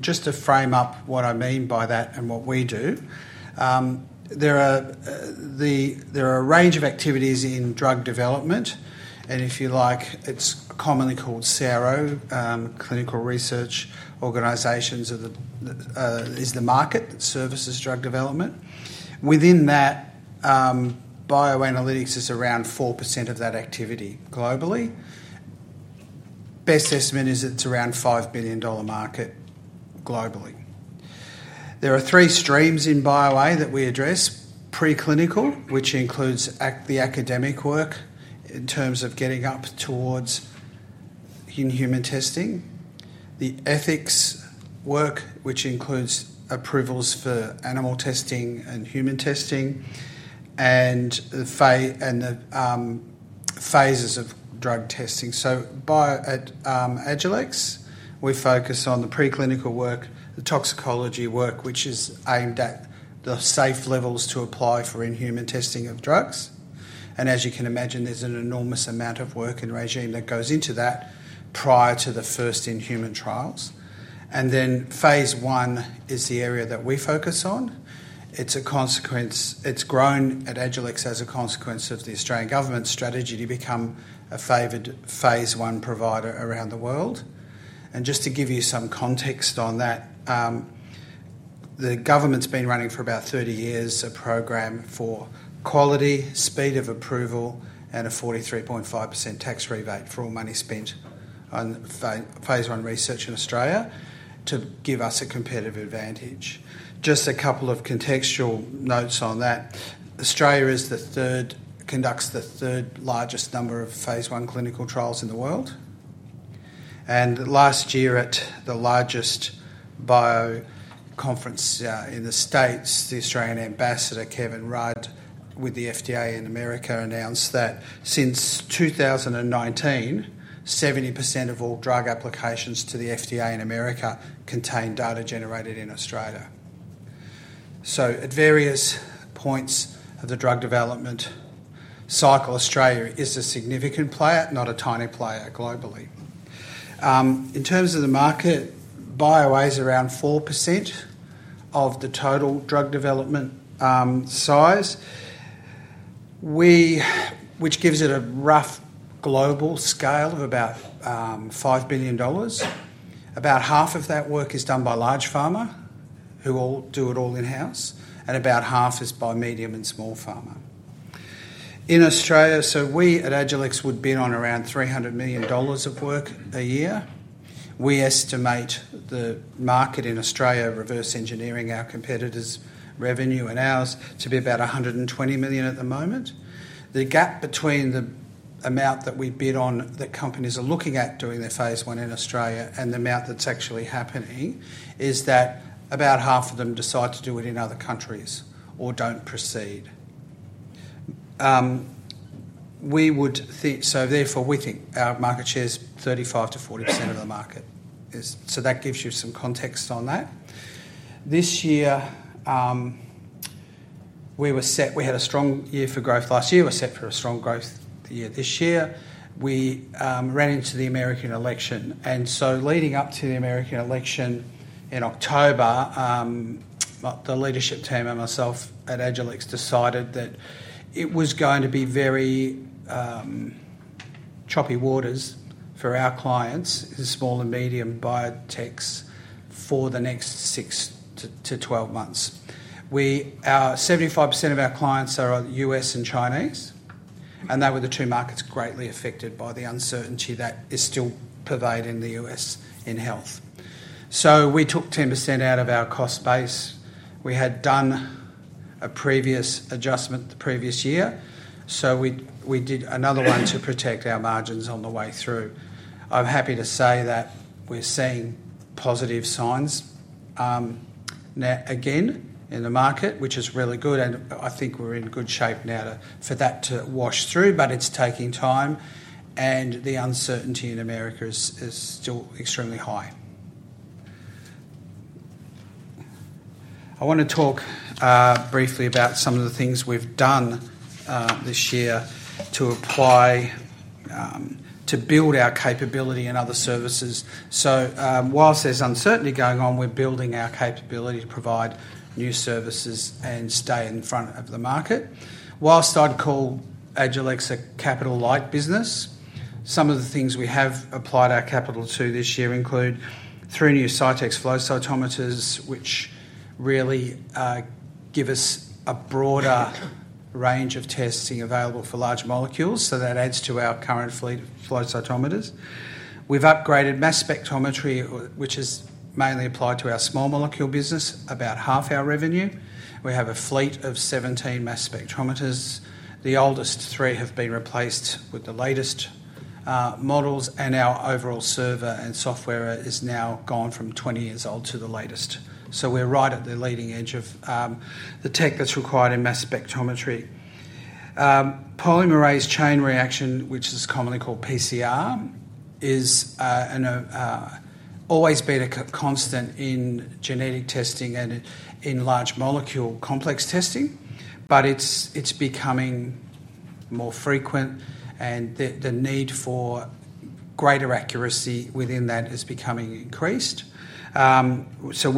Just to frame up what I mean by that and what we do, there are a range of activities in drug development. If you like, it's commonly called CRO, Clinical Research Organizations, is the market that services drug development. Within that, bioanalytics is around 4% of that activity globally. Best estimate is it's around 5 billion dollar market globally. There are three streams in bioanalytics that we address: preclinical, which includes the academic work in terms of getting up towards in-human testing; the ethics work, which includes approvals for animal testing and human testing; and the phases of drug testing. At Agilex, we focus on the preclinical work, the toxicology work, which is aimed at the safe levels to apply for in-human testing of drugs. As you can imagine, there's an enormous amount of work and regime that goes into that prior to the first in-human trials. Phase I is the area that we focus on. It's grown at Agilex as a consequence of the Australian government's strategy to become a favored phase I provider around the world. Just to give you some context on that, the government's been running for about 30 years a program for quality, speed of approval, and a 43.5% tax rebate for all money spent on phase I research in Australia to give us a competitive advantage. Just a couple of contextual notes on that. Australia conducts the third largest number of phase I clinical trials in the world. Last year, at the largest bio conference in the States, the Australian ambassador, Kevin Rudd, with the FDA in America announced that since 2019, 70% of all drug applications to the FDA in America contain data generated in Australia. At various points of the drug development cycle, Australia is a significant player, not a tiny player globally. In terms of the market, BioA is around 4% of the total drug development size, which gives it a rough global scale of about 5 billion dollars. About half of that work is done by large pharma, who do it all in-house, and about half is by medium and small pharma. In Australia, we at Agilex would bid on around 300 million dollars of work a year. We estimate the market in Australia, reverse engineering our competitors' revenue and ours, to be about 120 million at the moment. The gap between the amount that we bid on that companies are looking at doing their phase I in Australia and the amount that's actually happening is that about half of them decide to do it in other countries or don't proceed. Therefore, we think our market share is 35%-40% of the market. That gives you some context on that. This year, we had a strong year for growth. Last year, we were set for a strong growth year this year. We ran into the American election. Leading up to the American election in October, the leadership team and myself at Agilex decided that it was going to be very choppy waters for our clients, small and medium biotechs, for the next 6-12 months. 75% of our clients are U.S. and Chinese, and they were the two markets greatly affected by the uncertainty that is still pervading the US in health. We took 10% out of our cost base. We had done a previous adjustment the previous year, so we did another one to protect our margins on the way through. I'm happy to say that we're seeing positive signs again in the market, which is really good, and I think we're in good shape now for that to wash through, but it's taking time, and the uncertainty in America is still extremely high. I want to talk briefly about some of the things we've done this year to build our capability and other services. Whilst there's uncertainty going on, we're building our capability to provide new services and stay in front of the market. Whilst I'd call Agilex a capital-light business, some of the things we have applied our capital to this year include three new Cytek flow cytometers, which really give us a broader range of testing available for large molecules. That adds to our current fleet of flow cytometers. We've upgraded mass spectrometry, which is mainly applied to our small molecule business, about half our revenue. We have a fleet of 17 mass spectrometers. The oldest three have been replaced with the latest models, and our overall server and software is now gone from 20 years old to the latest. We are right at the leading edge of the tech that is required in mass spectrometry. Polymerase chain reaction, which is commonly called PCR, has always been a constant in genetic testing and in large molecule complex testing, but it is becoming more frequent, and the need for greater accuracy within that is becoming increased. We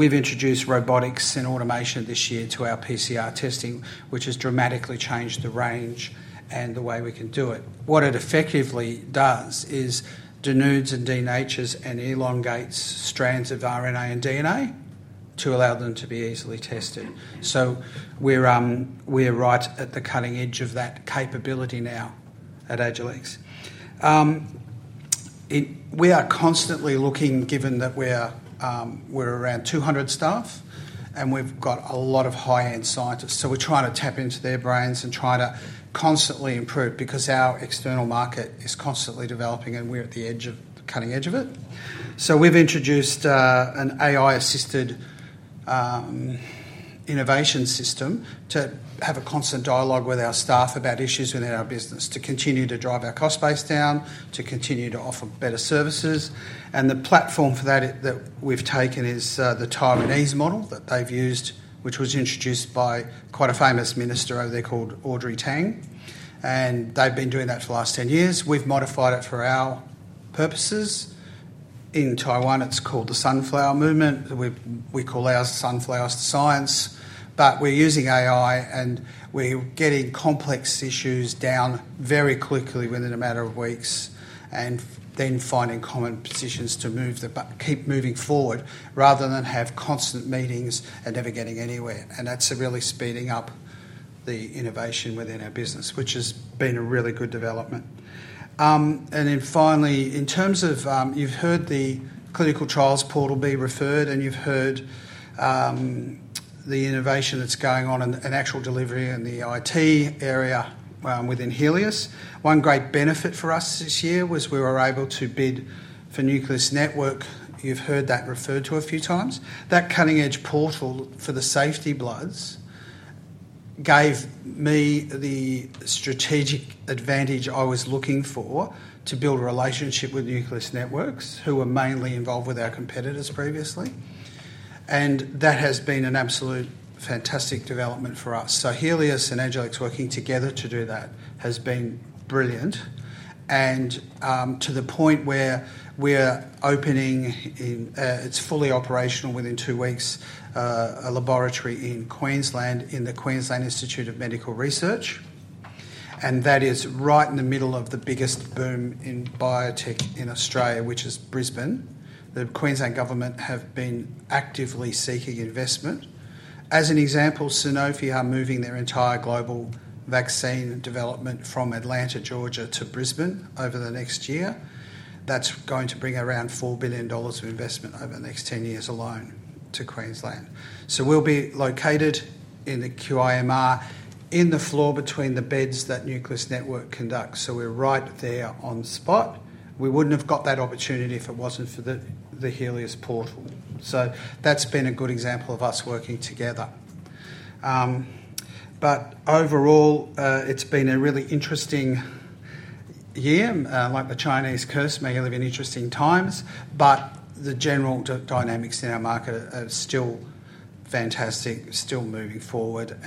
have introduced robotics and automation this year to our PCR testing, which has dramatically changed the range and the way we can do it. What it effectively does is denudes and denatures and elongates strands of RNA and DNA to allow them to be easily tested. We are right at the cutting edge of that capability now at Agilex. We are constantly looking, given that we're around 200 staff, and we've got a lot of high-end scientists. We are trying to tap into their brains and try to constantly improve because our external market is constantly developing, and we're at the cutting edge of it. We have introduced an AI-assisted innovation system to have a constant dialogue with our staff about issues within our business, to continue to drive our cost base down, to continue to offer better services. The platform for that that we've taken is the Taiwanese model that they've used, which was introduced by quite a famous minister over there called Audrey Tang. They have been doing that for the last 10 years. We have modified it for our purposes. In Taiwan, it is called the Sunflower Movement. We call our sunflowers science, but we're using AI, and we're getting complex issues down very quickly within a matter of weeks and then finding common positions to keep moving forward rather than have constant meetings and never getting anywhere. That is really speeding up the innovation within our business, which has been a really good development. Finally, in terms of you've heard the clinical trials portal be referred, and you've heard the innovation that's going on and actual delivery in the IT area within Healius. One great benefit for us this year was we were able to bid for Nucleus Networks. You've heard that referred to a few times. That cutting-edge portal for the safety bloods gave me the strategic advantage I was looking for to build a relationship with Nucleus Networks, who were mainly involved with our competitors previously. That has been an absolute fantastic development for us. Healius and Agilex working together to do that has been brilliant and to the point where we're opening—it's fully operational within two weeks—a laboratory in Queensland in the Queensland Institute of Medical Research. That is right in the middle of the biggest boom in biotech in Australia, which is Brisbane. The Queensland government have been actively seeking investment. As an example, Sanofi are moving their entire global vaccine development from Atlanta, Georgia, to Brisbane over the next year. That's going to bring around 4 billion dollars of investment over the next 10 years alone to Queensland. We'll be located in the QIMR in the floor between the beds that Nucleus Network conducts. We're right there on spot. We wouldn't have got that opportunity if it wasn't for the Healius portal. That's been a good example of us working together. Overall, it's been a really interesting year. Like the Chinese curse, may have been interesting times, but the general dynamics in our market are still fantastic, still moving forward.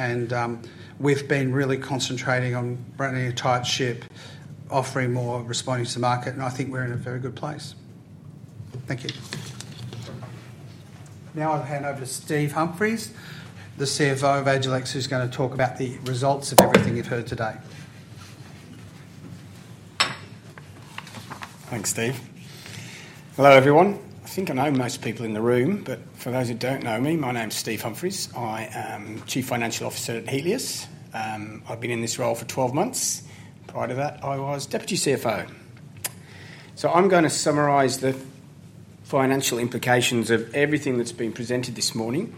We've been really concentrating on running a tight ship, offering more, responding to the market, and I think we're in a very good place. Thank you. Now I'll hand over to Steve Humphreys, the CFO of Agilex, who's going to talk about the results of everything you've heard today. Thanks, Steve. Hello, everyone. I think I know most people in the room, but for those who don't know me, my name is Steve Humphreys. I am Chief Financial Officer at Healius. I've been in this role for 12 months. Prior to that, I was Deputy CFO. I'm going to summarize the financial implications of everything that's been presented this morning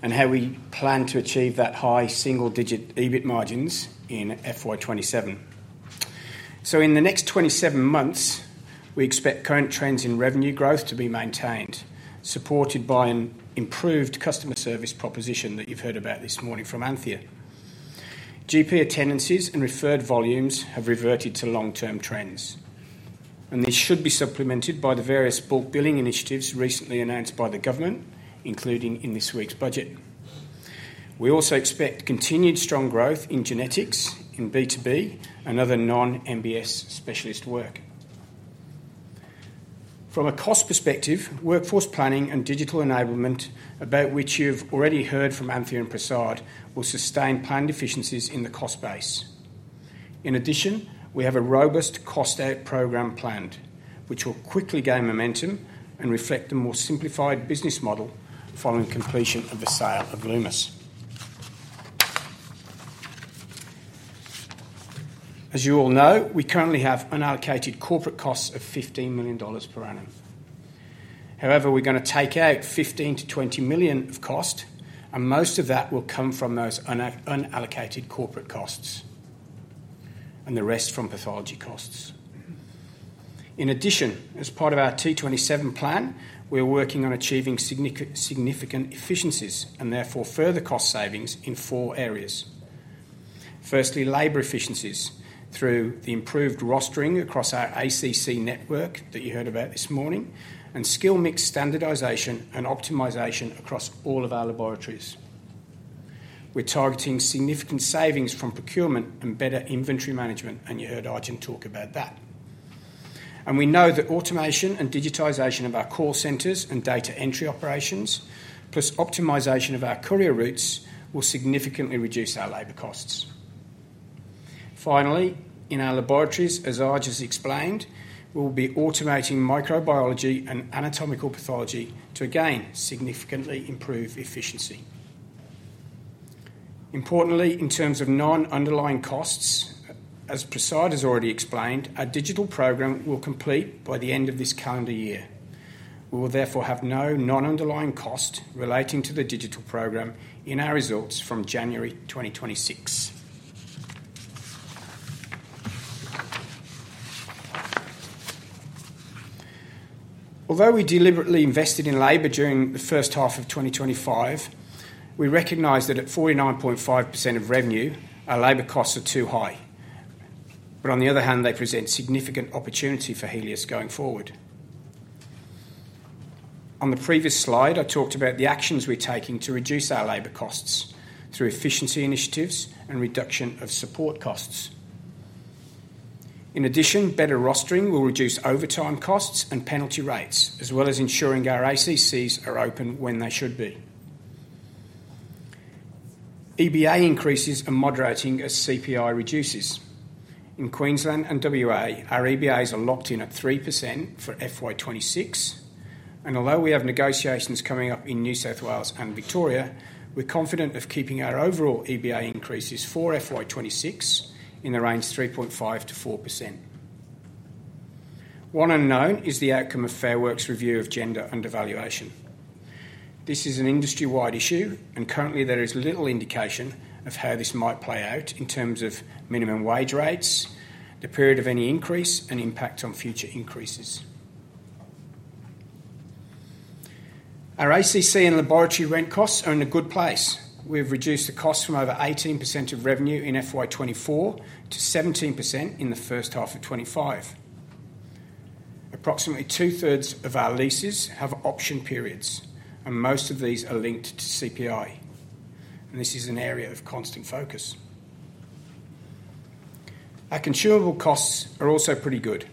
and how we plan to achieve that high single-digit EBIT margins in FY 2027. In the next 27 months, we expect current trends in revenue growth to be maintained, supported by an improved customer service proposition that you've heard about this morning from Anthea. GP attendances and referred volumes have reverted to long-term trends, and these should be supplemented by the various bulk billing initiatives recently announced by the government, including in this week's budget. We also expect continued strong growth in genetics, in B2B, and other non-MBS specialist work. From a cost perspective, workforce planning and digital enablement, about which you've already heard from Anthea and Prasad, will sustain planned efficiencies in the cost base. In addition, we have a robust cost out program planned, which will quickly gain momentum and reflect the more simplified business model following completion of the sale of Lumus Imaging. As you all know, we currently have unallocated corporate costs of 15 million dollars per annum. However, we're going to take out 15-20 million of cost, and most of that will come from those unallocated corporate costs and the rest from pathology costs. In addition, as part of our T27 plan, we're working on achieving significant efficiencies and therefore further cost savings in four areas. Firstly, labor efficiencies through the improved rostering across our ACC network that you heard about this morning, and skill mix standardization and optimization across all of our laboratories. We're targeting significant savings from procurement and better inventory management, and you heard Arjun talk about that. We know that automation and digitization of our call centers and data entry operations, plus optimization of our courier routes, will significantly reduce our labor costs. Finally, in our laboratories, as Arjun has explained, we will be automating microbiology and anatomical pathology to, again, significantly improve efficiency. Importantly, in terms of non-underlying costs, as Prasad has already explained, our digital program will complete by the end of this calendar year. We will therefore have no non-underlying cost relating to the digital program in our results from January 2026. Although we deliberately invested in labor during the first half of 2025, we recognize that at 49.5% of revenue, our labor costs are too high. On the other hand, they present significant opportunity for Healius going forward. On the previous slide, I talked about the actions we are taking to reduce our labor costs through efficiency initiatives and reduction of support costs. In addition, better rostering will reduce overtime costs and penalty rates, as well as ensuring our ACCs are open when they should be. EBA increases are moderating as CPI reduces. In Queensland and Western Australia, our EBAs are locked in at 3% for FY 2026. Although we have negotiations coming up in New South Wales and Victoria, we're confident of keeping our overall EBA increases for FY 2026 in the range of 3.5-4%. One unknown is the outcome of Fair Work's review of gender undervaluation. This is an industry-wide issue, and currently, there is little indication of how this might play out in terms of minimum wage rates, the period of any increase, and impact on future increases. Our ACC and laboratory rent costs are in a good place. We've reduced the cost from over 18% of revenue in FY 2024 to 17% in the first half of FY 2025. Approximately two-thirds of our leases have option periods, and most of these are linked to CPI. This is an area of constant focus. Our consumable costs are also pretty good,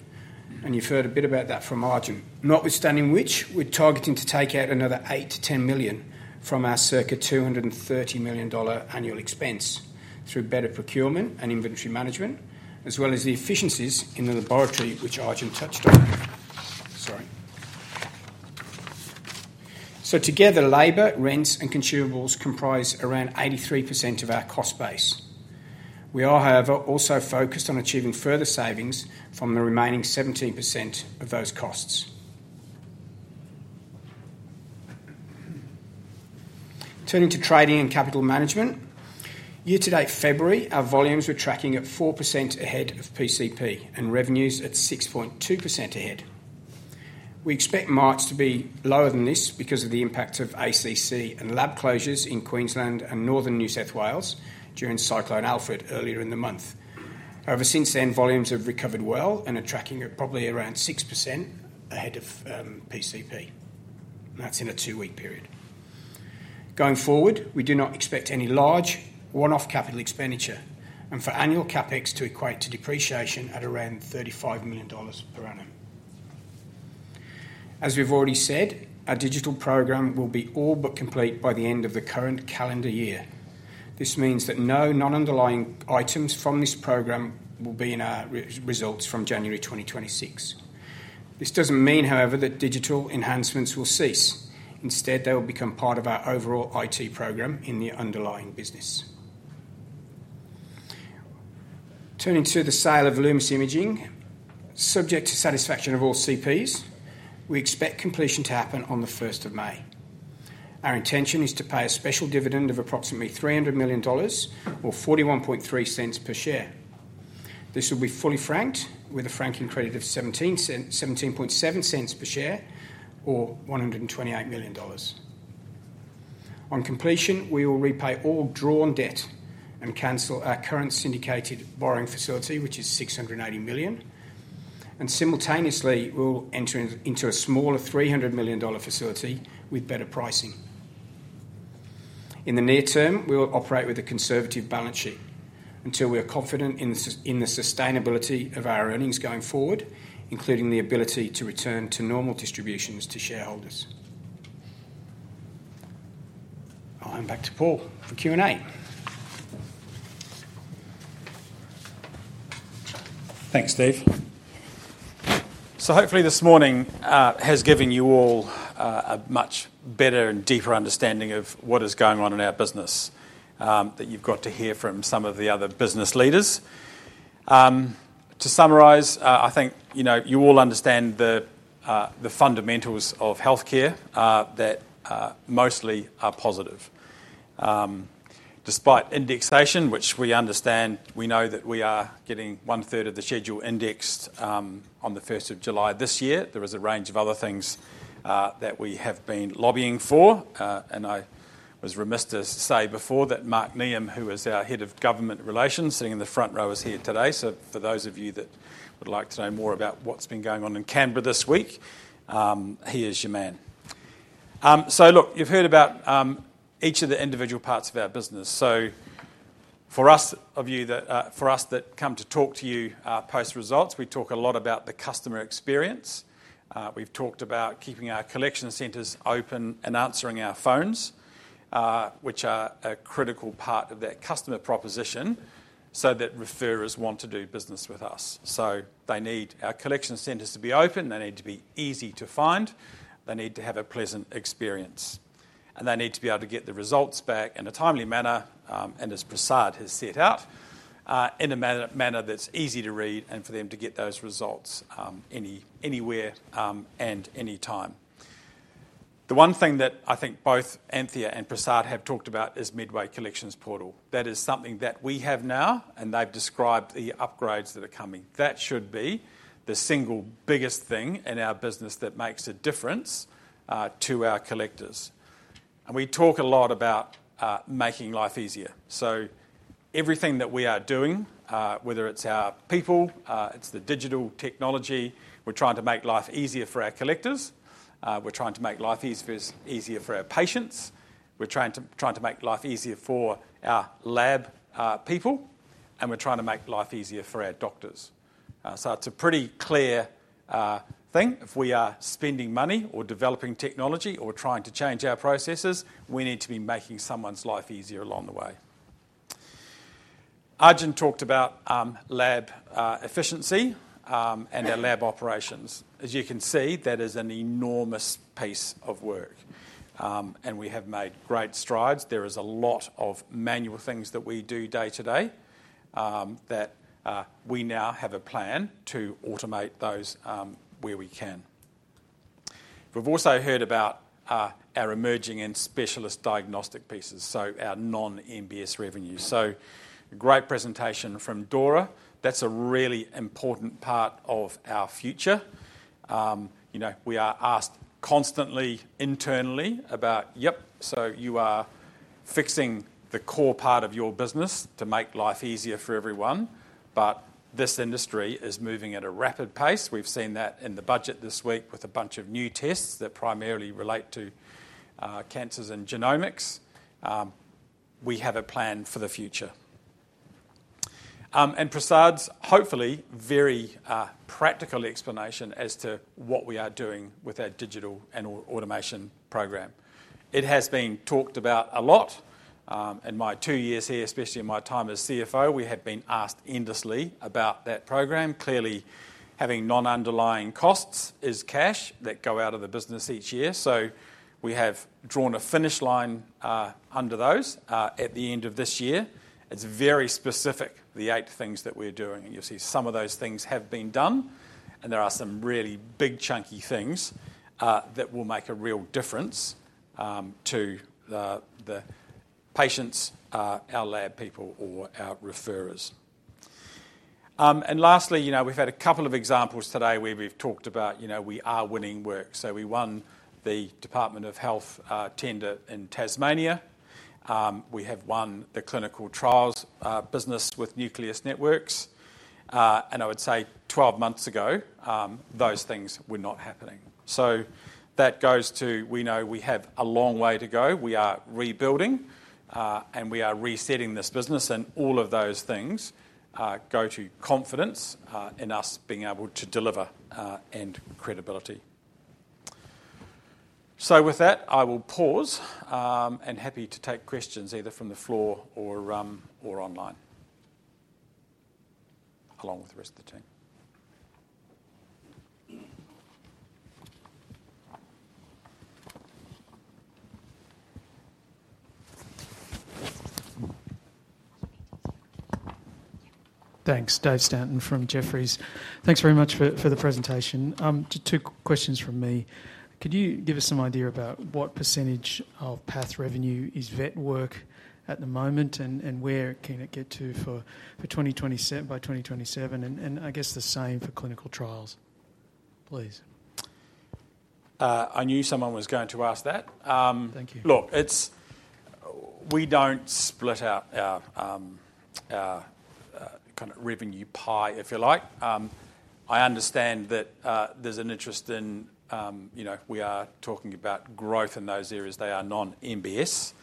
and you've heard a bit about that from Arjun. Notwithstanding which, we're targeting to take out another 8 million-10 million from our circa 230 million dollar annual expense through better procurement and inventory management, as well as the efficiencies in the laboratory, which Arjun touched on. Sorry. Together, labor, rents, and consumables comprise around 83% of our cost base. We are, however, also focused on achieving further savings from the remaining 17% of those costs. Turning to trading and capital management, year-to-date February, our volumes were tracking at 4% ahead of PCP and revenues at 6.2% ahead. We expect marks to be lower than this because of the impact of ACC and lab closures in Queensland and northern New South Wales during Cyclone Alfred earlier in the month. However, since then, volumes have recovered well and are tracking at probably around 6% ahead of PCP. That is in a two-week period. Going forward, we do not expect any large one-off capital expenditure and for annual CapEx to equate to depreciation at around 35 million dollars per annum. As we have already said, our digital program will be all but complete by the end of the current calendar year. This means that no non-underlying items from this program will be in our results from January 2026. This does not mean, however, that digital enhancements will cease. Instead, they will become part of our overall IT program in the underlying business. Turning to the sale of Lumus Imaging, subject to satisfaction of all CPs, we expect completion to happen on the 1st of May. Our intention is to pay a special dividend of approximately 300 million dollars or 0.413 per share. This will be fully franked with a franking credit of 0.177 per share or 128 million dollars. On completion, we will repay all drawn debt and cancel our current syndicated borrowing facility, which is 680 million. Simultaneously, we'll enter into a smaller 300 million dollar facility with better pricing. In the near term, we'll operate with a conservative balance sheet until we are confident in the sustainability of our earnings going forward, including the ability to return to normal distributions to shareholders. I'll hand back to Paul for Q&A. Thanks, Steve. Hopefully, this morning has given you all a much better and deeper understanding of what is going on in our business that you've got to hear from some of the other business leaders. To summarize, I think you all understand the fundamentals of healthcare that mostly are positive. Despite indexation, which we understand, we know that we are getting one-third of the schedule indexed on the 1st of July this year. There is a range of other things that we have been lobbying for. I was remiss to say before that Mark Nevin, who is our Head of Government Relations sitting in the front row, is here today. For those of you that would like to know more about what's been going on in Canberra this week, he is your man. Look, you've heard about each of the individual parts of our business. For those of you that come to talk to us post-results, we talk a lot about the customer experience. We've talked about keeping our collection centers open and answering our phones, which are a critical part of that customer proposition so that referrers want to do business with us. They need our collection centers to be open. They need to be easy to find. They need to have a pleasant experience. They need to be able to get the results back in a timely manner, and as Prasad has set out, in a manner that's easy to read and for them to get those results anywhere and anytime. The one thing that I think both Anthea and Prasad have talked about is Medway Collections Portal. That is something that we have now, and they've described the upgrades that are coming. That should be the single biggest thing in our business that makes a difference to our collectors. We talk a lot about making life easier. Everything that we are doing, whether it's our people, it's the digital technology, we're trying to make life easier for our collectors. We're trying to make life easier for our patients. We're trying to make life easier for our lab people, and we're trying to make life easier for our doctors. It's a pretty clear thing. If we are spending money or developing technology or trying to change our processes, we need to be making someone's life easier along the way. Arjun talked about lab efficiency and our lab operations. As you can see, that is an enormous piece of work, and we have made great strides. There is a lot of manual things that we do day-to-day that we now have a plan to automate those where we can. We have also heard about our emerging and specialist diagnostic pieces, so our non-MBS revenues. A great presentation from Dora. That is a really important part of our future. We are asked constantly internally about, "Yep, so you are fixing the core part of your business to make life easier for everyone, but this industry is moving at a rapid pace." We have seen that in the budget this week with a bunch of new tests that primarily relate to cancers and genomics. We have a plan for the future. Prasad's hopefully very practical explanation as to what we are doing with our digital and automation program. It has been talked about a lot. In my two years here, especially in my time as CFO, we have been asked endlessly about that program. Clearly, having non-underlying costs is cash that go out of the business each year. We have drawn a finish line under those at the end of this year. It is very specific, the eight things that we are doing. You will see some of those things have been done, and there are some really big chunky things that will make a real difference to the patients, our lab people, or our referrers. Lastly, we have had a couple of examples today where we have talked about we are winning work. We won the Department of Health tender in Tasmania. We have won the clinical trials business with Nucleus Networks. I would say 12 months ago, those things were not happening. That goes to we know we have a long way to go. We are rebuilding, and we are resetting this business. All of those things go to confidence in us being able to deliver and credibility. With that, I will pause and happy to take questions either from the floor or online along with the rest of the team. Thanks. Dave Stanton from Jefferies. Thanks very much for the presentation. Two questions from me. Could you give us some idea about what percentage of PATH revenue is vet work at the moment and where can it get to for 2027? I guess the same for clinical trials, please. I knew someone was going to ask that. Look, we do not split out our kind of revenue pie, if you like. I understand that there is an interest in we are talking about growth in those areas. They are non-MBS.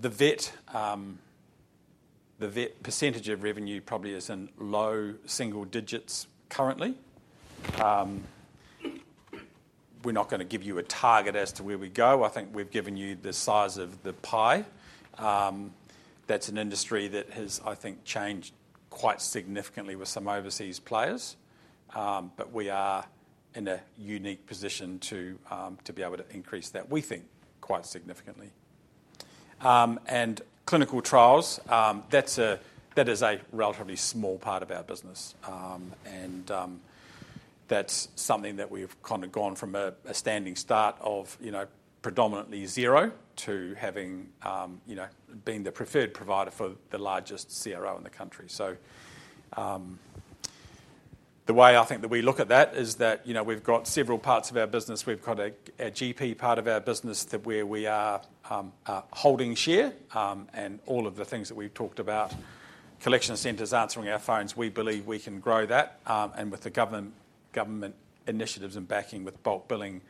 The vet % of revenue probably is in low single digits currently. We're not going to give you a target as to where we go. I think we've given you the size of the pie. That's an industry that has, I think, changed quite significantly with some overseas players. We are in a unique position to be able to increase that, we think, quite significantly. Clinical trials, that is a relatively small part of our business. That's something that we've kind of gone from a standing start of predominantly zero to having been the preferred provider for the largest CRO in the country. The way I think that we look at that is that we've got several parts of our business. We've got a GP part of our business where we are holding share. All of the things that we've talked about, collection centers answering our phones, we believe we can grow that. With the government initiatives and backing with bulk billing,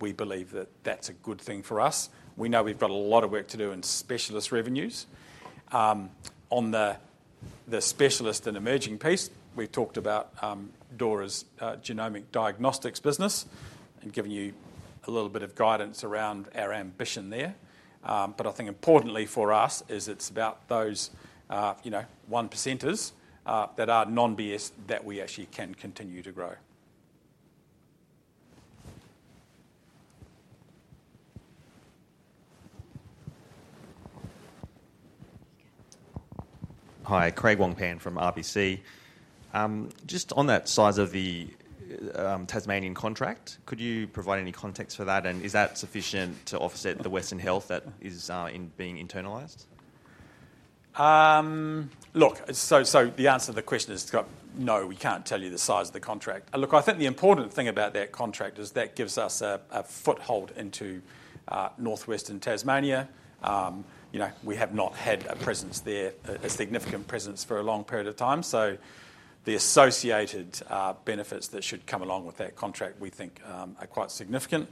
we believe that that's a good thing for us. We know we've got a lot of work to do in specialist revenues. On the specialist and emerging piece, we've talked about Dora's Genomic Diagnostics business and given you a little bit of guidance around our ambition there. I think importantly for us is it's about those one-percenters that are non-MBS that we actually can continue to grow. Hi, Craig Wong-Pan from RBC. Just on that size of the Tasmanian contract, could you provide any context for that? Is that sufficient to offset the Western Health that is being internalized? Look, the answer to the question is no, we can't tell you the size of the contract. Look, I think the important thing about that contract is that gives us a foothold into northwest Tasmania. We have not had a presence there, a significant presence for a long period of time. The associated benefits that should come along with that contract, we think, are quite significant.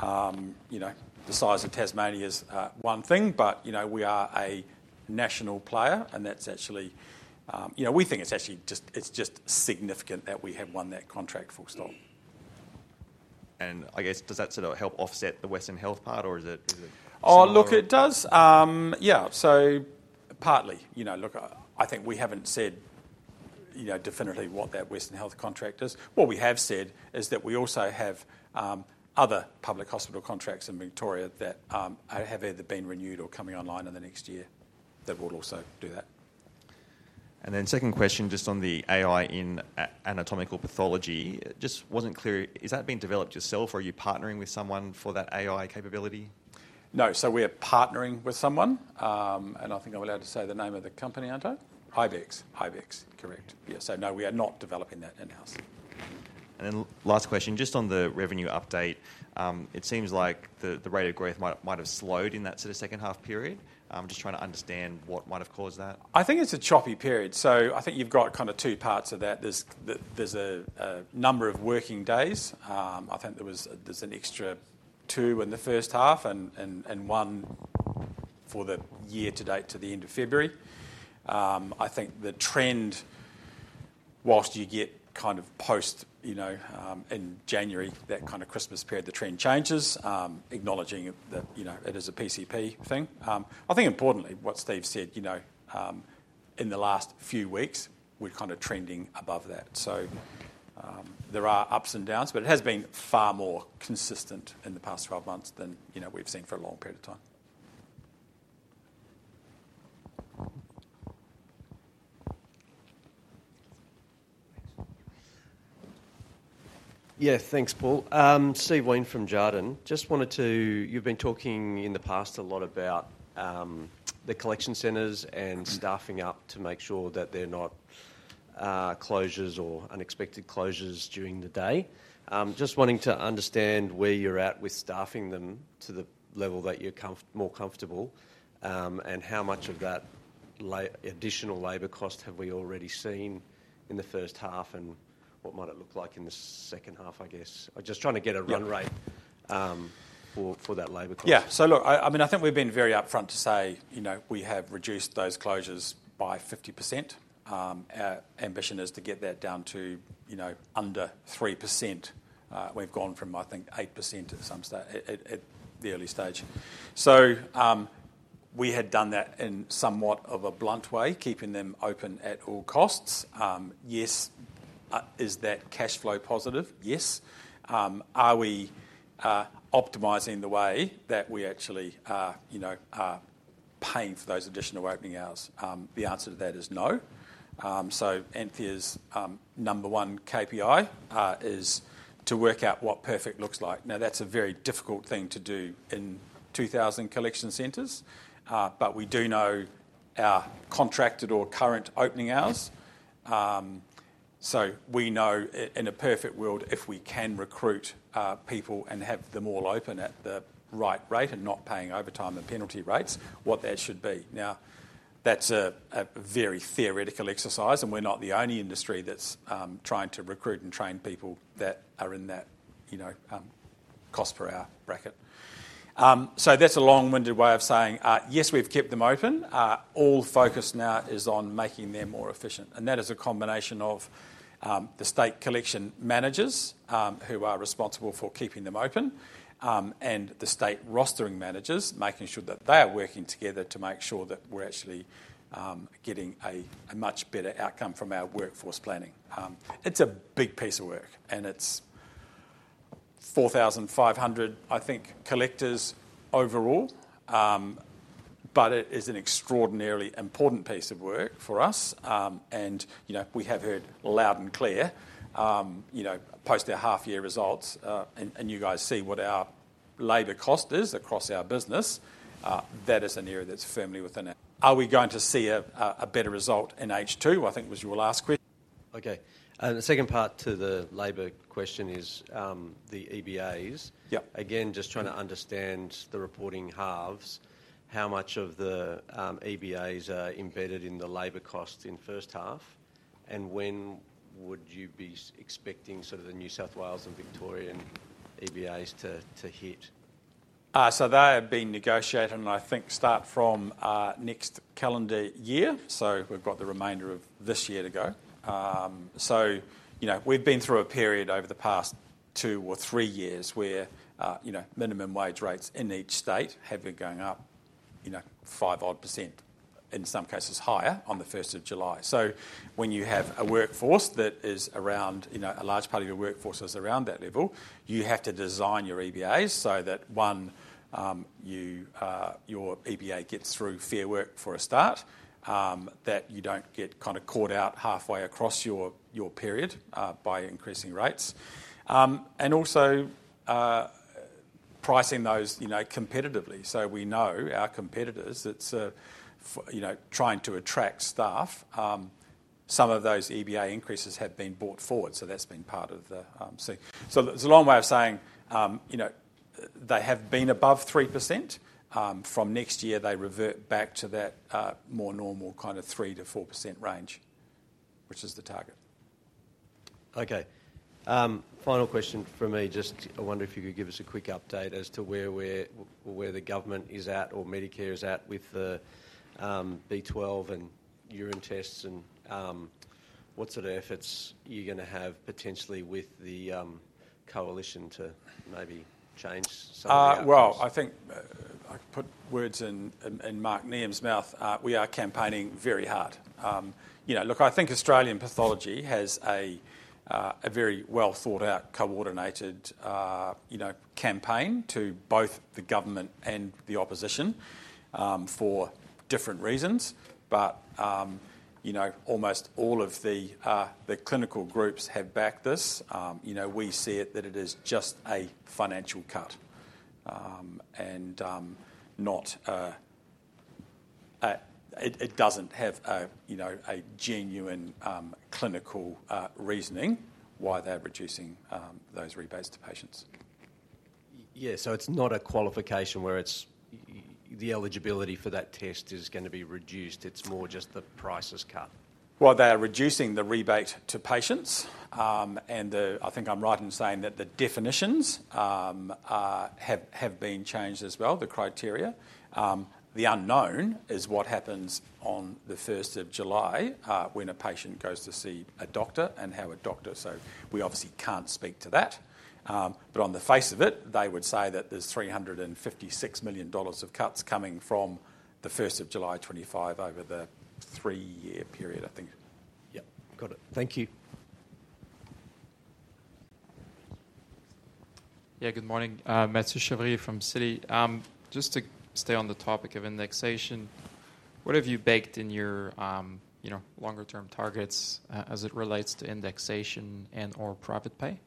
The size of Tasmania is one thing, but we are a national player, and that's actually, we think, just significant that we have won that contract, full stop. I guess, does that sort of help offset the Western Health part, or is it? Oh, look, it does. Yeah. Partly, look, I think we haven't said definitely what that Western Health contract is. What we have said is that we also have other public hospital contracts in Victoria that have either been renewed or coming online in the next year that will also do that. Then second question, just on the AI in anatomical pathology, just was not clear. Is that being developed yourself, or are you partnering with someone for that AI capability? No, we are partnering with someone. I think I am allowed to say the name of the company, are not I? Ibex. Ibex. Correct. Yeah. No, we are not developing that in-house. Last question, just on the revenue update, it seems like the rate of growth might have slowed in that sort of second-half period. I am just trying to understand what might have caused that. I think it is a choppy period. I think you have got kind of two parts of that. There is a number of working days. I think there is an extra two in the first half and one for the year to date to the end of February. I think the trend, whilst you get kind of post in January, that kind of Christmas period, the trend changes, acknowledging that it is a PCP thing. I think importantly, what Steve said in the last few weeks, we're kind of trending above that. There are ups and downs, but it has been far more consistent in the past 12 months than we've seen for a long period of time. Yeah, thanks, Paul. Steve Wheen from Jarden. Just wanted to, you've been talking in the past a lot about the collection centers and staffing up to make sure that there are no closures or unexpected closures during the day. Just wanting to understand where you're at with staffing them to the level that you're more comfortable and how much of that additional labor cost have we already seen in the first half and what might it look like in the second half, I guess. I'm just trying to get a run rate for that labor cost. Yeah. Look, I mean, I think we've been very upfront to say we have reduced those closures by 50%. Our ambition is to get that down to under 3%. We've gone from, I think, 8% at some stage at the early stage. We had done that in somewhat of a blunt way, keeping them open at all costs. Yes, is that cash flow positive? Yes. Are we optimizing the way that we actually are paying for those additional opening hours? The answer to that is no. Anthea's number one KPI is to work out what perfect looks like. Now, that's a very difficult thing to do in 2,000 collection centers, but we do know our contracted or current opening hours. We know in a perfect world, if we can recruit people and have them all open at the right rate and not paying overtime and penalty rates, what that should be. That's a very theoretical exercise, and we're not the only industry that's trying to recruit and train people that are in that cost per hour bracket. That's a long-winded way of saying, yes, we've kept them open. All focus now is on making them more efficient. That is a combination of the state collection managers who are responsible for keeping them open and the state rostering managers, making sure that they are working together to make sure that we're actually getting a much better outcome from our workforce planning. It's a big piece of work, and it's 4,500, I think, collectors overall, but it is an extraordinarily important piece of work for us. We have heard loud and clear, post their half-year results, and you guys see what our labor cost is across our business. That is an area that's firmly within. Are we going to see a better result in H2? I think was your last. Okay. The second part to the labor question is the EBAs. Again, just trying to understand the reporting halves, how much of the EBAs are embedded in the labor cost in first half, and when would you be expecting sort of the New South Wales and Victorian EBAs to hit? They have been negotiated, and I think start from next calendar year. We have the remainder of this year to go. We have been through a period over the past two or three years where minimum wage rates in each state have been going up 5-odd %, in some cases higher, on the 1st of July. When you have a workforce that is around, a large part of your workforce is around that level, you have to design your EBAs so that, one, your EBA gets through Fair Work for a start, that you do not get kind of caught out halfway across your period by increasing rates, and also pricing those competitively. We know our competitors are trying to attract staff. Some of those EBA increases have been brought forward, so that has been part of the—there is a long way of saying they have been above 3%. From next year, they revert back to that more normal kind of 3-4% range, which is the target. Okay. Final question for me. I wonder if you could give us a quick update as to where the government is at or Medicare is at with the B12 and urine tests and what sort of efforts you're going to have potentially with the coalition to maybe change some of that. I think I can put words in Mark Nevin's mouth. We are campaigning very hard. Look, I think Australian Pathology has a very well-thought-out, coordinated campaign to both the government and the opposition for different reasons. Almost all of the clinical groups have backed this. We see it that it is just a financial cut and it doesn't have a genuine clinical reasoning why they're reducing those rebates to patients. Yeah. It's not a qualification where the eligibility for that test is going to be reduced. It's more just the price is cut. They are reducing the rebate to patients. I think I'm right in saying that the definitions have been changed as well, the criteria. The unknown is what happens on the 1st of July when a patient goes to see a doctor and how a doctor, so we obviously can't speak to that. On the face of it, they would say that there's 356 million dollars of cuts coming from the 1st of July 2025 over the three-year period, I think. Yep. Got it. Thank you. Yeah. Good morning. Mathieu Chevrier from Citi. Just to stay on the topic of indexation, what have you baked in your longer-term targets as it relates to indexation and/or private pay?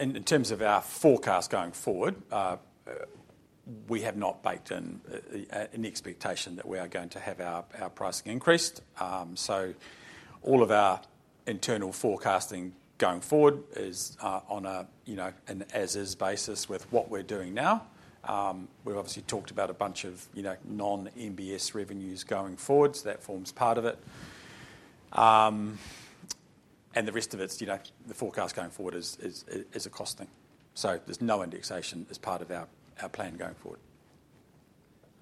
In terms of our forecast going forward, we have not baked in an expectation that we are going to have our pricing increased. All of our internal forecasting going forward is on an as-is basis with what we're doing now. We've obviously talked about a bunch of non-MBS revenues going forward. That forms part of it. The rest of it, the forecast going forward, is a cost thing. There is no indexation as part of our plan going forward.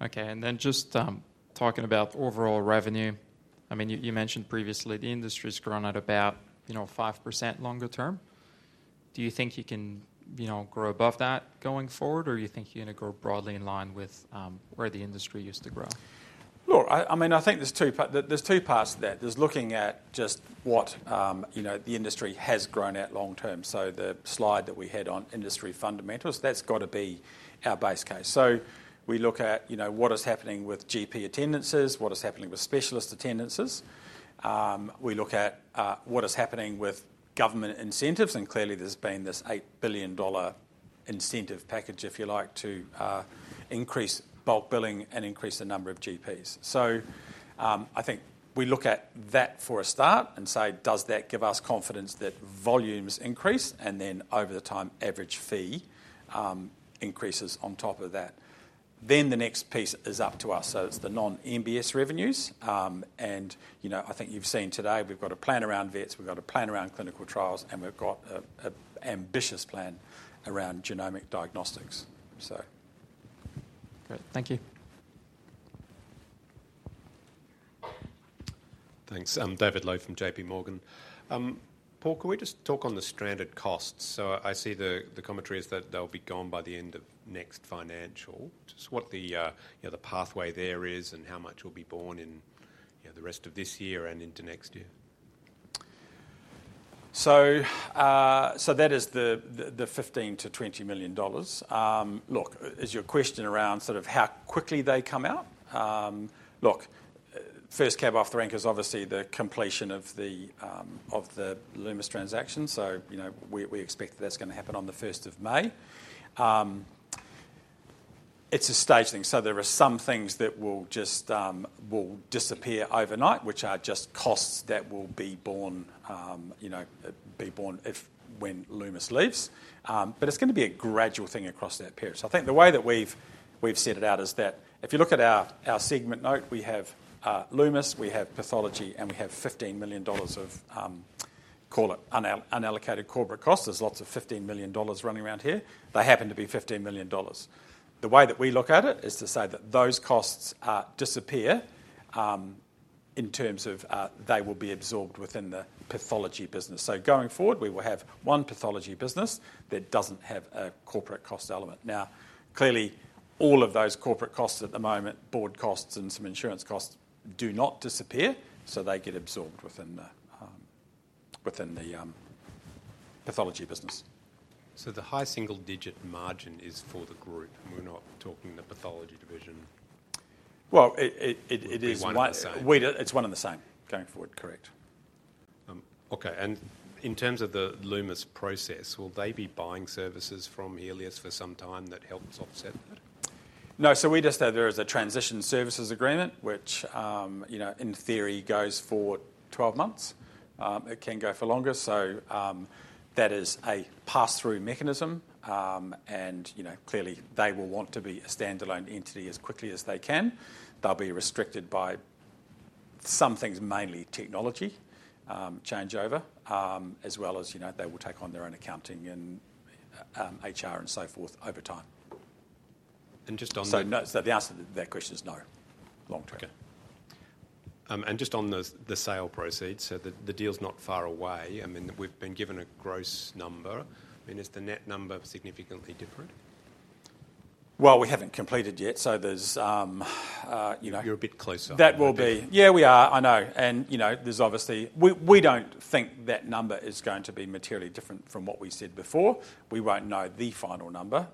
Okay. Just talking about overall revenue, you mentioned previously the industry's grown at about 5% longer term. Do you think you can grow above that going forward, or do you think you're going to grow broadly in line with where the industry used to grow? I mean, I think there's two parts to that. There's looking at just what the industry has grown at long term. The slide that we had on industry fundamentals, that's got to be our base case. We look at what is happening with GP attendances, what is happening with specialist attendances. We look at what is happening with government incentives. Clearly, there has been this 8 billion dollar incentive package, if you like, to increase bulk billing and increase the number of GPs. I think we look at that for a start and say, does that give us confidence that volumes increase and then over time, average fee increases on top of that? The next piece is up to us. It is the non-MBS revenues. I think you have seen today we have got a plan around vets. We have got a plan around clinical trials, and we have got an ambitious plan around genomic diagnostics. Great. Thank you. Thanks. David Low from JP Morgan. Paul, can we just talk on the stranded costs? I see the commentary is that they'll be gone by the end of next financial. Just what the PathWay there is and how much will be borne in the rest of this year and into next year? That is the 15 million-20 million dollars. Is your question around sort of how quickly they come out? First cab off the rink is obviously the completion of the Lumus transaction. We expect that is going to happen on the 1st of May. It's a staged thing. There are some things that will disappear overnight, which are just costs that will be borne when Lumus leaves. It's going to be a gradual thing across that period. I think the way that we've set it out is that if you look at our segment note, we have Lumus, we have pathology, and we have 15 million dollars of, call it, unallocated corporate costs. There are lots of 15 million dollars running around here. They happen to be 15 million dollars. The way that we look at it is to say that those costs disappear in terms of they will be absorbed within the pathology business. Going forward, we will have one pathology business that does not have a corporate cost element. Now, clearly, all of those corporate costs at the moment, board costs and some insurance costs do not disappear. They get absorbed within the pathology business. The high single-digit margin is for the group. We are not talking the pathology division. It is one and the same. It is one and the same. Going forward, correct. Okay. In terms of the Lumus process, will they be buying services from Healius for some time that helps offset that? No. We just know there is a transition services agreement, which in theory goes for 12 months. It can go for longer. That is a pass-through mechanism. Clearly, they will want to be a standalone entity as quickly as they can. They'll be restricted by some things, mainly technology changeover, as well as they will take on their own accounting and HR and so forth over time. Just on that, the answer to that question is no, long term. Okay. Just on the sale proceeds, the deal's not far away. I mean, we've been given a gross number. I mean, is the net number significantly different? We haven't completed yet. You're a bit closer. That will be. Yeah, we are. I know. There's obviously we don't think that number is going to be materially different from what we said before. We won't know the final number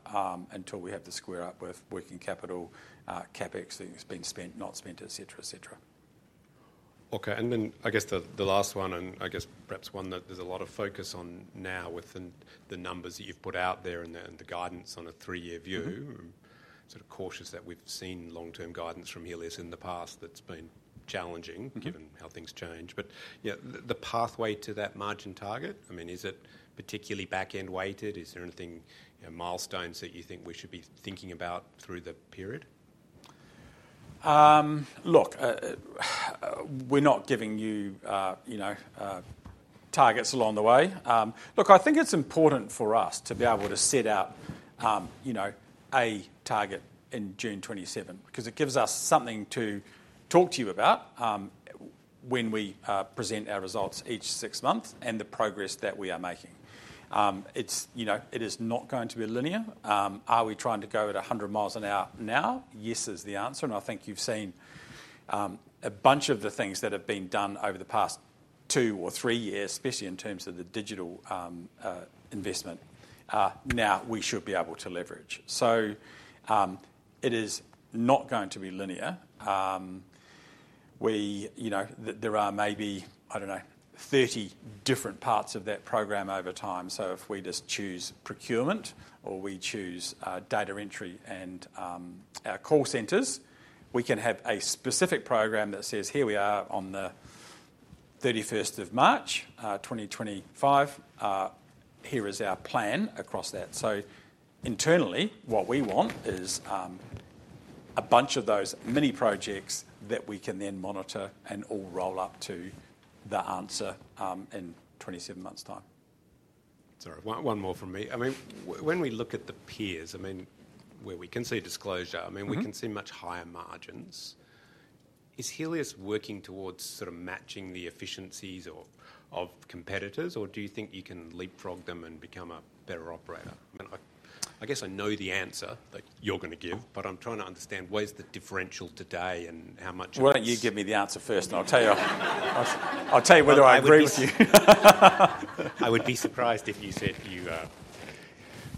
until we have the square up with working capital, CapEx that has been spent, not spent, etc., etc. Okay. I guess the last one, and I guess perhaps one that there's a lot of focus on now with the numbers that you've put out there and the guidance on a three-year view, sort of cautious that we've seen long-term guidance from Healius in the past that's been challenging given how things change. The PathWay to that margin target, I mean, is it particularly back-end weighted? Is there anything, milestones that you think we should be thinking about through the period? Look, we're not giving you targets along the way. Look, I think it's important for us to be able to set out a target in June 2027 because it gives us something to talk to you about when we present our results each six months and the progress that we are making. It is not going to be linear. Are we trying to go at 100 miles an hour now? Yes is the answer. I think you've seen a bunch of the things that have been done over the past two or three years, especially in terms of the digital investment, now we should be able to leverage. It is not going to be linear. There are maybe, I don't know, 30 different parts of that program over time. If we just choose procurement or we choose data entry and our call centers, we can have a specific program that says, "Here we are on the 31st of March, 2025. Here is our plan across that." Internally, what we want is a bunch of those mini projects that we can then monitor and all roll up to the answer in 27 months' time. Sorry. One more from me. I mean, when we look at the peers, I mean, where we can see disclosure, I mean, we can see much higher margins. Is Healius working towards sort of matching the efficiencies of competitors, or do you think you can leapfrog them and become a better operator? I guess I know the answer that you're going to give, but I'm trying to understand what is the differential today and how much. You give me the answer first, and I'll tell you whether I agree with you. I would be surprised if you said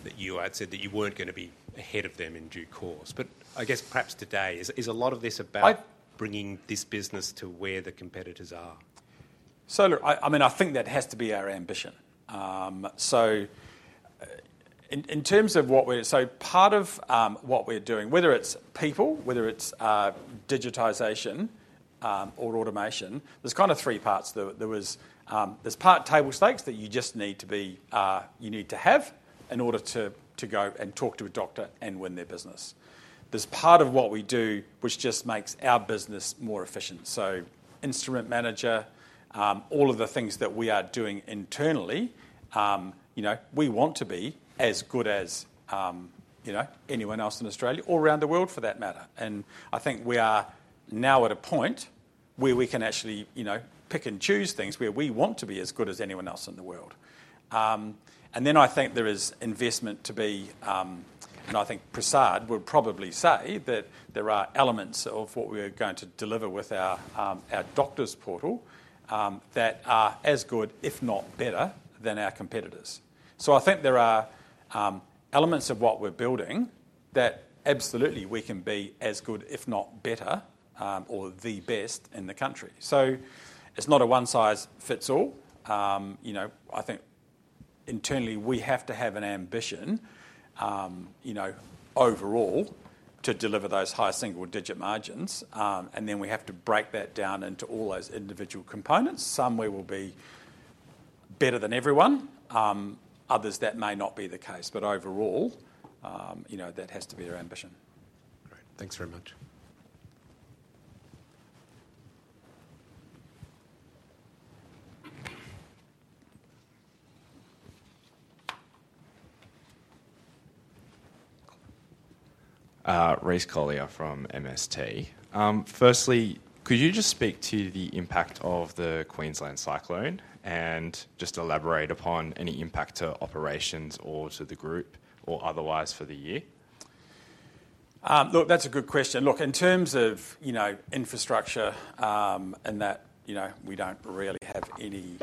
that you had said that you weren't going to be ahead of them in due course. I guess perhaps today, is a lot of this about bringing this business to where the competitors are? Look, I mean, I think that has to be our ambition. In terms of what we're, so part of what we're doing, whether it's people, whether it's digitization or automation, there's kind of three parts. There's part table stakes that you just need to have in order to go and talk to a doctor and win their business. There's part of what we do which just makes our business more efficient. Instrument Manager, all of the things that we are doing internally, we want to be as good as anyone else in Australia or around the world for that matter. I think we are now at a point where we can actually pick and choose things where we want to be as good as anyone else in the world. I think there is investment to be, and I think Prasad would probably say that there are elements of what we are going to deliver with our Doctors Portal that are as good, if not better, than our competitors. I think there are elements of what we're building that absolutely we can be as good, if not better, or the best in the country. It's not a one-size-fits-all. I think internally, we have to have an ambition overall to deliver those high single-digit margins. We have to break that down into all those individual components. Some we will be better than everyone. Others, that may not be the case. Overall, that has to be our ambition. Great. Thanks very much. Rhys Collyer from MST. Firstly, could you just speak to the impact of the Queensland cyclone and just elaborate upon any impact to operations or to the group or otherwise for the year? Look, that's a good question. In terms of infrastructure and that we do not really have any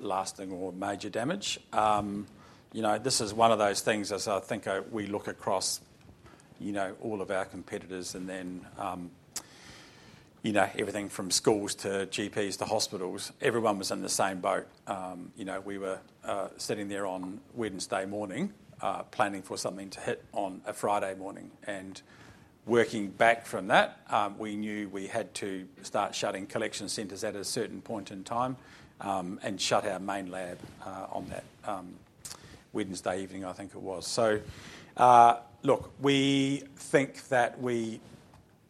lasting or major damage, this is one of those things as I think we look across all of our competitors and then everything from schools to GPs to hospitals, everyone was in the same boat. We were sitting there on Wednesday morning planning for something to hit on a Friday morning. Working back from that, we knew we had to start shutting collection centers at a certain point in time and shut our main lab on that Wednesday evening, I think it was. Look, we think tha]t we,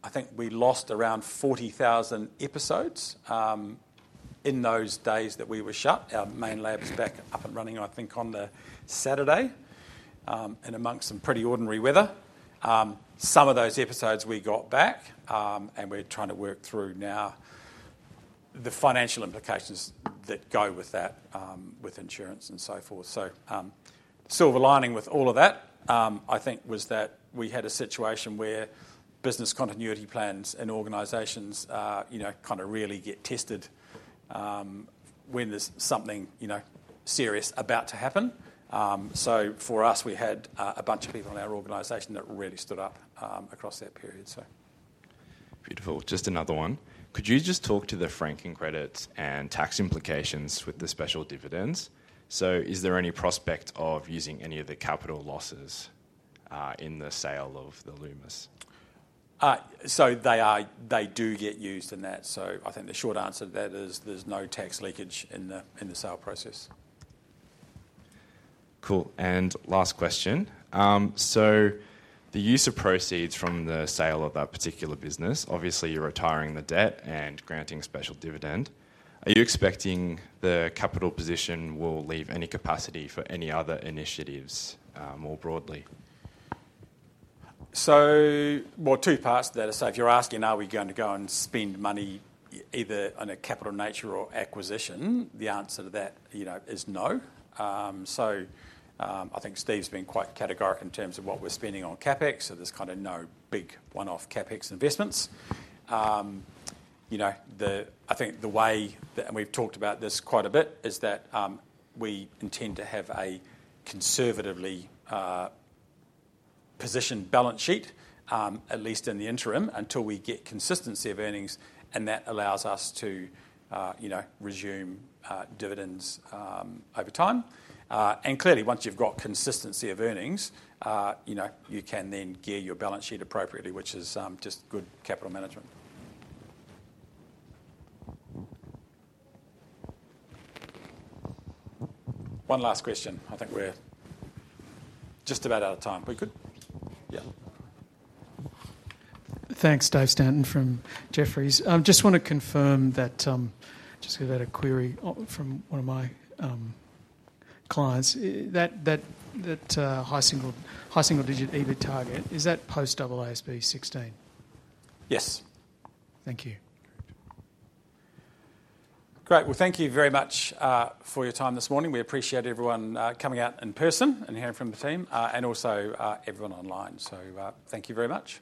I think we lost around 40,000 episodes in those days that we were shut. Our main lab was back up and running, I think, on the Saturday and amongst some pretty ordinary weather. Some of those episodes we got back, and we're trying to work through now the financial implications that go with that with insurance and so forth. The silver lining with all of that, I think, was that we had a situation where business continuity plans and organizations kind of really get tested when there's something serious about to happen. For us, we had a bunch of people in our organization that really stood up across that period. Beautiful. Just another one. Could you just talk to the franking credits and tax implications with the special dividends? Is there any prospect of using any of the capital losses in the sale of the Lumus? They do get used in that. I think the short answer to that is there's no tax leakage in the sale process. Cool. Last question. The use of proceeds from the sale of that particular business, obviously, you're retiring the debt and granting special dividend. Are you expecting the capital position will leave any capacity for any other initiatives more broadly? Two parts to that. If you're asking, are we going to go and spend money either on a capital nature or acquisition, the answer to that is no. I think Steve's been quite categoric in terms of what we're spending on CapEx. There's kind of no big one-off CapEx investments. I think the way that we've talked about this quite a bit is that we intend to have a conservatively positioned balance sheet, at least in the interim, until we get consistency of earnings. That allows us to resume dividends over time. Clearly, once you've got consistency of earnings, you can then gear your balance sheet appropriately, which is just good capital management. One last question. I think we're just about out of time. We could? Yeah. Thanks, Dave Stanton from Jefferies. I just want to confirm that just because I had a query from one of my clients, that high single digit EBIT target, is that post AASB 16? Yes. Thank you. Great. Thank you very much for your time this morning. We appreciate everyone coming out in person and hearing from the team and also everyone online. Thank you very much.